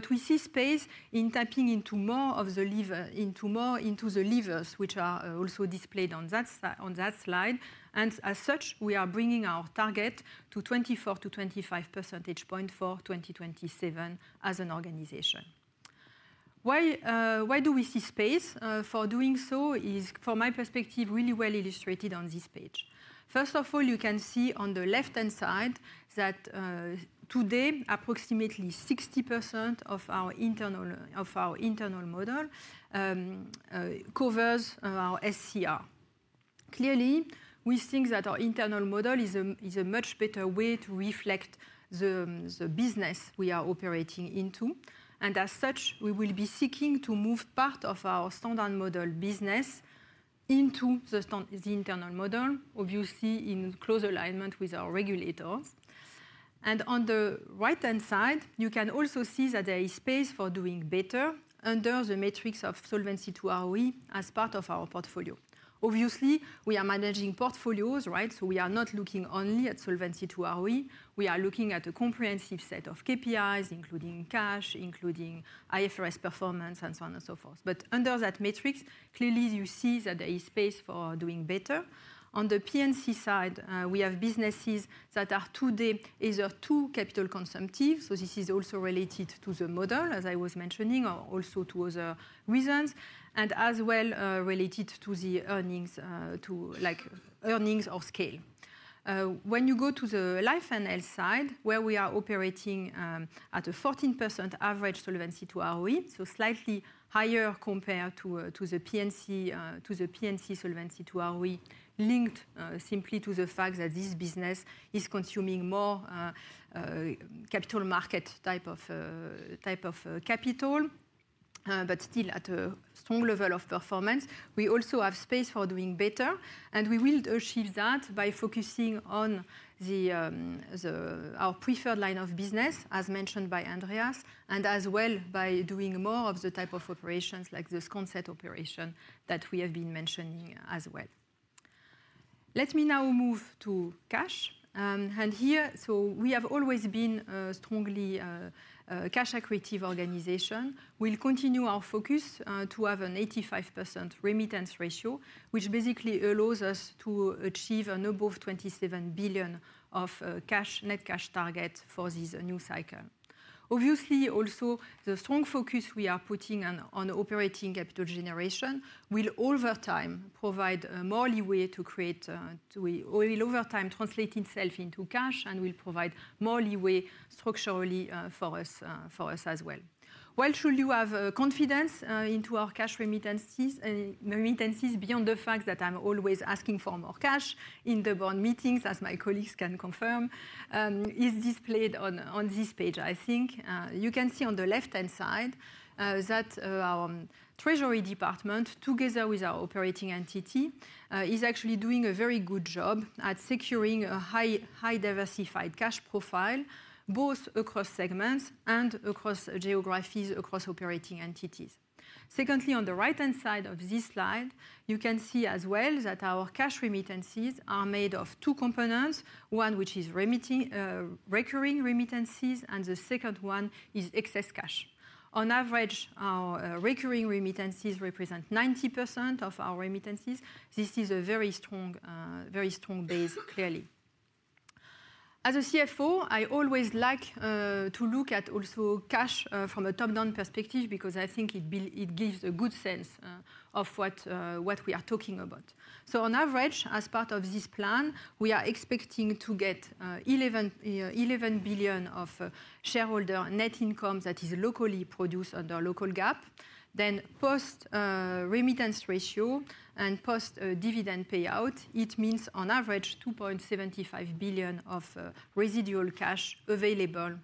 We see space in tapping into more of the levers, which are also displayed on that slide. As such, we are bringing our target to 24%-25 percentage points for 2027 as an organization. Why do we see space for doing so is, from my perspective, really well illustrated on this page. First of all, you can see on the left-hand side that today, approximately 60% of our internal model covers our SCR. Clearly, we think that our internal model is a much better way to reflect the business we are operating into. And as such, we will be seeking to move part of our standard model business into the internal model, obviously in close alignment with our regulators. And on the right-hand side, you can also see that there is space for doing better under the matrix of Solvency II ROE as part of our portfolio. Obviously, we are managing portfolios, right? So we are not looking only at Solvency II ROE. We are looking at a comprehensive set of KPIs, including cash, including IFRS performance, and so on and so forth. But under that matrix, clearly, you see that there is space for doing better. On the P&C side, we have businesses that are today either too capital consumptive. So this is also related to the model, as I was mentioning, or also to other reasons, and as well related to the earnings or scale. When you go to the life and health side, where we are operating at a 14% average Solvency II ROE, so slightly higher compared to the P&C Solvency II ROE linked simply to the fact that this business is consuming more capital market type of capital, but still at a strong level of performance, we also have space for doing better. And we will achieve that by focusing on our preferred line of business, as mentioned by Andreas, and as well by doing more of the type of operations like the Sconset operation that we have been mentioning as well. Let me now move to cash. And here, so we have always been a strongly cash-accretive organization. We'll continue our focus to have an 85% remittance ratio, which basically allows us to achieve an above 27 billion of net cash target for this new cycle. Obviously, also, the strong focus we are putting on operating capital generation will over time provide more leeway to create or will over time translate itself into cash and will provide more leeway structurally for us as well. Why should you have confidence into our cash remittances beyond the fact that I'm always asking for more cash in the board meetings, as my colleagues can confirm, is displayed on this page, I think. You can see on the left-hand side that our treasury department, together with our operating entity, is actually doing a very good job at securing a highly diversified cash profile, both across segments and across geographies, across operating entities. Secondly, on the right-hand side of this slide, you can see as well that our cash remittances are made of two components, one which is recurring remittances and the second one is excess cash. On average, our recurring remittances represent 90% of our remittances. This is a very strong base, clearly. As a CFO, I always like to look at also cash from a top-down perspective because I think it gives a good sense of what we are talking about. So on average, as part of this plan, we are expecting to get 11 billion of shareholder net income that is locally produced under local GAAP. Then post-remittance ratio and post-dividend payout, it means on average 2.75 billion of residual cash available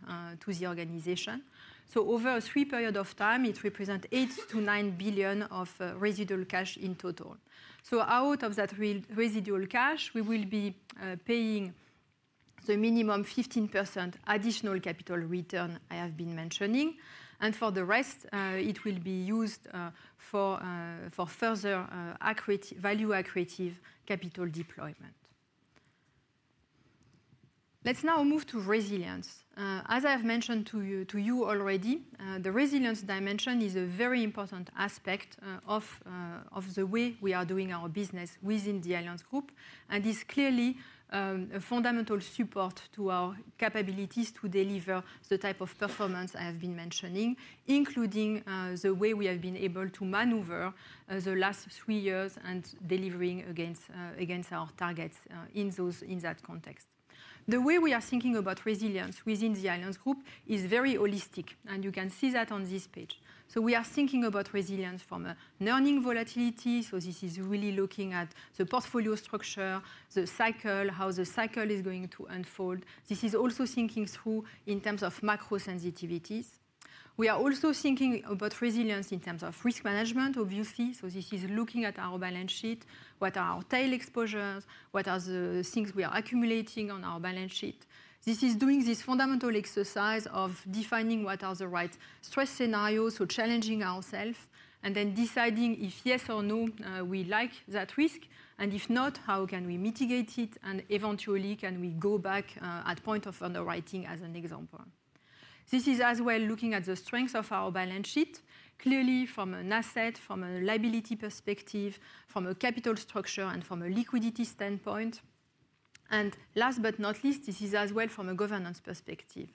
to the organization. So over a three-period of time, it represents 8-9 billion of residual cash in total. So out of that residual cash, we will be paying the minimum 15% additional capital return I have been mentioning. And for the rest, it will be used for further value-accretive capital deployment. Let's now move to resilience. As I have mentioned to you already, the resilience dimension is a very important aspect of the way we are doing our business within the Allianz Group, and it's clearly a fundamental support to our capabilities to deliver the type of performance I have been mentioning, including the way we have been able to maneuver the last three years and delivering against our targets in that context. The way we are thinking about resilience within the Allianz Group is very holistic, and you can see that on this page, so we are thinking about resilience from a earning volatility, so this is really looking at the portfolio structure, the cycle, how the cycle is going to unfold. This is also thinking through in terms of macro-sensitivities. We are also thinking about resilience in terms of risk management, obviously. So this is looking at our balance sheet, what are our tail exposures, what are the things we are accumulating on our balance sheet. This is doing this fundamental exercise of defining what are the right stress scenarios, so challenging ourselves, and then deciding if yes or no we like that risk, and if not, how can we mitigate it, and eventually, can we go back at point of underwriting as an example. This is as well looking at the strength of our balance sheet, clearly from an asset, from a liability perspective, from a capital structure, and from a liquidity standpoint. And last but not least, this is as well from a governance perspective.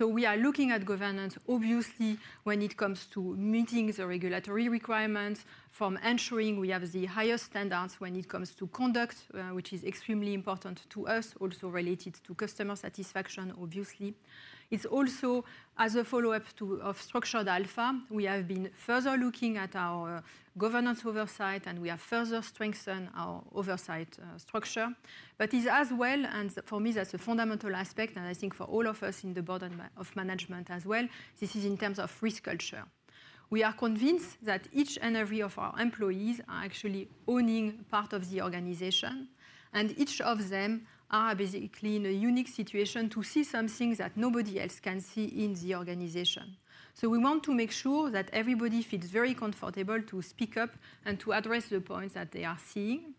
We are looking at governance, obviously, when it comes to meeting the regulatory requirements from ensuring we have the highest standards when it comes to conduct, which is extremely important to us, also related to customer satisfaction, obviously. It's also, as a follow-up of Structured Alpha, we have been further looking at our governance oversight, and we have further strengthened our oversight structure. It's as well, and for me, that's a fundamental aspect, and I think for all of us in the Board of Management as well, this is in terms of risk culture. We are convinced that each and every one of our employees are actually owning part of the organization, and each of them are basically in a unique situation to see something that nobody else can see in the organization. We want to make sure that everybody feels very comfortable to speak up and to address the points that they are seeing.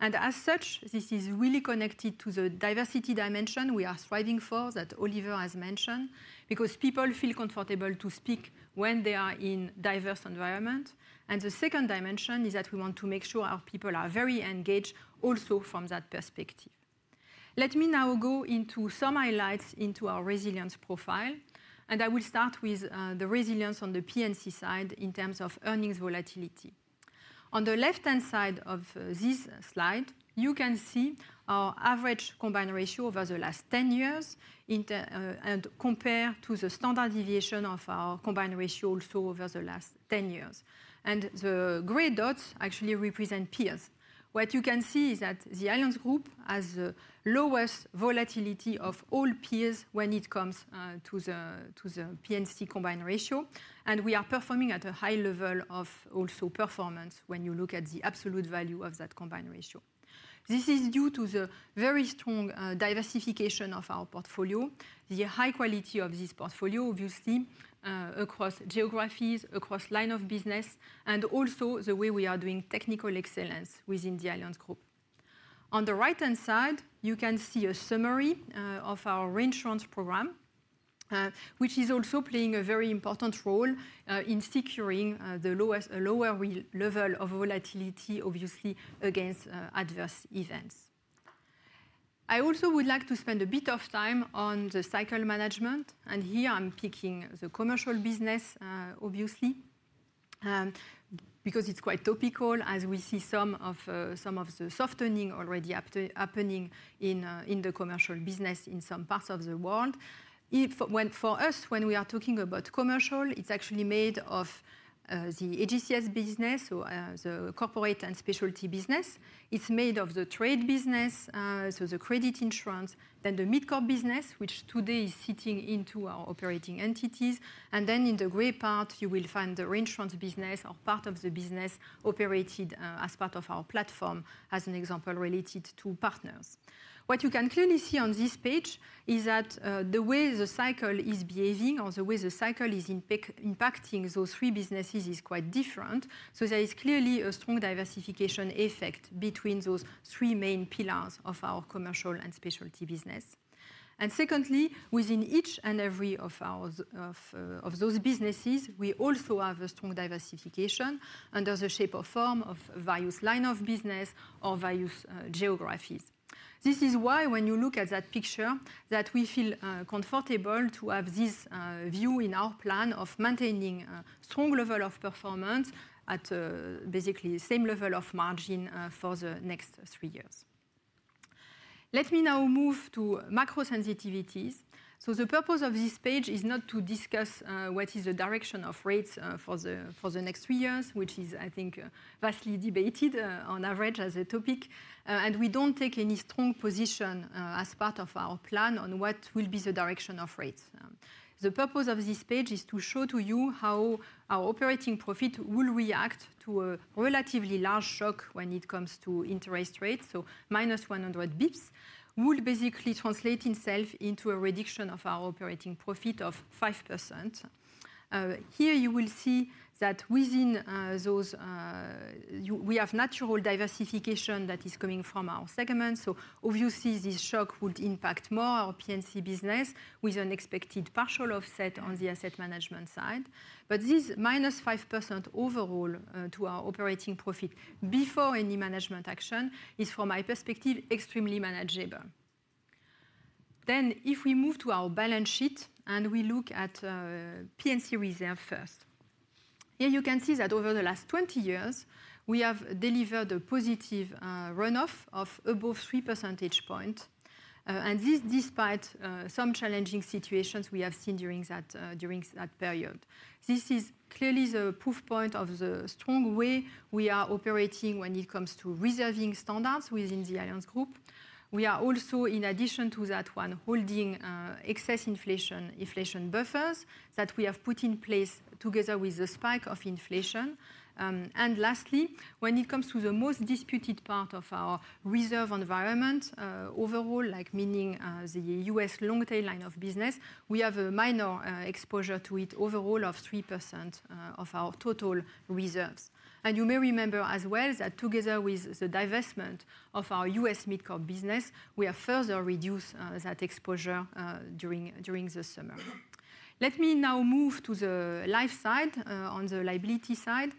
And as such, this is really connected to the diversity dimension we are striving for that Oliver has mentioned because people feel comfortable to speak when they are in diverse environments. And the second dimension is that we want to make sure our people are very engaged also from that perspective. Let me now go into some highlights into our resilience profile. And I will start with the resilience on the P&C side in terms of earnings volatility. On the left-hand side of this slide, you can see our average combined ratio over the last 10 years and compare to the standard deviation of our combined ratio also over the last 10 years. And the gray dots actually represent peers. What you can see is that the Allianz Group has the lowest volatility of all peers when it comes to the P&C combined ratio, and we are performing at a high level of also performance when you look at the absolute value of that combined ratio. This is due to the very strong diversification of our portfolio, the high quality of this portfolio, obviously, across geographies, across lines of business, and also the way we are doing technical excellence within the Allianz Group. On the right-hand side, you can see a summary of our reinsurance program, which is also playing a very important role in securing a lower level of volatility, obviously, against adverse events. I also would like to spend a bit of time on the cycle management. Here, I'm picking the commercial business, obviously, because it's quite topical, as we see some of the XOLVening already happening in the commercial business in some parts of the world. For us, when we are talking about commercial, it's actually made of the AGCS business, so the corporate and specialty business. It's made of the trade business, so the credit insurance, then the MidCorp business, which today is sitting into our operating entities. And then in the gray part, you will find the reinsurance business or part of the business operated as part of our platform, as an example related to partners. What you can clearly see on this page is that the way the cycle is behaving or the way the cycle is impacting those three businesses is quite different. There is clearly a strong diversification effect between those three main pillars of our commercial and specialty business. And secondly, within each and every one of those businesses, we also have a strong diversification under the shape or form of various lines of business or various geographies. This is why, when you look at that picture, that we feel comfortable to have this view in our plan of maintaining a strong level of performance at basically the same level of margin for the next three years. Let me now move to macro-sensitivities. The purpose of this page is not to discuss what is the direction of rates for the next three years, which is, I think, vastly debated on average as a topic. And we don't take any strong position as part of our plan on what will be the direction of rates. The purpose of this page is to show to you how our operating profit will react to a relatively large shock when it comes to interest rates, so minus 100 basis points will basically translate itself into a reduction of our operating profit of 5%. Here, you will see that within those, we have natural diversification that is coming from our segment. So obviously, this shock would impact more our P&C business with an expected partial offset on the Asset Management side. But this minus 5% overall to our operating profit before any management action is, from my perspective, extremely manageable, then if we move to our balance sheet and we look at P&C reserve first, here you can see that over the last 20 years, we have delivered a positive run-off of above 3 percentage points, and this is despite some challenging situations we have seen during that period. This is clearly the proof point of the strong way we are operating when it comes to reserving standards within the Allianz Group. We are also, in addition to that one, holding excess inflation buffers that we have put in place together with the spike of inflation, and lastly, when it comes to the most disputed part of our reserve environment overall, meaning the U.S. long-tail line of business, we have a minor exposure to it overall of 3% of our total reserves, and you may remember as well that together with the divestment of our U.S. MidCorp business, we have further reduced that exposure during the summer. Let me now move to the life side on the liability side,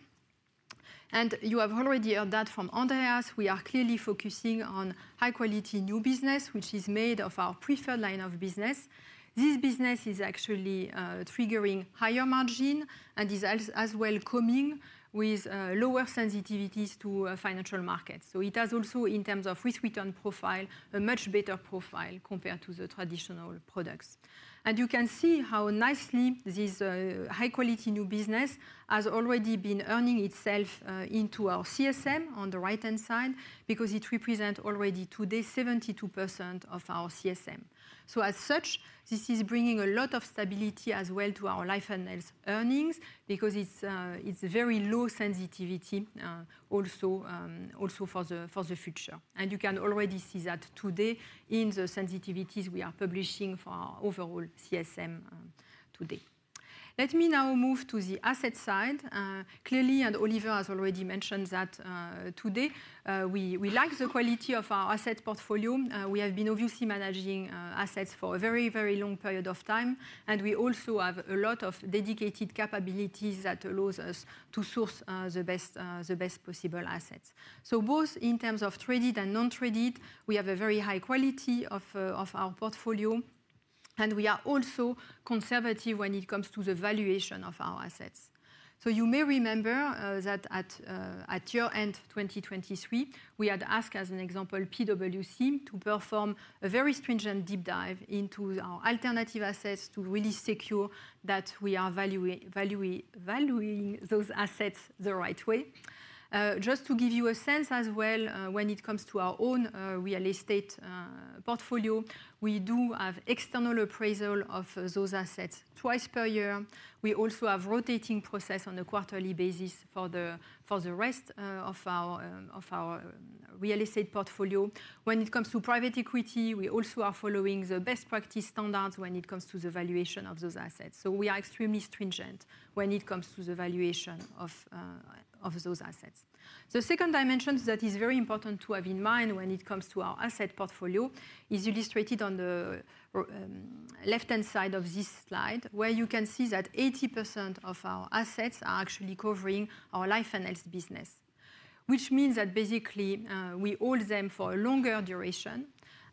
and you have already heard that from Andreas. We are clearly focusing on high-quality new business, which is made of our preferred line of business. This business is actually triggering higher margin and is as well coming with lower sensitivities to financial markets. So it has also, in terms of risk return profile, a much better profile compared to the traditional products. And you can see how nicely this high-quality new business has already been earning itself into our CSM on the right-hand side because it represents already today 72% of our CSM. So as such, this is bringing a lot of stability as well to our life and health earnings because it's very low sensitivity also for the future. And you can already see that today in the sensitivities we are publishing for our overall CSM today. Let me now move to the asset side. Clearly, and Oliver has already mentioned that today, we like the quality of our asset portfolio. We have been obviously managing assets for a very, very long period of time. And we also have a lot of dedicated capabilities that allow us to source the best possible assets. So both in terms of traded and non-traded, we have a very high quality of our portfolio. And we are also conservative when it comes to the valuation of our assets. So you may remember that at year-end 2023, we had asked, as an example, PwC to perform a very stringent deep dive into our alternative assets to really secure that we are valuing those assets the right way. Just to give you a sense as well, when it comes to our own real estate portfolio, we do have external appraisal of those assets twice per year. We also have a rotating process on a quarterly basis for the rest of our real estate portfolio. When it comes to private equity, we also are following the best practice standards when it comes to the valuation of those assets. So we are extremely stringent when it comes to the valuation of those assets. The second dimension that is very important to have in mind when it comes to our asset portfolio is illustrated on the left-hand side of this slide, where you can see that 80% of our assets are actually covering our life and health business, which means that basically, we hold them for a longer duration.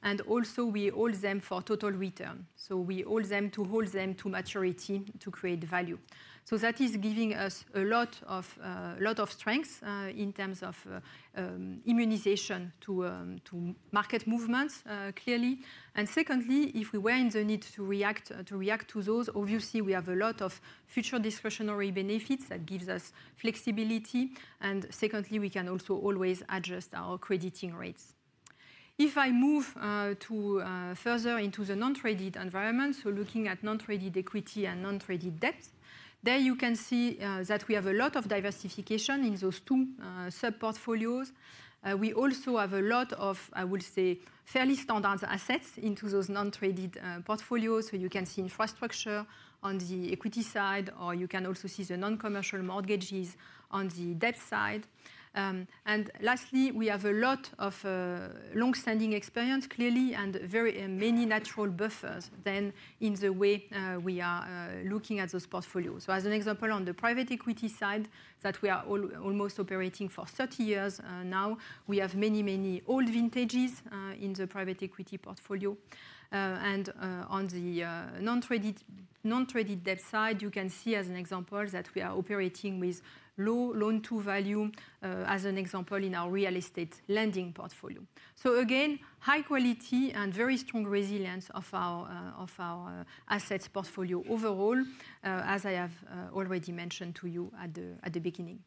And also, we hold them for total return. So we hold them to maturity to create value. So that is giving us a lot of strength in terms of immunization to market movements, clearly. Secondly, if we were in the need to react to those, obviously, we have a lot of future discretionary benefits that give us flexibility. Secondly, we can also always adjust our crediting rates. If I move further into the non-traded environment, so looking at non-traded equity and non-traded debt, there you can see that we have a lot of diversification in those two sub-portfolios. We also have a lot of, I would say, fairly standard assets into those non-traded portfolios. You can see infrastructure on the equity side, or you can also see the non-commercial mortgages on the debt side. Lastly, we have a lot of long-standing experience, clearly, and very many natural buffers then in the way we are looking at those portfolios. As an example, on the private equity side that we are almost operating for 30 years now, we have many, many old vintages in the private equity portfolio. On the non-traded debt side, you can see as an example that we are operating with low loan-to-value as an example in our real estate lending portfolio. Again, high quality and very strong resilience of our asset portfolio overall, as I have already mentioned to you at the beginning.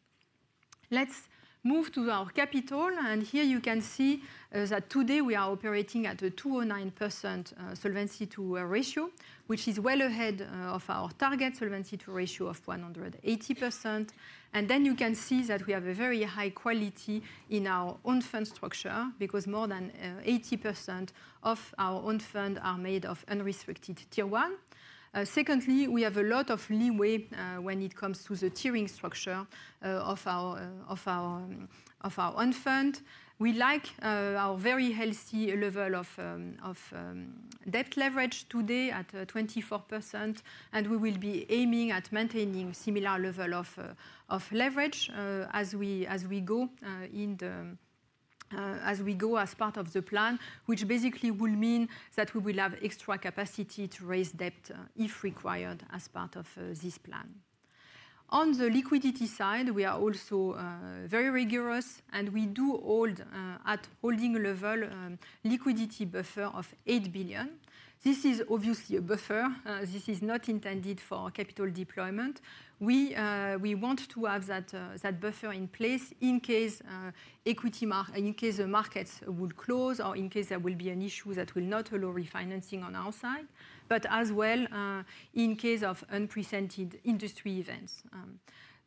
Let's move to our capital. Here you can see that today we are operating at a 209% Solvency II ratio, which is well ahead of our target Solvency II ratio of 180%. Then you can see that we have a very high quality in our own funds structure because more than 80% of our own funds are made of unrestricted Tier 1. Secondly, we have a lot of leeway when it comes to the tiering structure of our own fund. We like our very healthy level of debt leverage today at 24%, and we will be aiming at maintaining a similar level of leverage as we go as part of the plan, which basically will mean that we will have extra capacity to raise debt if required as part of this plan. On the liquidity side, we are also very rigorous, and we do hold at holding level a liquidity buffer of 8 billion. This is obviously a buffer. This is not intended for capital deployment. We want to have that buffer in place in case the markets will close or in case there will be an issue that will not allow refinancing on our side, but as well in case of unprecedented industry events.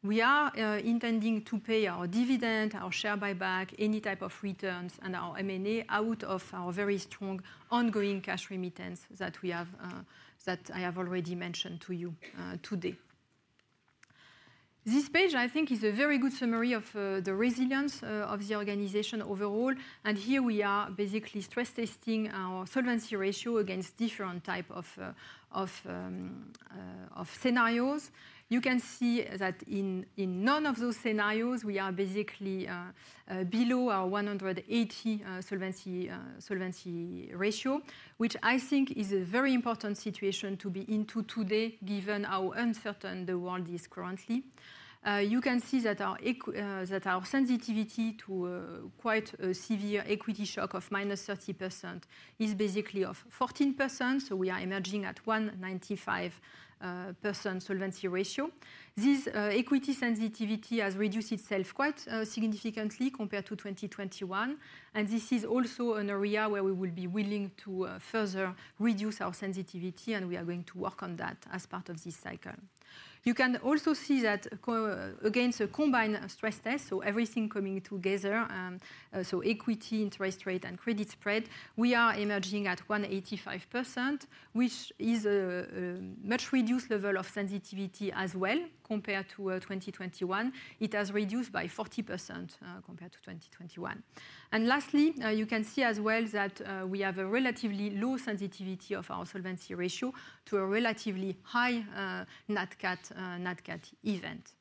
We are intending to pay our dividend, our share buyback, any type of returns, and our M&A out of our very strong ongoing cash remittance that I have already mentioned to you today. This page, I think, is a very good summary of the resilience of the organization overall. Here we are basically stress testing our solvency ratio against different types of scenarios. You can see that in none of those scenarios, we are basically below our 180% solvency ratio, which I think is a very important situation to be into today, given how uncertain the world is currently. You can see that our sensitivity to quite a severe equity shock of minus 30% is basically of 14%. So we are emerging at 195% solvency ratio. This equity sensitivity has reduced itself quite significantly compared to 2021. This is also an area where we will be willing to further reduce our sensitivity. We are going to work on that as part of this cycle. You can also see that against a combined stress test, so everything coming together, so equity, interest rate, and credit spread, we are emerging at 185%, which is a much reduced level of sensitivity as well compared to 2021. It has reduced by 40% compared to 2021. Lastly, you can see as well that we have a relatively low sensitivity of our solvency ratio to a relatively high NatCat event.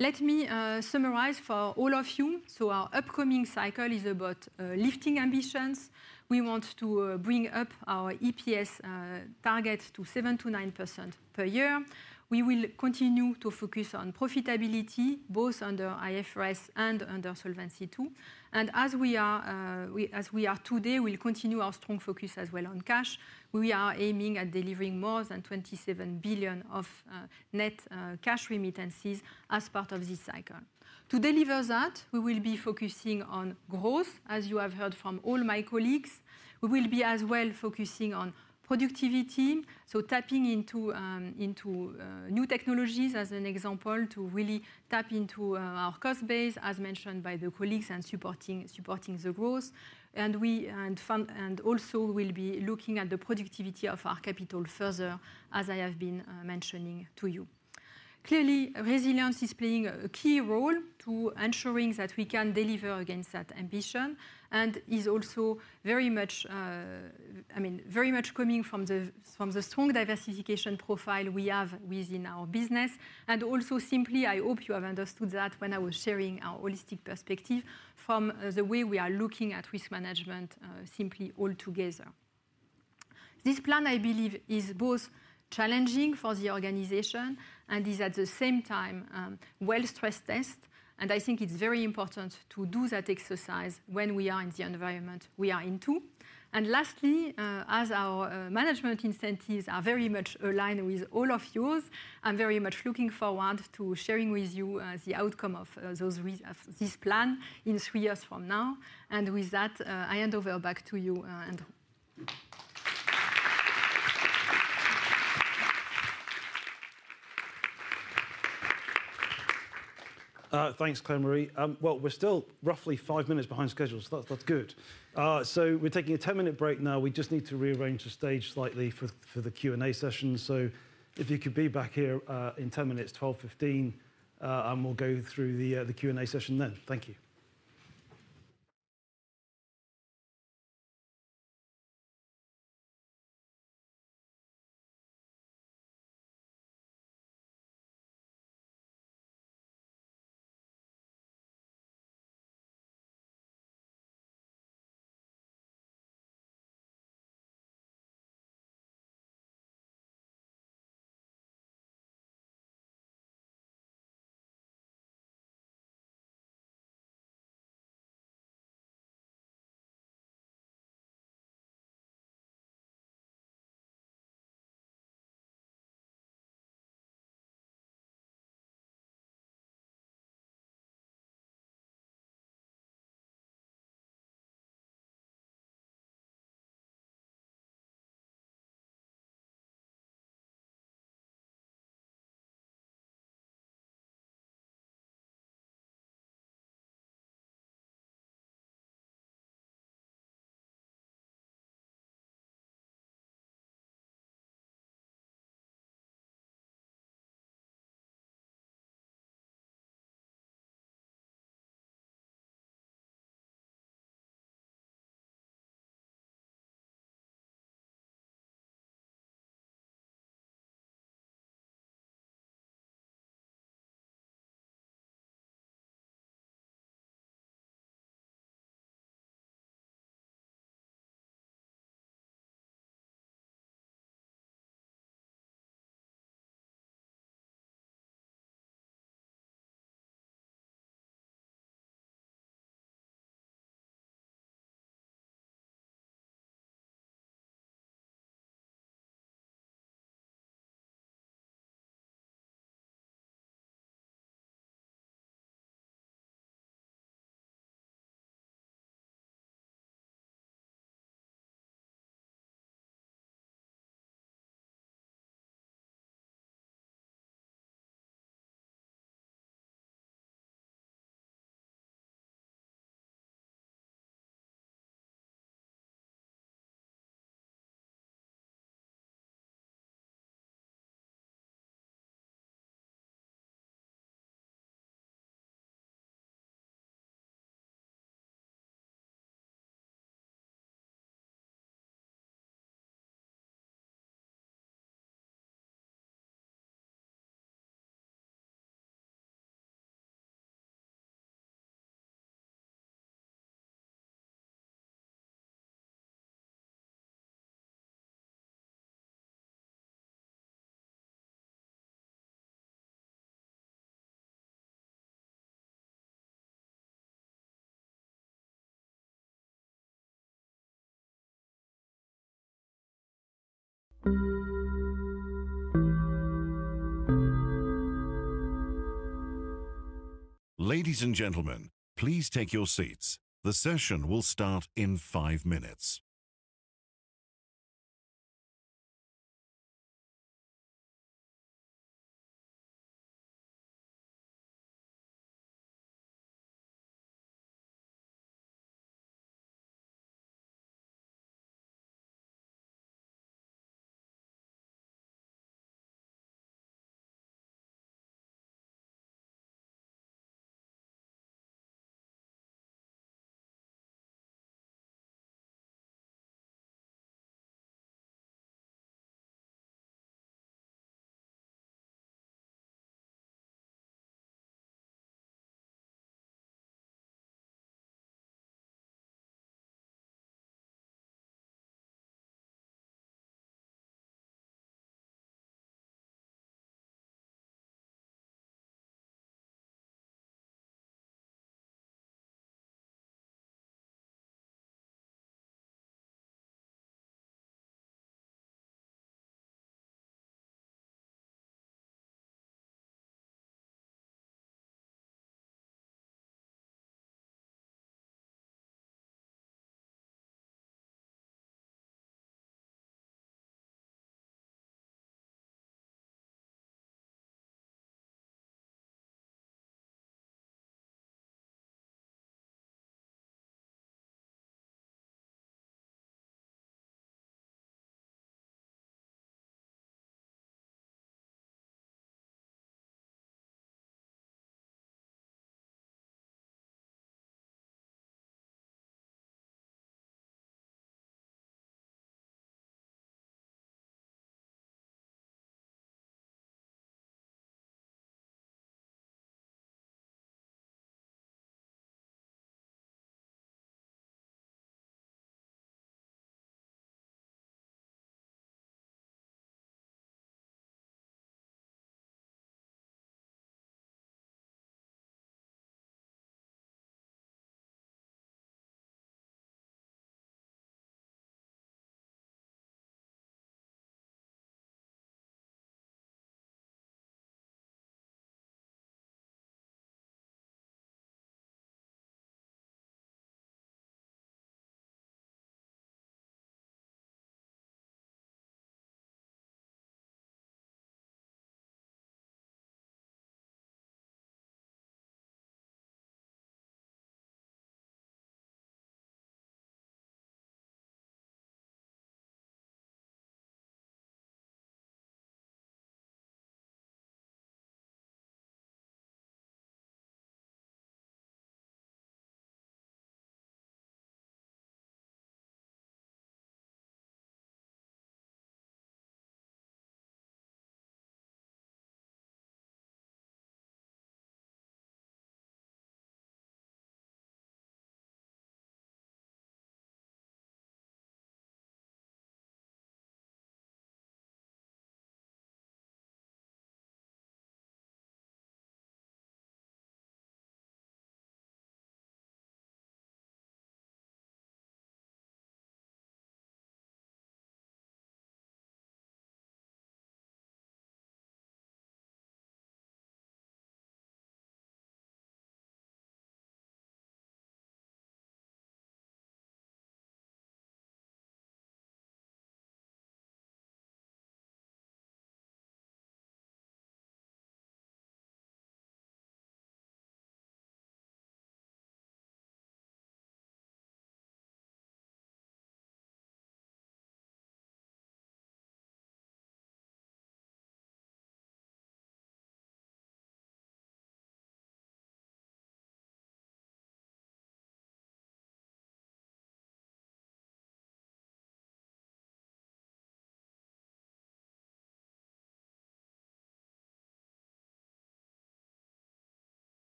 Let me summarize for all of you. Our upcoming cycle is about lifting ambitions. We want to bring up our EPS target to 7%-9% per year. We will continue to focus on profitability, both under IFRS and under Solvency II. As we are today, we'll continue our strong focus as well on cash. We are aiming at delivering more than 27 billion of net cash remittances as part of this cycle. To deliver that, we will be focusing on growth. As you have heard from all my colleagues, we will be as well focusing on productivity, so tapping into new technologies as an example to really tap into our cost base, as mentioned by the colleagues, and supporting the growth. And we also will be looking at the productivity of our capital further, as I have been mentioning to you. Clearly, resilience is playing a key role to ensuring that we can deliver against that ambition and is also very much, I mean, very much coming from the strong diversification profile we have within our business. And also, simply, I hope you have understood that when I was sharing our holistic perspective from the way we are looking at risk management simply all together. This plan, I believe, is both challenging for the organization and is at the same time well stress tested. I think it's very important to do that exercise when we are in the environment we are into. Lastly, as our management incentives are very much aligned with all of yours, I'm very much looking forward to sharing with you the outcome of this plan in three years from now. With that, I hand over back to you, Andrew. Thanks, Claire-Marie. We're still roughly five minutes behind schedule. That's good. We're taking a 10-minute break now. We just need to rearrange the stage slightly for the Q&A session. So if you could be back here in 10 minutes, 12:15, and we'll go through the Q&A session then. Thank you. Ladies and gentlemen, please take your seats. The session will start in five minutes.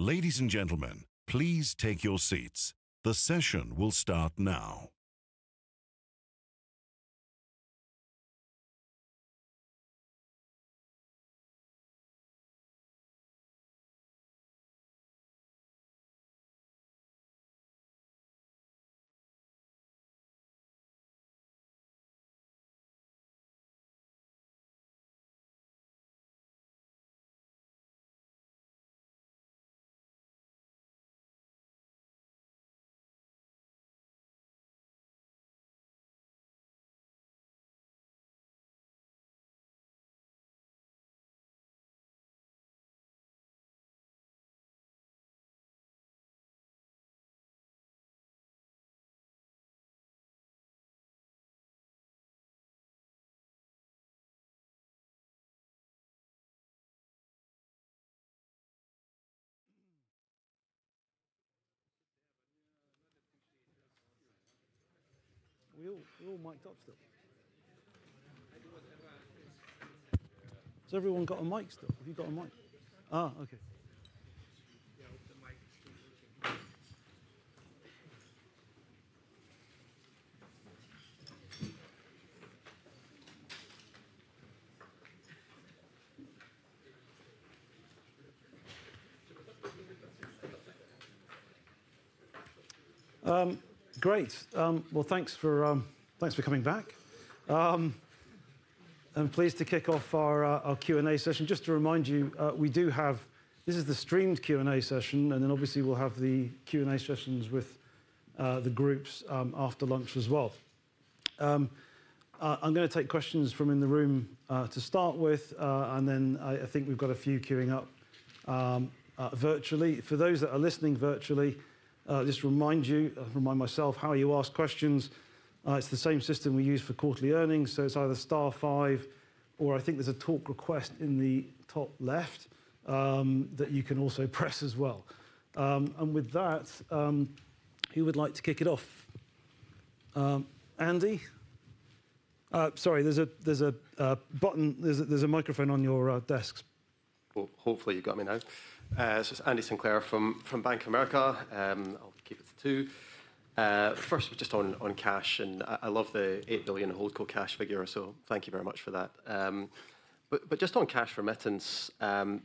Ladies and gentlemen, please take your seats. The session will start now. We all mic'd up still? Has everyone got a mic still? Have you got a mic? Okay. Great. Well, thanks for coming back. I'm pleased to kick off our Q&A session. Just to remind you, we do have this is the streamed Q&A session. And then, obviously, we'll have the Q&A sessions with the groups after lunch as well. I'm going to take questions from in the room to start with. And then, I think we've got a few queuing up virtually. For those that are listening virtually, just remind you, remind myself, how you ask questions. It's the same system we use for quarterly earnings, so it's either star five or I think there's a talk request in the top left that you can also press as well. And with that, who would like to kick it off? Andy? Sorry, there's a button. There's a microphone on your desks. Hopefully, you've got me now, so it's Andy Sinclair from Bank of America. I'll keep it to two. First, just on cash, and I love the 8 billion HoldCo cash figure, so thank you very much for that, but just on cash remittance, I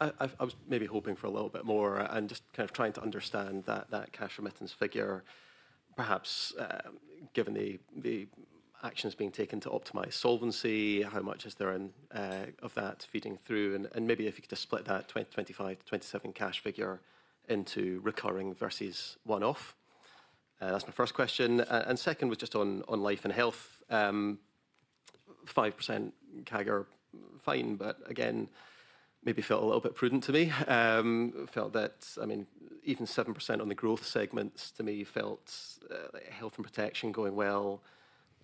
was maybe hoping for a little bit more and just kind of trying to understand that cash remittance figure, perhaps given the actions being taken to optimize solvency, how much is there of that feeding through, and maybe if you could just split that 2025-27 cash figure into recurring versus one-off. That's my first question. And second was just on life and health. 5%, CAGR, fine. But again, maybe felt a little bit prudent to me. Felt that, I mean, even 7% on the growth segments, to me, felt health and protection going well,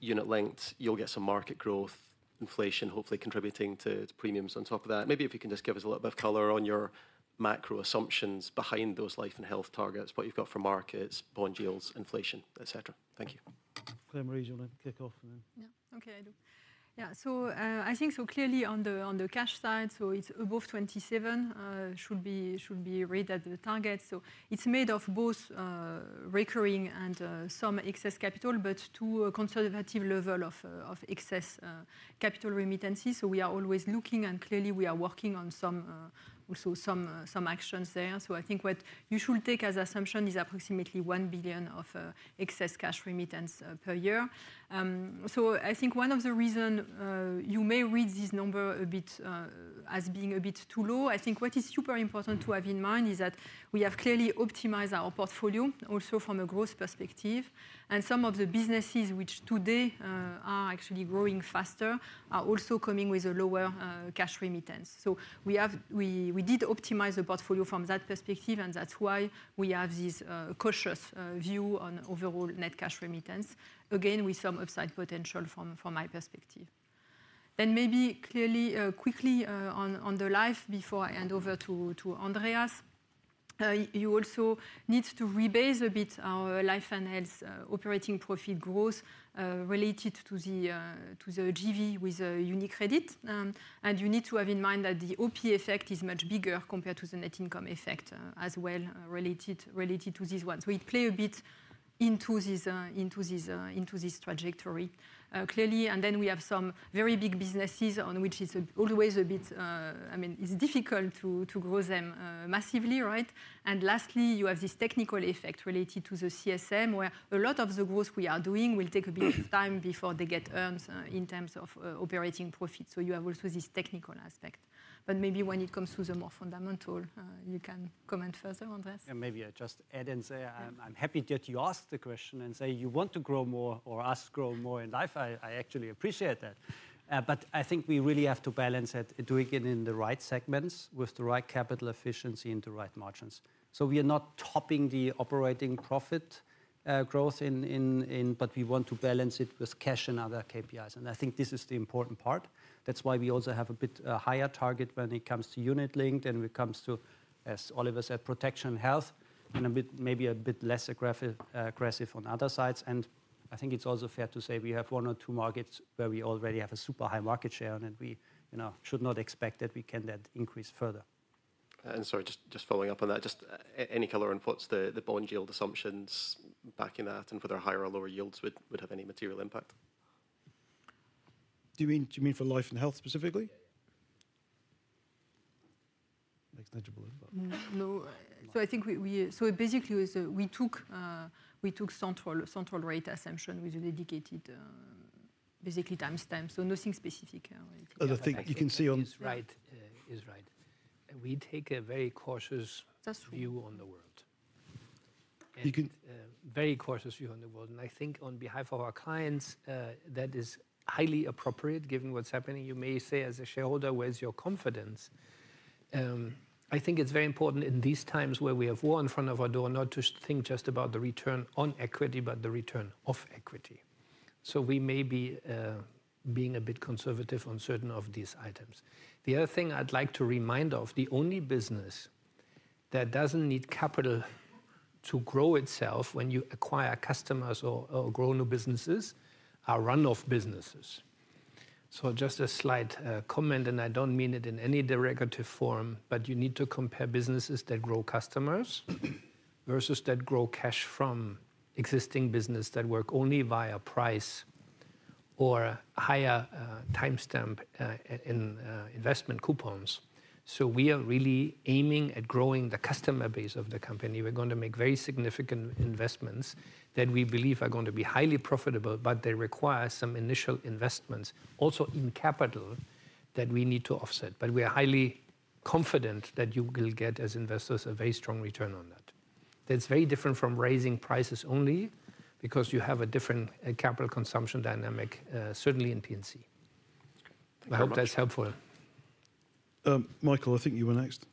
unit-linked, you'll get some market growth, inflation hopefully contributing to premiums on top of that. Maybe if you can just give us a little bit of color on your macro assumptions behind those life and health targets, what you've got for markets, bond yields, inflation, et cetera. Thank you. Claire-Marie, do you want to kick off? Yeah, okay, I do. Yeah, so I think so clearly on the cash side, so it's above 27 should be read at the target. So it's made of both recurring and some excess capital, but to a conservative level of excess capital remittances. So we are always looking, and clearly, we are working on some actions there. So I think what you should take as assumption is approximately 1 billion of excess cash remittance per year. So I think one of the reasons you may read this number a bit as being a bit too low, I think what is super important to have in mind is that we have clearly optimized our portfolio also from a growth perspective. And some of the businesses which today are actually growing faster are also coming with a lower cash remittance. So we did optimize the portfolio from that perspective. And that's why we have this cautious view on overall net cash remittance, again, with some upside potential from my perspective. And maybe, clearly, quickly on the life before I hand over to Andreas, you also need to rebase a bit our life and health operating profit growth related to the JV with a UniCredit. And you need to have in mind that the OP effect is much bigger compared to the net income effect as well related to this one. So it plays a bit into this trajectory, clearly. And then we have some very big businesses on which it's always a bit, I mean, it's difficult to grow them massively, right? And lastly, you have this technical effect related to the CSM, where a lot of the growth we are doing will take a bit of time before they get earned in terms of operating profit. So you have also this technical aspect. But maybe when it comes to the more fundamental, you can comment further, Andreas. Yeah, maybe I just add in there. I'm happy that you asked the question and say you want to grow more or us grow more in life. I actually appreciate that. But I think we really have to balance it, doing it in the right segments with the right capital efficiency and the right margins. So we are not topping the operating profit growth, but we want to balance it with cash and other KPIs. And I think this is the important part. That's why we also have a bit higher target when it comes to unit-linked and when it comes to, as Oliver said, protection and health, and maybe a bit less aggressive on other sides. I think it's also fair to say we have one or two markets where we already have a super high market share, and we should not expect that we can then increase further. Sorry, just following up on that, just any color on what's the bond yield assumptions backing that and whether higher or lower yields would have any material impact? Do you mean for life and health specifically? Makes material impact. No. So I think we basically took central rate assumption with a dedicated basically timestamp. So nothing specific. You can see on. It's right. We take a very cautious view on the world. I think on behalf of our clients, that is highly appropriate given what's happening. You may say as a shareholder, where's your confidence? I think it's very important in these times where we have war in front of our door not to think just about the return on equity, but the return of equity. So we may be being a bit conservative on certain of these items. The other thing I'd like to remind of, the only business that doesn't need capital to grow itself when you acquire customers or grow new businesses are run-off businesses. So just a slight comment, and I don't mean it in any derogatory form, but you need to compare businesses that grow customers versus that grow cash from existing business that work only via price or higher timestamp in investment coupons. So we are really aiming at growing the customer base of the company. We're going to make very significant investments that we believe are going to be highly profitable, but they require some initial investments also in capital that we need to offset. But we are highly confident that you will get, as investors, a very strong return on that. That's very different from raising prices only because you have a different capital consumption dynamic, certainly in P&C. I hope that's helpful. Michael, I think you were next.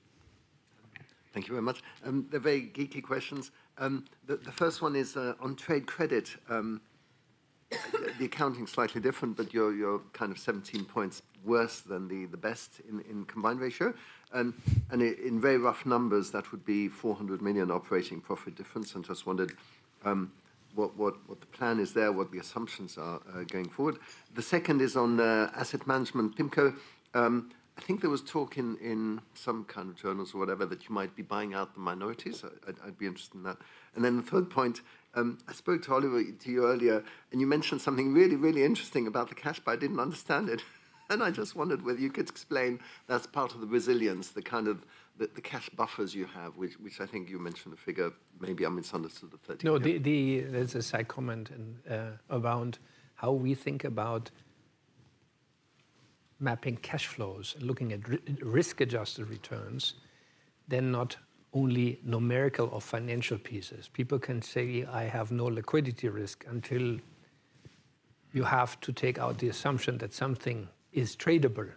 Thank you very much. They're very geeky questions. The first one is on trade credit. The accounting is slightly different, but you're kind of 17 points worse than the best in combined ratio. And in very rough numbers, that would be 400 million operating profit difference. And just wondered what the plan is there, what the assumptions are going forward. The second is on Asset Management, PIMCO. I think there was talk in some kind of journals or whatever that you might be buying out the minorities. I'd be interested in that. And then the third point, I spoke to Oliver today, and you mentioned something really, really interesting about the cash, but I didn't understand it. And I just wondered whether you could explain that's part of the resilience, the kind of the cash buffers you have, which I think you mentioned a figure. Maybe I misunderstood the 30 million. No, there's a side comment around how we think about mapping cash flows and looking at risk-adjusted returns, then not only numerical or financial pieces. People can say, "I have no liquidity risk," until you have to take out the assumption that something is tradable.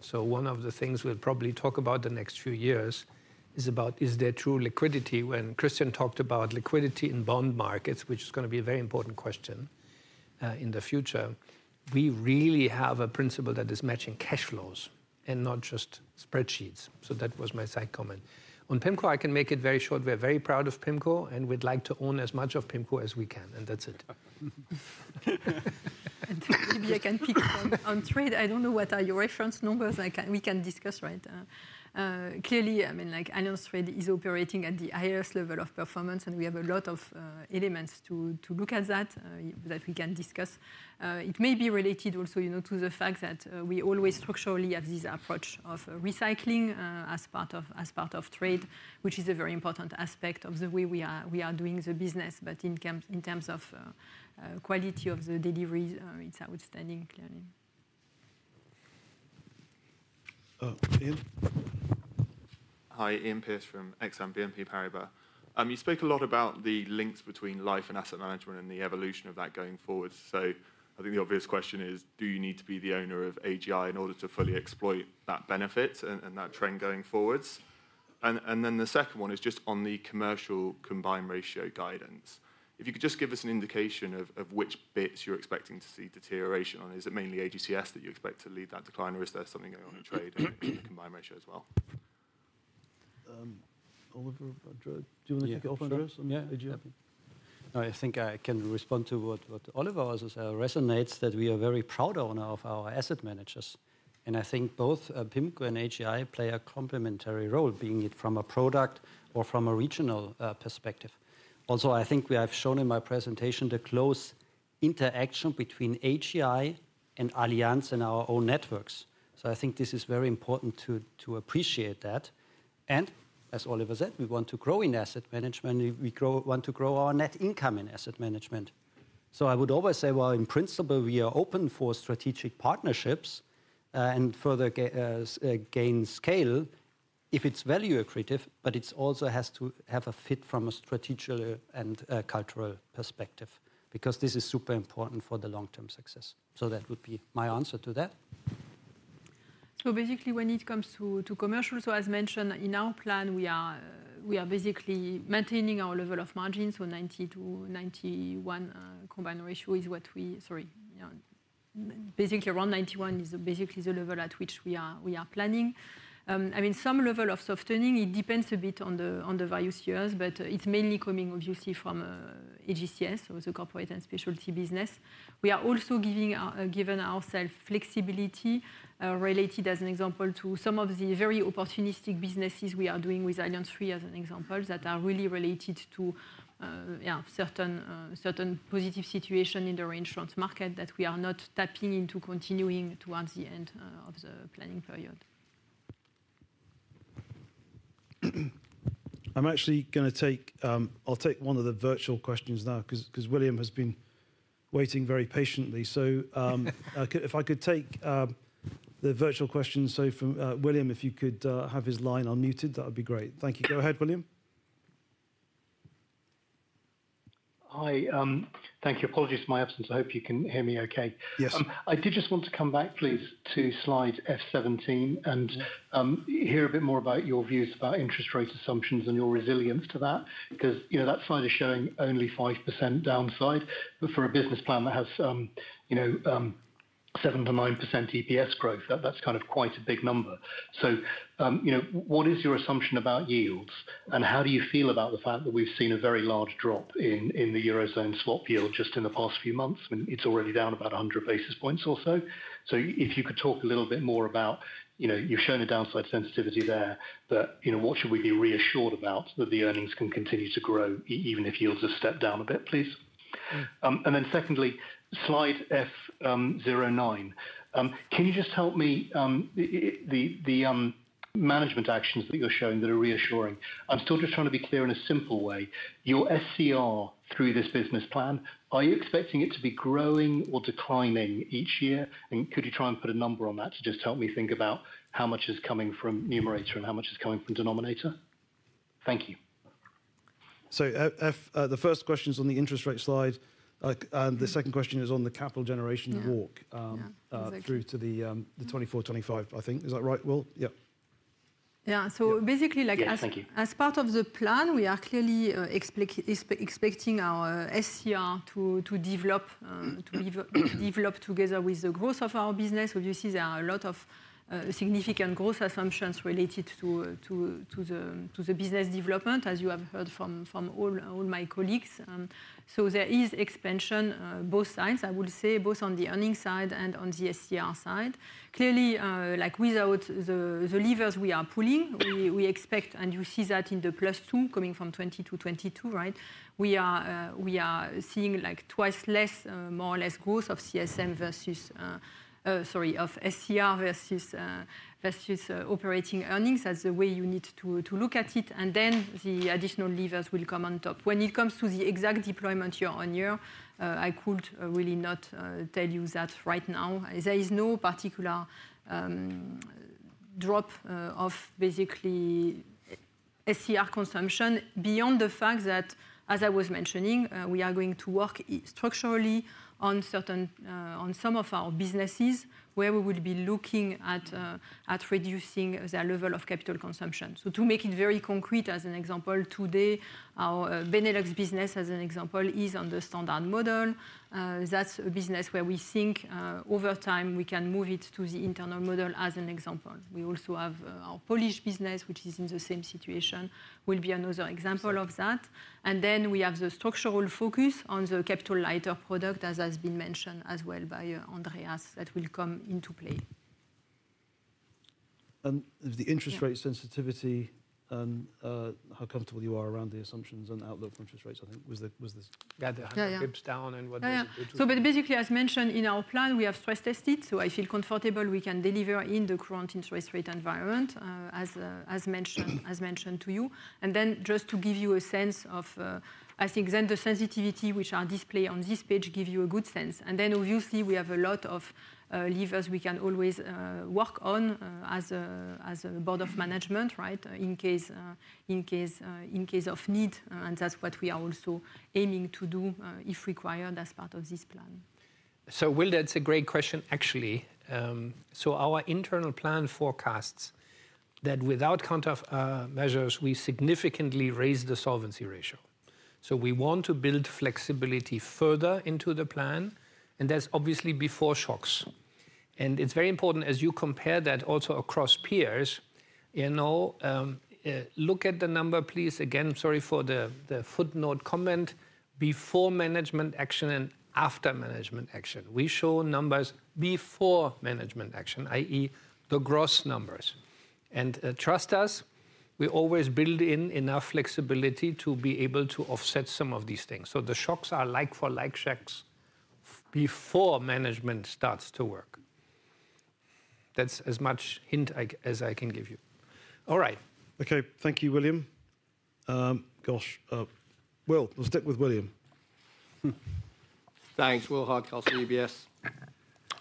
So one of the things we'll probably talk about the next few years is about, is there true liquidity? When Christian talked about liquidity in bond markets, which is going to be a very important question in the future, we really have a principle that is matching cash flows and not just spreadsheets. So that was my side comment. On PIMCO, I can make it very short. We are very proud of PIMCO, and we'd like to own as much of PIMCO as we can. And that's it. Maybe I can pick on trade. I don't know what are your reference numbers. We can discuss, right? Clearly, I mean, Allianz Trade is operating at the highest level of performance, and we have a lot of elements to look at that we can discuss. It may be related also to the fact that we always structurally have this approach of recycling as part of trade, which is a very important aspect of the way we are doing the business. But in terms of quality of the delivery, it's outstanding, clearly. Iain. Hi, Iain Pearce from Exane BNP Paribas. You spoke a lot about the links between life and Asset Management and the evolution of that going forward. So I think the obvious question is, do you need to be the owner of AGI in order to fully exploit that benefit and that trend going forwards? And then the second one is just on the commercial combined ratio guidance. If you could just give us an indication of which bits you're expecting to see deterioration on. Is it mainly AGCS that you expect to lead that decline, or is there something going on in trade and the combined ratio as well? Oliver, do you want to take it off Andreas? Yeah, I do. I think I can respond to what Oliver was. It resonates that we are very proud owner of our asset managers, and I think both PIMCO and AGI play a complementary role, being it from a product or from a regional perspective. Also, I think we have shown in my presentation the close interaction between AGI and Allianz and our own networks, so I think this is very important to appreciate that, and as Oliver said, we want to grow in Asset Management. We want to grow our net income in Asset Management, so I would always say, well, in principle, we are open for strategic partnerships and further gain scale if it's value accretive, but it also has to have a fit from a strategic and cultural perspective because this is super important for the long-term success, so that would be my answer to that. So basically, when it comes to commercial, so as mentioned, in our plan, we are basically maintaining our level of margin. So 90%-91% combined ratio is what we, sorry, basically around 91% is basically the level at which we are planning. I mean, some level of XOLVening, it depends a bit on the value tiers, but it's mainly coming obviously from AGCS, so it's a corporate and specialty business. We are also giving ourselves flexibility related, as an example, to some of the very opportunistic businesses we are doing with Allianz Re, as an example, that are really related to certain positive situations in the reinsurance market that we are not tapping into continuing towards the end of the planning period. I'm actually going to take one of the virtual questions now because William has been waiting very patiently. So if I could take the virtual question. So from William, if you could have his line unmuted, that would be great. Thank you. Go ahead, William. Hi. Thank you. Apologies for my absence. I hope you can hear me okay. Yes. I did just want to come back, please, to slide F17 and hear a bit more about your views about interest rate assumptions and your resilience to that because that slide is showing only 5% downside. But for a business plan that has 7%-9% EPS growth, that's kind of quite a big number. So what is your assumption about yields? And how do you feel about the fact that we've seen a very large drop in the Eurozone swap yield just in the past few months? I mean, it's already down about 100 basis points or so. So if you could talk a little bit more about you've shown a downside sensitivity there, but what should we be reassured about that the earnings can continue to grow even if yields have stepped down a bit, please? And then secondly, slide F09, can you just help me the management actions that you're showing that are reassuring? I'm still just trying to be clear in a simple way. Your SCR through this business plan, are you expecting it to be growing or declining each year? And could you try and put a number on that to just help me think about how much is coming from numerator and how much is coming from denominator? Thank you. So the first question is on the interest rate slide. And the second question is on the capital generation walk through to the 2024, 2025, I think. Is that right, Will? Yeah. Yeah. So basically, as part of the plan, we are clearly expecting our SCR to develop together with the growth of our business. Obviously, there are a lot of significant growth assumptions related to the business development, as you have heard from all my colleagues. So there is expansion both sides, I would say, both on the earnings side and on the SCR side. Clearly, without the levers we are pulling, we expect, and you see that in the plus two coming from 20 to 22, right? We are seeing twice less, more or less, growth of CSM versus sorry, of SCR versus operating earnings. That's the way you need to look at it. And then the additional levers will come on top. When it comes to the exact deployment year-on-year, I could really not tell you that right now. There is no particular drop of basically SCR consumption beyond the fact that, as I was mentioning, we are going to work structurally on some of our businesses where we will be looking at reducing the level of capital consumption, so to make it very concrete, as an example, today, our Benelux business, as an example, is on the standard model. That's a business where we think over time we can move it to the internal model, as an example. We also have our Polish business, which is in the same situation, will be another example of that. And then we have the structural focus on the capital lighter product, as has been mentioned as well by Andreas, that will come into play. The interest rate sensitivity, how comfortable you are around the assumptions and outlook on interest rates, I think was the. Yeah, the dips down and whatnot. Yeah. So basically, as mentioned in our plan, we have stress tested it. So I feel comfortable we can deliver in the current interest rate environment, as mentioned to you. And then just to give you a sense of, I think then the sensitivity which are displayed on this page give you a good sense. And then obviously, we have a lot of levers we can always work on as a board of management, right, in case of need. And that's what we are also aiming to do if required as part of this plan. So Will, that's a great question, actually. So our internal plan forecasts that without countermeasures, we significantly raised the solvency ratio. So we want to build flexibility further into the plan. And that's obviously before shocks. And it's very important as you compare that also across peers. Look at the number, please. Again, sorry for the footnote comment, before management action and after management action. We show numbers before management action, i.e., the gross numbers. And trust us, we always build in enough flexibility to be able to offset some of these things. So the shocks are like for like shocks before management starts to work. That's as much hint as I can give you. All right. Okay. Thank you, William. Gosh. Will, we'll stick with William. Thanks. Will Hardcastle, UBS.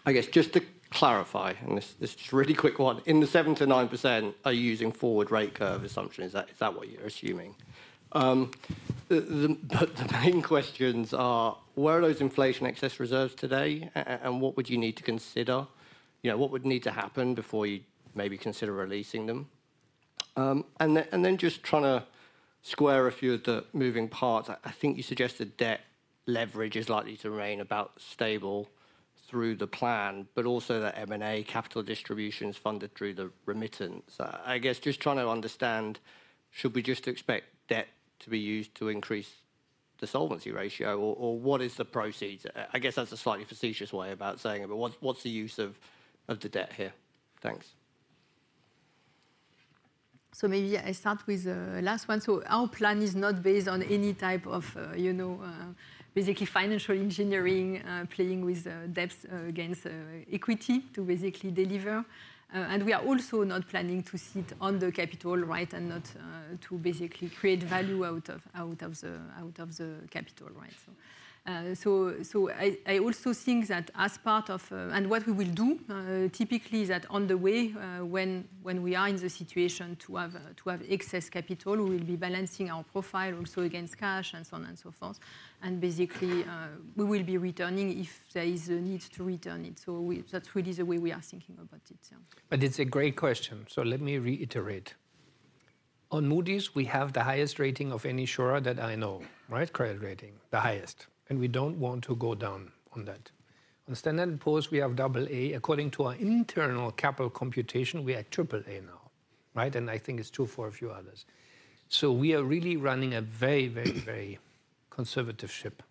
I guess just to clarify, and this is a really quick one, in the 7%-9%, are you using forward rate curve assumption? Is that what you're assuming? The main questions are, where are those inflation excess reserves today, and what would you need to consider? What would need to happen before you maybe consider releasing them? And then just trying to square a few of the moving parts. I think you suggested debt leverage is likely to remain about stable through the plan, but also that M&A capital distribution is funded through the remittance. I guess just trying to understand, should we just expect debt to be used to increase the solvency ratio, or what is the proceeds? I guess that's a slightly facetious way about saying it, but what's the use of the debt here? Thanks. So maybe I start with the last one. So our plan is not based on any type of basically financial engineering playing with debts against equity to basically deliver. And we are also not planning to sit on the capital, right, and not to basically create value out of the capital, right? So I also think that as part of and what we will do typically is that on the way, when we are in the situation to have excess capital, we will be balancing our profile also against cash and so on and so forth. And basically, we will be returning if there is a need to return it. So that's really the way we are thinking about it. But it's a great question. So let me reiterate. On Moody's, we have the highest rating of any insurer that I know, right? Credit rating, the highest. And we don't want to go down on that. On Standard & Poor's, we have AA. According to our internal capital computation, we are AAA now, right? And I think it's true for a few others. So we are really running a very, very, very conservative ship.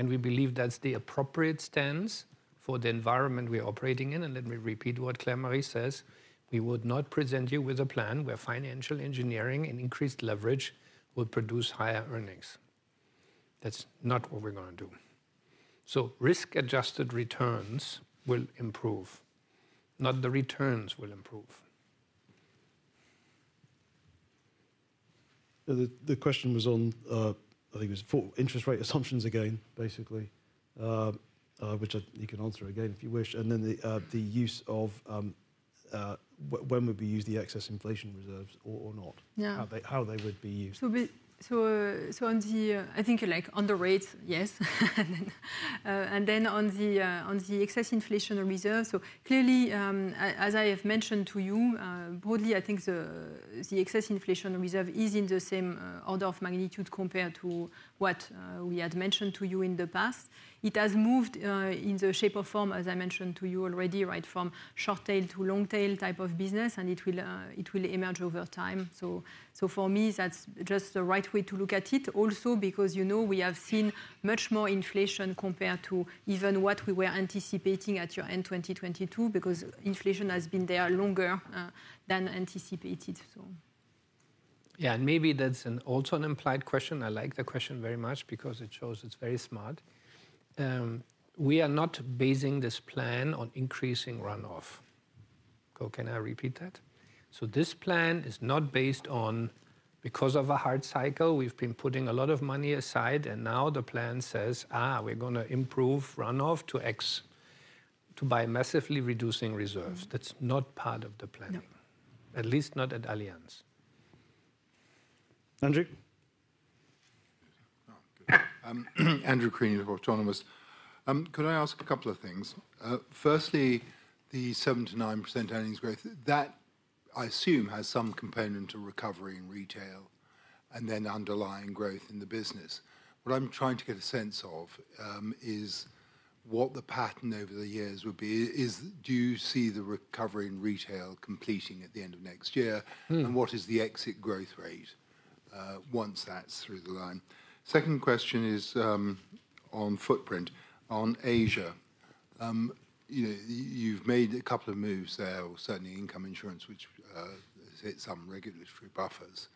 We believe that's the appropriate stance for the environment we are operating in. Let me repeat what Claire-Marie says. We would not present you with a plan where financial engineering and increased leverage will produce higher earnings. That's not what we're going to do. Risk-adjusted returns will improve. Not the returns will improve. The question was on, I think it was for interest rate assumptions again, basically, which you can answer again if you wish. Then the use of when would we use the excess inflation reserves or not? How they would be used. I think under rates, yes. Then on the excess inflation reserve. Clearly, as I have mentioned to you, broadly, I think the excess inflation reserve is in the same order of magnitude compared to what we had mentioned to you in the past. It has moved in the shape of form, as I mentioned to you already, right, from short tail to long tail type of business, and it will emerge over time. So for me, that's just the right way to look at it. Also because we have seen much more inflation compared to even what we were anticipating at year end 2022 because inflation has been there longer than anticipated. Yeah. And maybe that's also an implied question. I like the question very much because it shows it's very smart. We are not basing this plan on increasing runoff. Can I repeat that? So this plan is not based on, because of a hard cycle, we've been putting a lot of money aside, and now the plan says, we're going to improve runoff to X to by massively reducing reserves. That's not part of the planning, at least not at Allianz. Andrew. Andrew Crean of Autonomous Research. Could I ask a couple of things? Firstly, the 7% to 9% earnings growth, that I assume has some component to recovery in retail and then underlying growth in the business. What I'm trying to get a sense of is what the pattern over the years would be. Do you see the recovery in retail completing at the end of next year? And what is the exit growth rate once that's through the line? Second question is on your footprint in Asia. You've made a couple of moves there, certainly Income Insurance, which hit some regulatory buffers.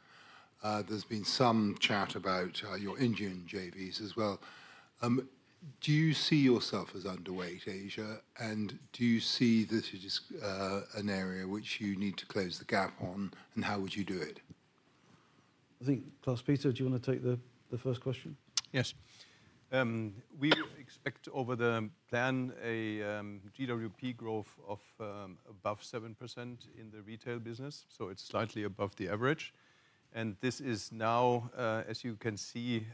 There's been some chat about your Indian JVs as well. Do you see yourself as underweight Asia? And do you see this as an area which you need to close the gap on? And how would you do it? I think, Klaus-Peter, do you want to take the first question? Yes. We expect over the plan a GWP growth of above 7% in the retail business, so it's slightly above the average. And this is now, as you can see,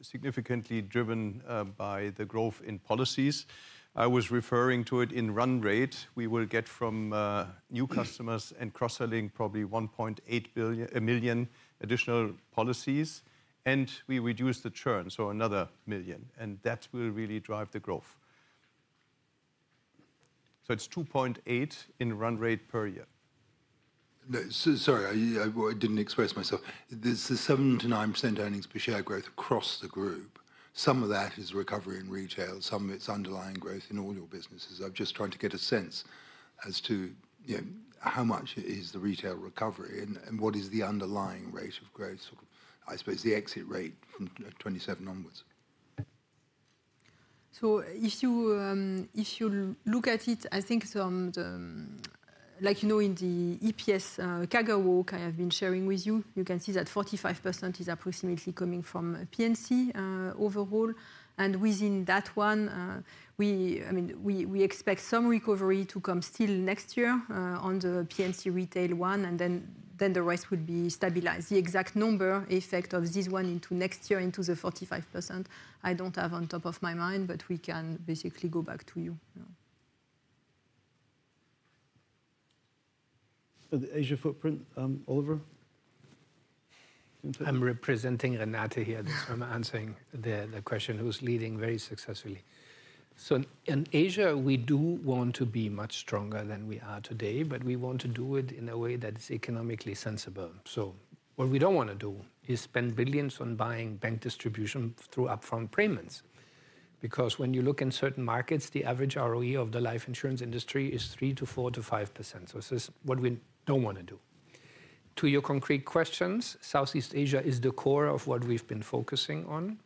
significantly driven by the growth in policies. I was referring to it in run rate. We will get from new customers and cross-selling probably 1.8 million additional policies. And we reduce the churn, so another million. And that will really drive the growth, so it's 2.8 in run rate per year. Sorry, I didn't express myself. There's a 7%-9% earnings per share growth across the group. Some of that is recovery in retail. Some of it's underlying growth in all your businesses. I'm just trying to get a sense as to how much is the retail recovery and what is the underlying rate of growth, I suppose, the exit rate from 2027 onwards. So if you look at it, I think like in the EPS CAGR kind of been sharing with you, you can see that 45% is approximately coming from P&C overall. And within that one, I mean, we expect some recovery to come still next year on the P&C retail one, and then the rest would be stabilized. The exact number effect of this one into next year into the 45%, I don't have on top of my mind, but we can basically go back to you. For the Asia footprint, Oliver? I'm representing Renata here. I'm answering the question who's leading very successfully. So in Asia, we do want to be much stronger than we are today, but we want to do it in a way that is economically sensible. So what we don't want to do is spend billions on buying bank distribution through upfront payments. Because when you look in certain markets, the average ROE of the life insurance industry is 3%-5%. So this is what we don't want to do. To your concrete questions, Southeast Asia is the core of what we've been focusing on.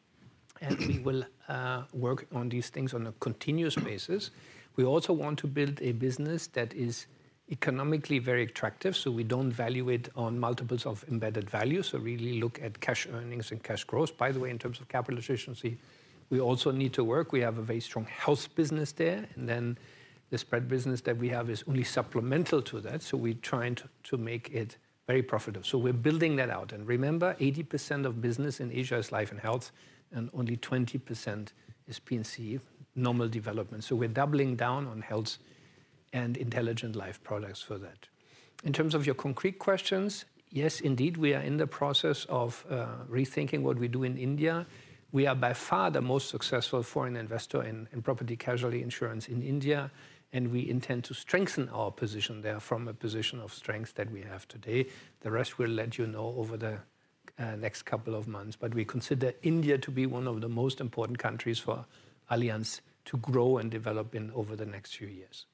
And we will work on these things on a continuous basis. We also want to build a business that is economically very attractive. So we don't value it on multiples of embedded value. So really look at cash earnings and cash growth. By the way, in terms of capital efficiency, we also need to work. We have a very strong health business there, and then the spread business that we have is only supplemental to that. So we're trying to make it very profitable. So we're building that out, and remember, 80% of business in Asia is life and health, and only 20% is P&C, normal development. So we're doubling down on health and intelligent life products for that. In terms of your concrete questions, yes, indeed, we are in the process of rethinking what we do in India. We are by far the most successful foreign investor in property casualty insurance in India, and we intend to strengthen our position there from a position of strength that we have today. The rest we'll let you know over the next couple of months. We consider India to be one of the most important countries for Allianz to grow and develop in over the next few years.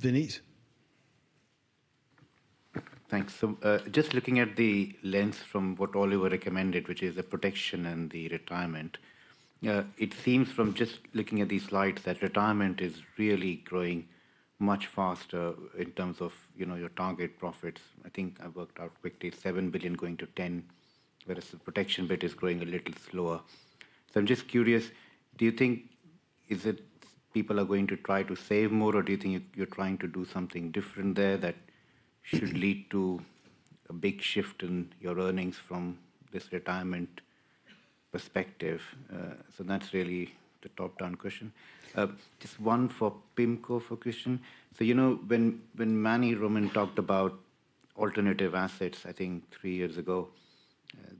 Vinit. Thanks. So just looking at the lens from what Oliver recommended, which is the protection and the retirement, it seems from just looking at these slides that retirement is really growing much faster in terms of your target profits. I think I worked out quickly 7 billion going to 10 billion, whereas the protection bit is growing a little slower. So I'm just curious, do you think people are going to try to save more, or do you think you're trying to do something different there that should lead to a big shift in your earnings from this retirement perspective? So that's really the top-down question. Just one for PIMCO for question. So when Manny Roman talked about alternative assets, I think three years ago,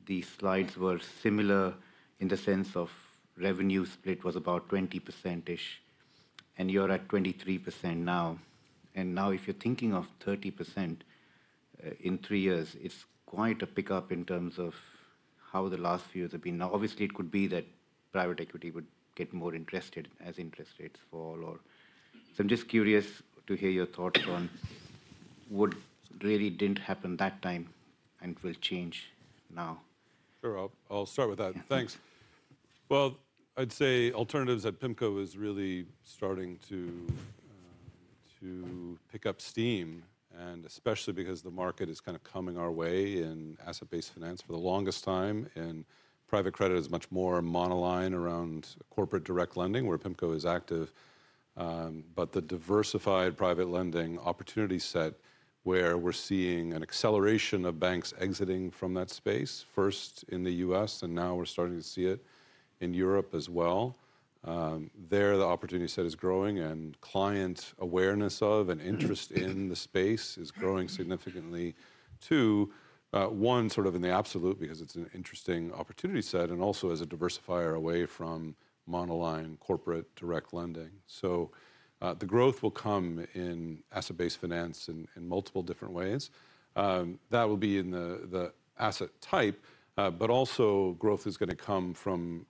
these slides were similar in the sense of revenue split was about 20%-ish. And you're at 23% now. And now if you're thinking of 30% in three years, it's quite a pickup in terms of how the last few years have been. Now, obviously, it could be that private equity would get more interested as interest rates fall. So I'm just curious to hear your thoughts on what really didn't happen that time and will change now. Sure. I'll start with that. Thanks. Well, I'd say alternatives at PIMCO is really starting to pick up steam, and especially because the market is kind of coming our way in asset-based finance for the longest time. And private credit is much more monoline around corporate direct lending, where PIMCO is active. But the diversified private lending opportunity set where we're seeing an acceleration of banks exiting from that space, first in the U.S., and now we're starting to see it in Europe as well. There, the opportunity set is growing, and client awareness of and interest in the space is growing significantly too, one sort of in the absolute because it's an interesting opportunity set and also as a diversifier away from monoline corporate direct lending. So the growth will come in asset-based finance in multiple different ways. That will be in the asset type, but also growth is going to come from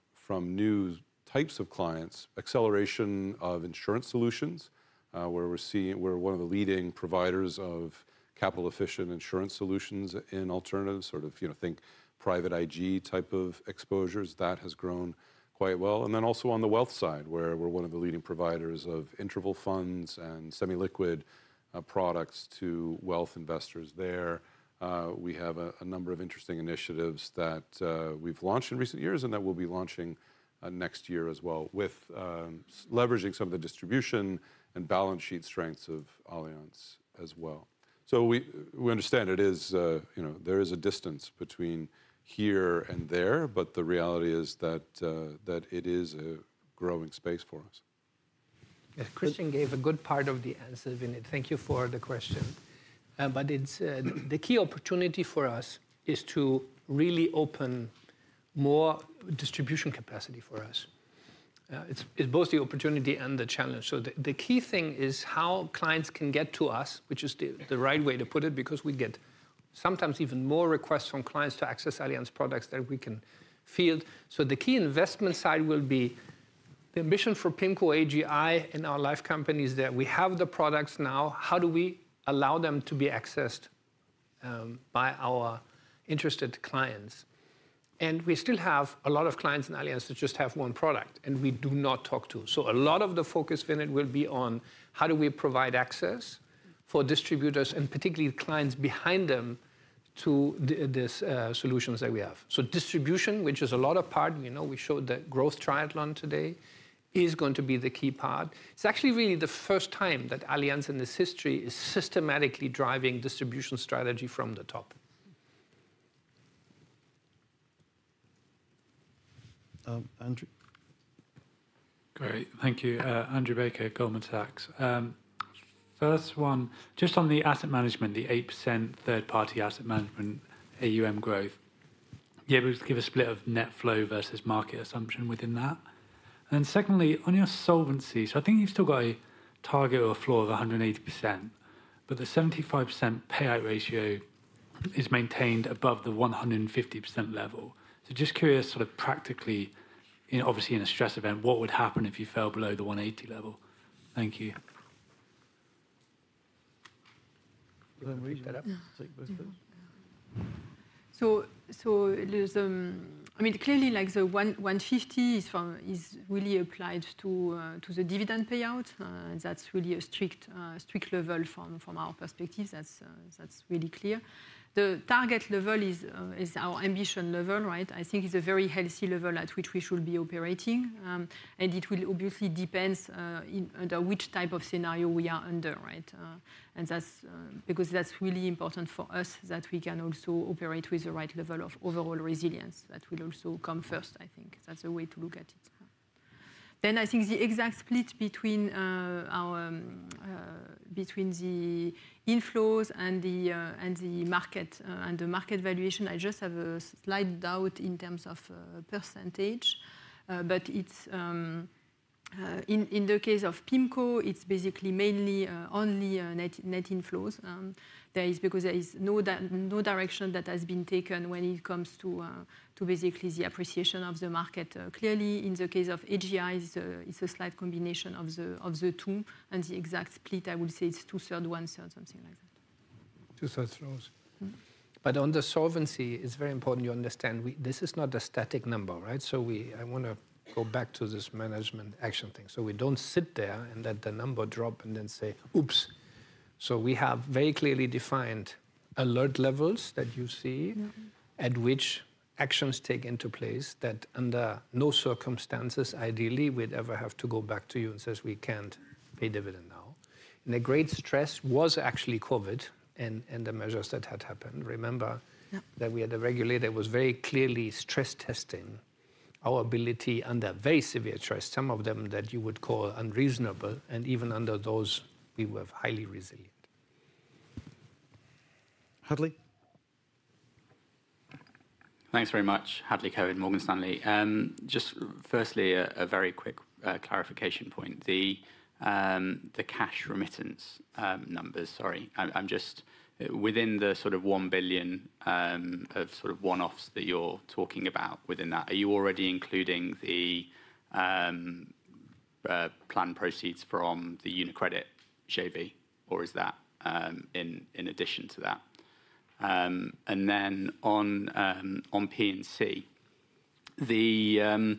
new types of clients, acceleration of insurance solutions, where we're one of the leading providers of capital-efficient insurance solutions in alternatives, sort of think private IG type of exposures that has grown quite well. And then also on the wealth side, where we're one of the leading providers of interval funds and semi-liquid products to wealth investors there. We have a number of interesting initiatives that we've launched in recent years and that we'll be launching next year as well, leveraging some of the distribution and balance sheet strengths of Allianz as well. We understand there is a distance between here and there, but the reality is that it is a growing space for us. Christian gave a good part of the answer, Vinit. Thank you for the question. But the key opportunity for us is to really open more distribution capacity for us. It's both the opportunity and the challenge. So the key thing is how clients can get to us, which is the right way to put it, because we get sometimes even more requests from clients to access Allianz products than we can field. So the key investment side will be the ambition for PIMCO AGI in our life companies that we have the products now. How do we allow them to be accessed by our interested clients? And we still have a lot of clients in Allianz that just have one product, and we do not talk to. So a lot of the focus, Vinit, will be on how do we provide access for distributors and particularly clients behind them to these solutions that we have. So distribution, which is a lot of part, we showed the Growth Triathlon today, is going to be the key part. It's actually really the first time that Allianz in this history is systematically driving distribution strategy from the top. Andrew. Great. Thank you. Andrew Baker, Goldman Sachs. First one, just on the Asset Management, the 8% third-party Asset Management AUM growth. Yeah, we'll give a split of net flow versus market assumption within that. And then secondly, on your solvency, so I think you've still got a target or a floor of 180%, but the 75% payout ratio is maintained above the 150% level. So just curious, sort of practically, obviously in a stress event, what would happen if you fell below the 180 level? Thank you. So I mean, clearly, like the 150 is really applied to the dividend payout. That's really a strict level from our perspective. That's really clear. The target level is our ambition level, right? I think it's a very healthy level at which we should be operating. And it will obviously depend under which type of scenario we are under, right? And because that's really important for us that we can also operate with the right level of overall resilience. That will also come first, I think. That's a way to look at it. Then I think the exact split between the inflows and the market and the market valuation, I just have a slight doubt in terms of percentage. But in the case of PIMCO, it's basically mainly only net inflows. There is, because there is no direction that has been taken when it comes to basically the appreciation of the market. Clearly, in the case of AGI, it's a slight combination of the two. And the exact split, I would say it's two-thirds, one-third, something like that. Two-thirds flows. But on the solvency, it's very important you understand this is not a static number, right? So I want to go back to this management action thing. So we don't sit there and let the number drop and then say, oops. So we have very clearly defined alert levels that you see at which actions take into place that under no circumstances, ideally, we'd ever have to go back to you and say, we can't pay dividend now. And the great stress was actually COVID and the measures that had happened. Remember that we had a regulator that was very clearly stress testing our ability under very severe stress, some of them that you would call unreasonable. And even under those, we were highly resilient. Hadley. Thanks very much, Hadley Cohen, Morgan Stanley. Just firstly, a very quick clarification point. The cash remittance numbers, sorry, I'm just within the sort of one billion of sort of one-offs that you're talking about within that, are you already including the planned proceeds from the UniCredit JV, or is that in addition to that? And then on P&C, the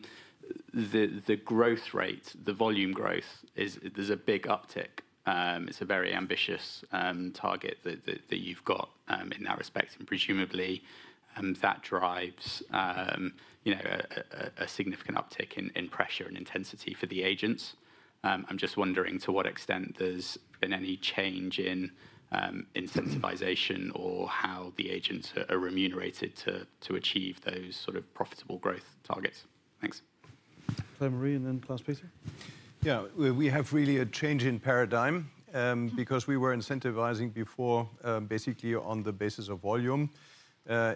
growth rate, the volume growth, there's a big uptick. It's a very ambitious target that you've got in that respect. And presumably, that drives a significant uptick in pressure and intensity for the agents. I'm just wondering to what extent there's been any change in incentivization or how the agents are remunerated to achieve those sort of profitable growth targets. Thanks. Claire-Marie and then Klaus-Peter. Yeah, we have really a change in paradigm because we were incentivizing before basically on the basis of volume.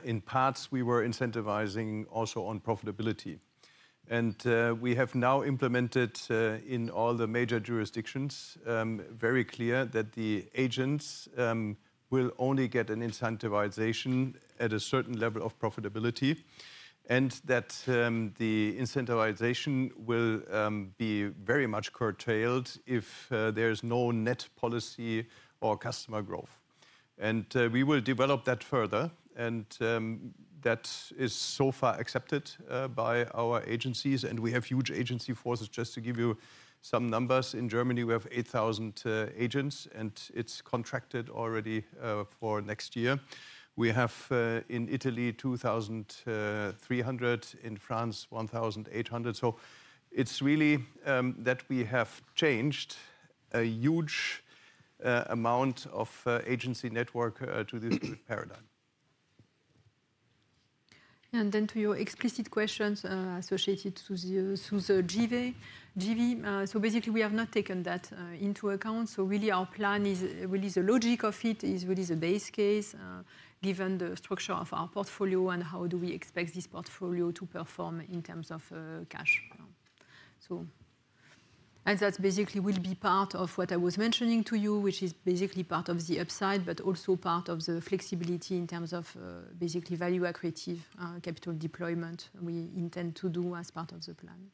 In parts, we were incentivizing also on profitability. We have now implemented in all the major jurisdictions very clear that the agents will only get an incentivization at a certain level of profitability and that the incentivization will be very much curtailed if there is no net policy or customer growth. We will develop that further. That is so far accepted by our agencies. We have huge agency forces. Just to give you some numbers, in Germany, we have 8,000 agents, and it's contracted already for next year. We have in Italy 2,300, in France 1,800. It's really that we have changed a huge amount of agency network to this paradigm. Then to your explicit questions associated to the JV, basically, we have not taken that into account. So really, our plan is really the logic of it is really the base case given the structure of our portfolio and how do we expect this portfolio to perform in terms of cash. And that basically will be part of what I was mentioning to you, which is basically part of the upside, but also part of the flexibility in terms of basically value-accretive capital deployment we intend to do as part of the plan.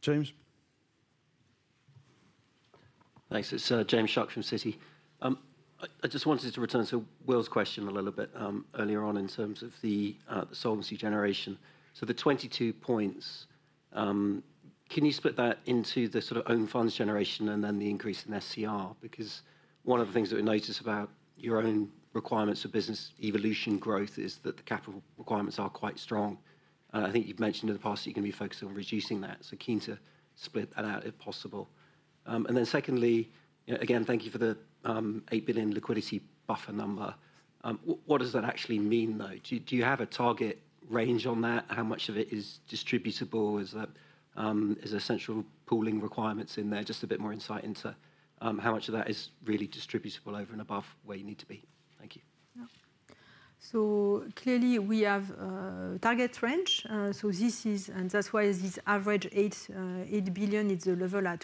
James. Thanks. It's James Shuck from Citi. I just wanted to return to Will's question a little bit earlier on in terms of the solvency generation. So the 22 points, can you split that into the sort of own funds generation and then the increase in SCR? Because one of the things that we notice about your own requirements for business evolution growth is that the capital requirements are quite strong. I think you've mentioned in the past that you're going to be focused on reducing that. So keen to split that out if possible. And then secondly, again, thank you for the 8 billion liquidity buffer number. What does that actually mean, though? Do you have a target range on that? How much of it is distributable? Is there central pooling requirements in there? Just a bit more insight into how much of that is really distributable over and above where you need to be. Thank you. So clearly, we have a target range. That's why this average 8 billion is the level at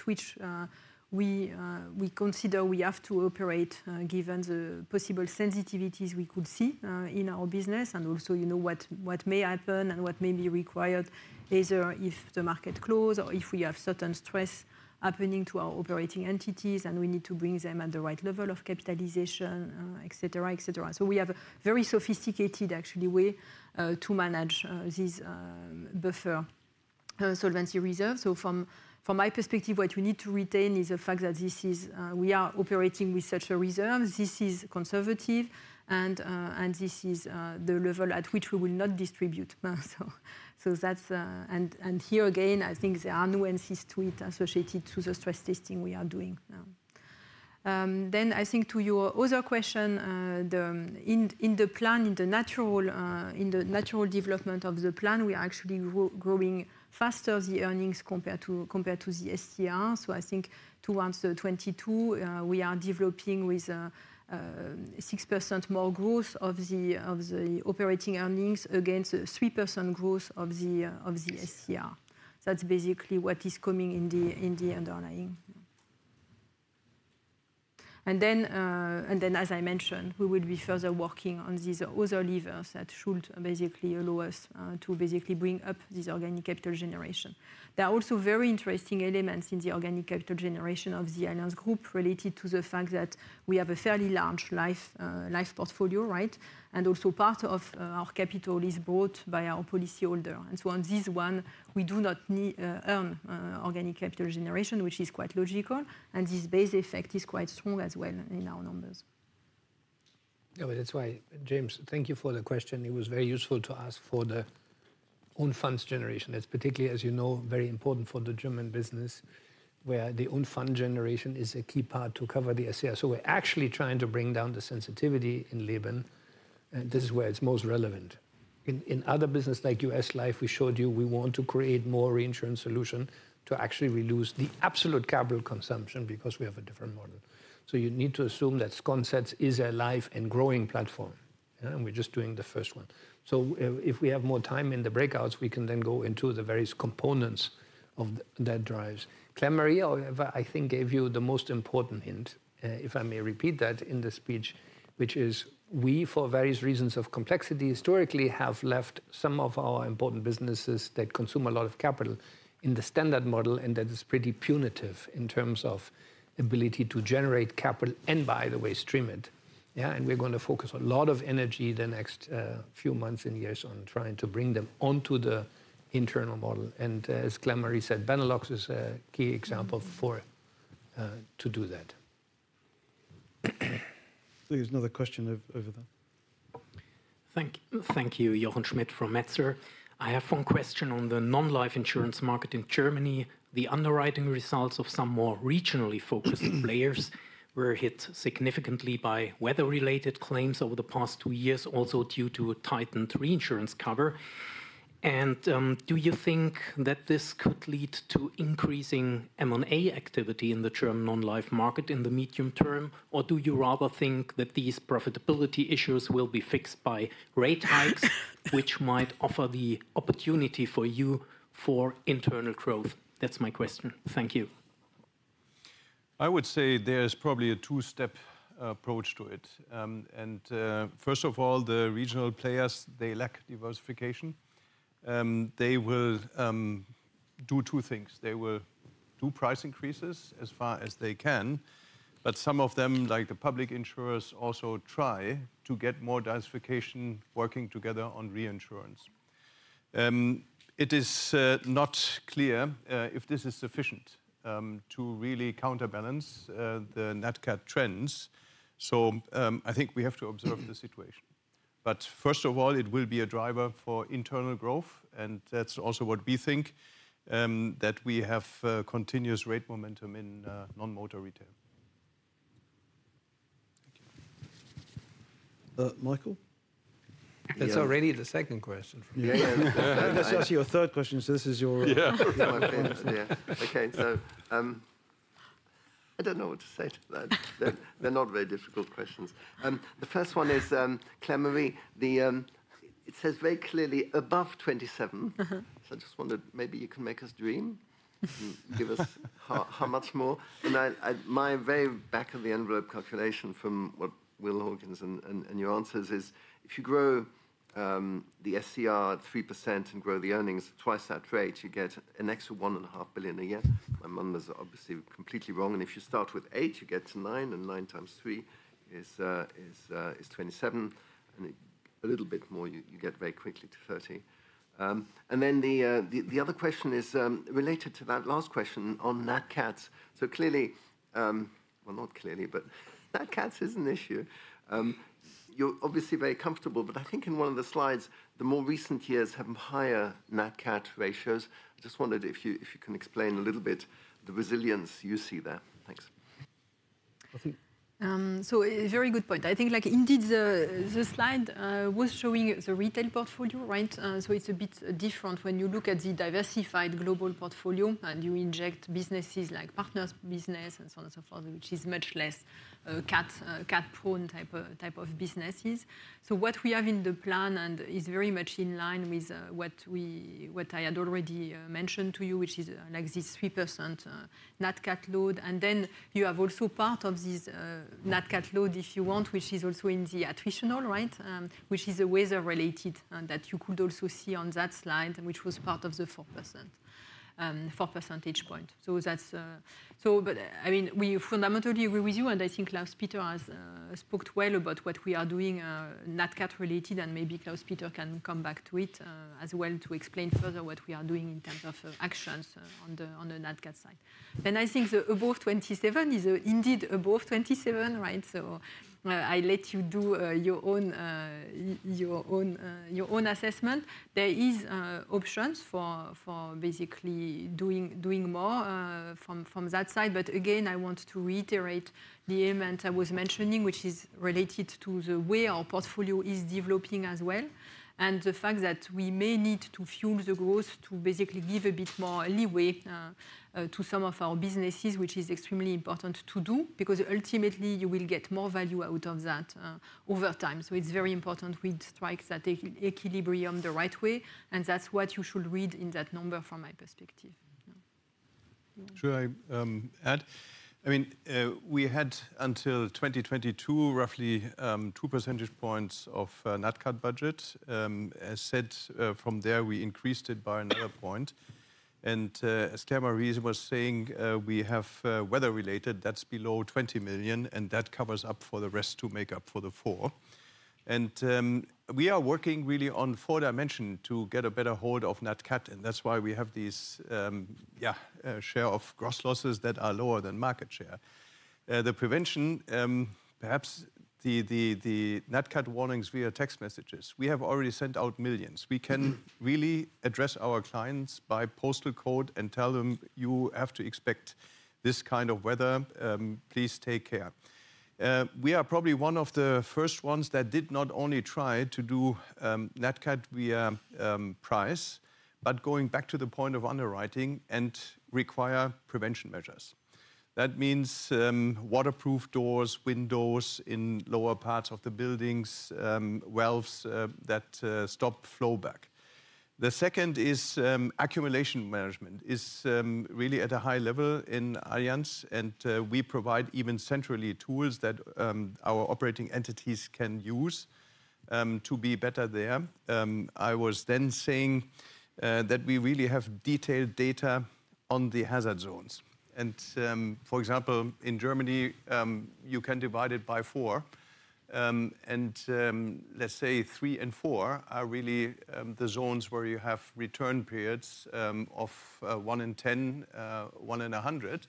which we consider we have to operate given the possible sensitivities we could see in our business and also what may happen and what may be required later if the market close or if we have certain stress happening to our operating entities and we need to bring them at the right level of capitalization, et cetera, et cetera. We have a very sophisticated, actually, way to manage this buffer solvency reserve. From my perspective, what we need to retain is the fact that we are operating with such a reserve. This is conservative, and this is the level at which we will not distribute. Here, again, I think there are nuances to it associated to the stress testing we are doing. Then I think to your other question, in the plan, in the natural development of the plan, we are actually growing faster the earnings compared to the SCR. So I think towards 2022, we are developing with 6% more growth of the operating earnings against 3% growth of the SCR. That's basically what is coming in the underlying. And then, as I mentioned, we will be further working on these other levers that should basically allow us to basically bring up this organic capital generation. There are also very interesting elements in the organic capital generation of the Allianz Group related to the fact that we have a fairly large life portfolio, right? And also part of our capital is brought by our policyholder. And so on this one, we do not earn organic capital generation, which is quite logical. And this base effect is quite strong as well in our numbers. Yeah, but that's why, James, thank you for the question. It was very useful to ask for the own funds generation. That's particularly, as you know, very important for the German business where the own funds generation is a key part to cover the SCR. So we're actually trying to bring down the sensitivity in L&H. This is where it's most relevant. In other businesses like US Life, we showed you we want to create more reinsurance solution to actually reduce the absolute capital consumption because we have a different model. So you need to assume that Somerset is a live and growing platform, and we're just doing the first one. So if we have more time in the breakouts, we can then go into the various components of that drives. Claire-Marie, however, I think gave you the most important hint, if I may repeat that in the speech, which is we, for various reasons of complexity, historically have left some of our important businesses that consume a lot of capital in the standard model, and that is pretty punitive in terms of ability to generate capital and, by the way, stream it. We're going to focus a lot of energy the next few months and years on trying to bring them onto the internal model. And as Claire-Marie said, Benelux is a key example to do that. There's another question over there. Thank you, Jochen Schmitt from Metzler. I have one question on the non-life insurance market in Germany. The underwriting results of some more regionally focused players were hit significantly by weather-related claims over the past two years, also due to tightened reinsurance cover. Do you think that this could lead to increasing M&A activity in the German non-life market in the medium term, or do you rather think that these profitability issues will be fixed by rate hikes, which might offer the opportunity for you for internal growth? That's my question. Thank you. I would say there's probably a two-step approach to it. First of all, the regional players, they lack diversification. They will do two things. They will do price increases as far as they can, but some of them, like the public insurers, also try to get more diversification working together on reinsurance. It is not clear if this is sufficient to really counterbalance the NatCat trends. So I think we have to observe the situation. But first of all, it will be a driver for internal growth, and that's also what we think, that we have continuous rate momentum in non-motor retail. Thank you. Michael? That's already the second question from you. That's actually your third question, so this is your. Yeah, my favorite. Yeah. Okay, so I don't know what to say to that. They're not very difficult questions. The first one is, Claire-Marie, it says very clearly above 27. So I just wondered, maybe you can make us dream and give us how much more. And my very back-of-the-envelope calculation from what Will Hardcastle and your answers is if you grow the SCR 3% and grow the earnings twice at rate, you get an extra 1.5 billion a year. My numbers are obviously completely wrong. And if you start with eight, you get to nine, and nine times three is 27. And a little bit more, you get very quickly to 30. And then the other question is related to that last question on NatCats. So clearly, well, not clearly, but NatCats is an issue. You're obviously very comfortable, but I think in one of the slides, the more recent years have higher NatCat ratios. I just wondered if you can explain a little bit the resilience you see there. Thanks. So a very good point. I think indeed the slide was showing the retail portfolio, right? So it's a bit different when you look at the diversified global portfolio and you inject businesses like Partners' business and so on and so forth, which is much less cat-prone type of businesses. So what we have in the plan is very much in line with what I had already mentioned to you, which is like this 3% NatCat load. And then you have also part of this NatCat load, if you want, which is also in the attritional, right? Which is the weather-related that you could also see on that slide, which was part of the 4%, 4 percentage point. So I mean, we fundamentally agree with you, and I think Klaus-Peter has spoke well about what we are doing NatCat related, and maybe Klaus-Peter can come back to it as well to explain further what we are doing in terms of actions on the NatCat side. And I think above 27 is indeed above 27, right? So I let you do your own assessment. There are options for basically doing more from that side. But again, I want to reiterate the element I was mentioning, which is related to the way our portfolio is developing as well and the fact that we may need to fuel the growth to basically give a bit more leeway to some of our businesses, which is extremely important to do because ultimately, you will get more value out of that over time. So it's very important we strike that equilibrium the right way, and that's what you should read in that number from my perspective. Should I add? I mean, we had until 2022 roughly 2 percentage points of NatCat budget. As said, from there, we increased it by another point. And as Claire-Marie was saying, we have weather-related, that's below 20 million, and that covers up for the rest to make up for the 4. And we are working really on four dimensions to get a better hold of NatCat, and that's why we have these, yeah, share of gross losses that are lower than market share. The prevention, perhaps the NatCat warnings via text messages. We have already sent out millions. We can really address our clients by postal code and tell them, you have to expect this kind of weather. Please take care. We are probably one of the first ones that did not only try to do NatCat via price, but going back to the point of underwriting and require prevention measures. That means waterproof doors, windows in lower parts of the buildings, wells that stop flowback. The second is accumulation management is really at a high level in Allianz, and we provide even centrally tools that our operating entities can use to be better there. And for example, in Germany, you can divide it by four. And let's say three and four are really the zones where you have return periods of one in 10, one in 100.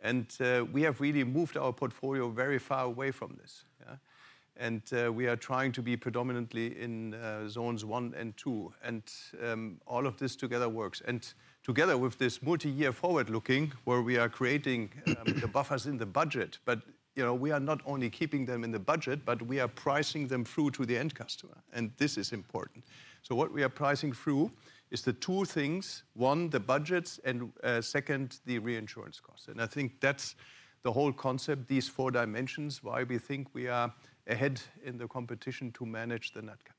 And we have really moved our portfolio very far away from this. And we are trying to be predominantly in zones one and two. And all of this together works. And together with this multi-year forward looking where we are creating the buffers in the budget, but we are not only keeping them in the budget, but we are pricing them through to the end customer. And this is important. So what we are pricing through is the two things. One, the budgets, and second, the reinsurance costs. I think that's the whole concept, these four dimensions, why we think we are ahead in the competition to manage the NatCat.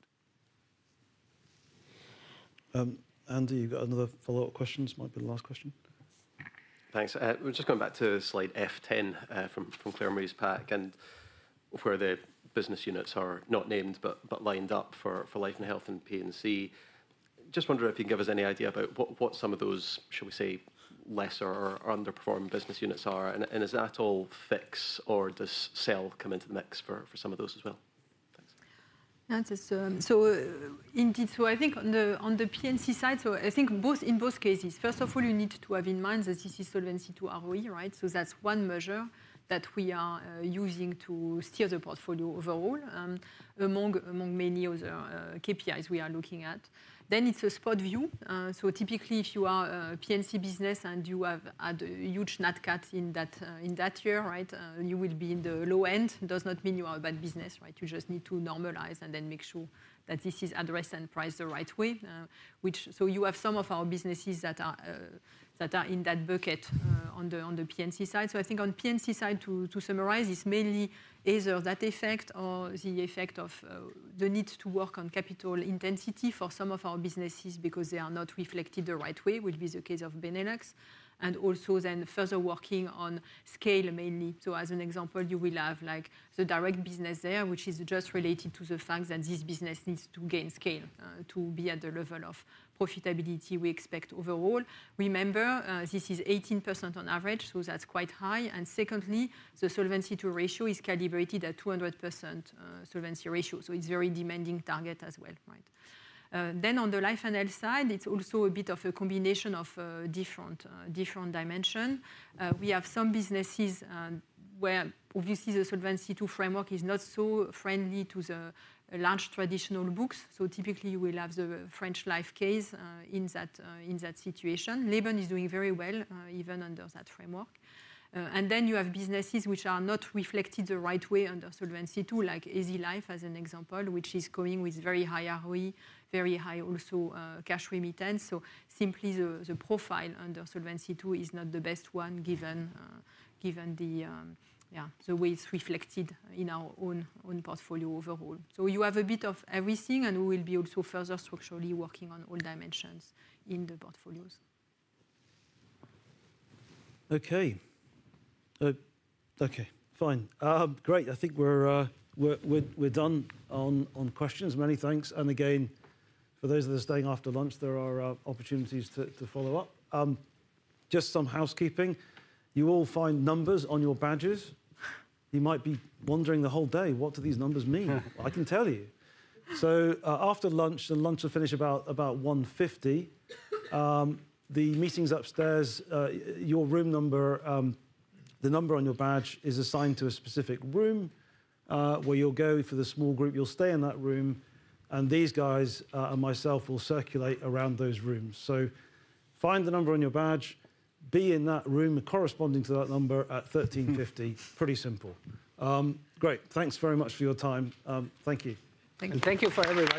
Andy, you've got another follow-up question. This might be the last question. Thanks. Just going back to slide F10 from Claire-Marie's pack, and where the business units are not named, but lined up for life and health and P&C. Just wondering if you can give us any idea about what some of those, shall we say, lesser or underperforming business units are. And is that all fixed, or does sale come into the mix for some of those as well? Thanks. So indeed, so I think on the P&C side, so I think in both cases, first of all, you need to have in mind the EC Solvency II ROE, right? So that's one measure that we are using to steer the portfolio overall among many other KPIs we are looking at, then it's a spot view, so typically, if you are a P&C business and you have had a huge NatCat in that year, right, you will be in the low end. It does not mean you are a bad business, right? You just need to normalize and then make sure that this is addressed and priced the right way, so you have some of our businesses that are in that bucket on the P&C side, so I think on P&C side, to summarize, it's mainly either that effect or the effect of the need to work on capital intensity for some of our businesses because they are not reflected the right way, which is the case of Benelux, and also then further working on scale mainly. So as an example, you will have the Direct business there, which is just related to the fact that this business needs to gain scale to be at the level of profitability we expect overall. Remember, this is 18% on average, so that's quite high. And secondly, the Solvency II ratio is calibrated at 200% Solvency II ratio. So it's a very demanding target as well, right? Then on the life and health side, it's also a bit of a combination of different dimensions. We have some businesses where obviously the Solvency II framework is not so friendly to the large traditional books. So typically, you will have the French Life case in that situation. Italy is doing very well even under that framework. And then you have businesses which are not reflected the right way under Solvency II, like Allianz Life as an example, which is going with very high ROE, very high also cash remittance. So simply the profile under Solvency II is not the best one given the way it's reflected in our own portfolio overall. So you have a bit of everything, and we will be also further structurally working on all dimensions in the portfolios. Okay. Okay, fine. Great. I think we're done on questions. Many thanks. And again, for those of us staying after lunch, there are opportunities to follow up. Just some housekeeping. You will find numbers on your badges. You might be wondering the whole day, what do these numbers mean? I can tell you. So after lunch, and lunch will finish about 1:50 P.M., the meetings upstairs. Your room number, the number on your badge, is assigned to a specific room where you'll go for the small group. You'll stay in that room, and these guys and myself will circulate around those rooms. So find the number on your badge, be in that room corresponding to that number at 1:50 P.M. Pretty simple. Great. Thanks very much for your time. Thank you. Thank you. Thank you for everybody.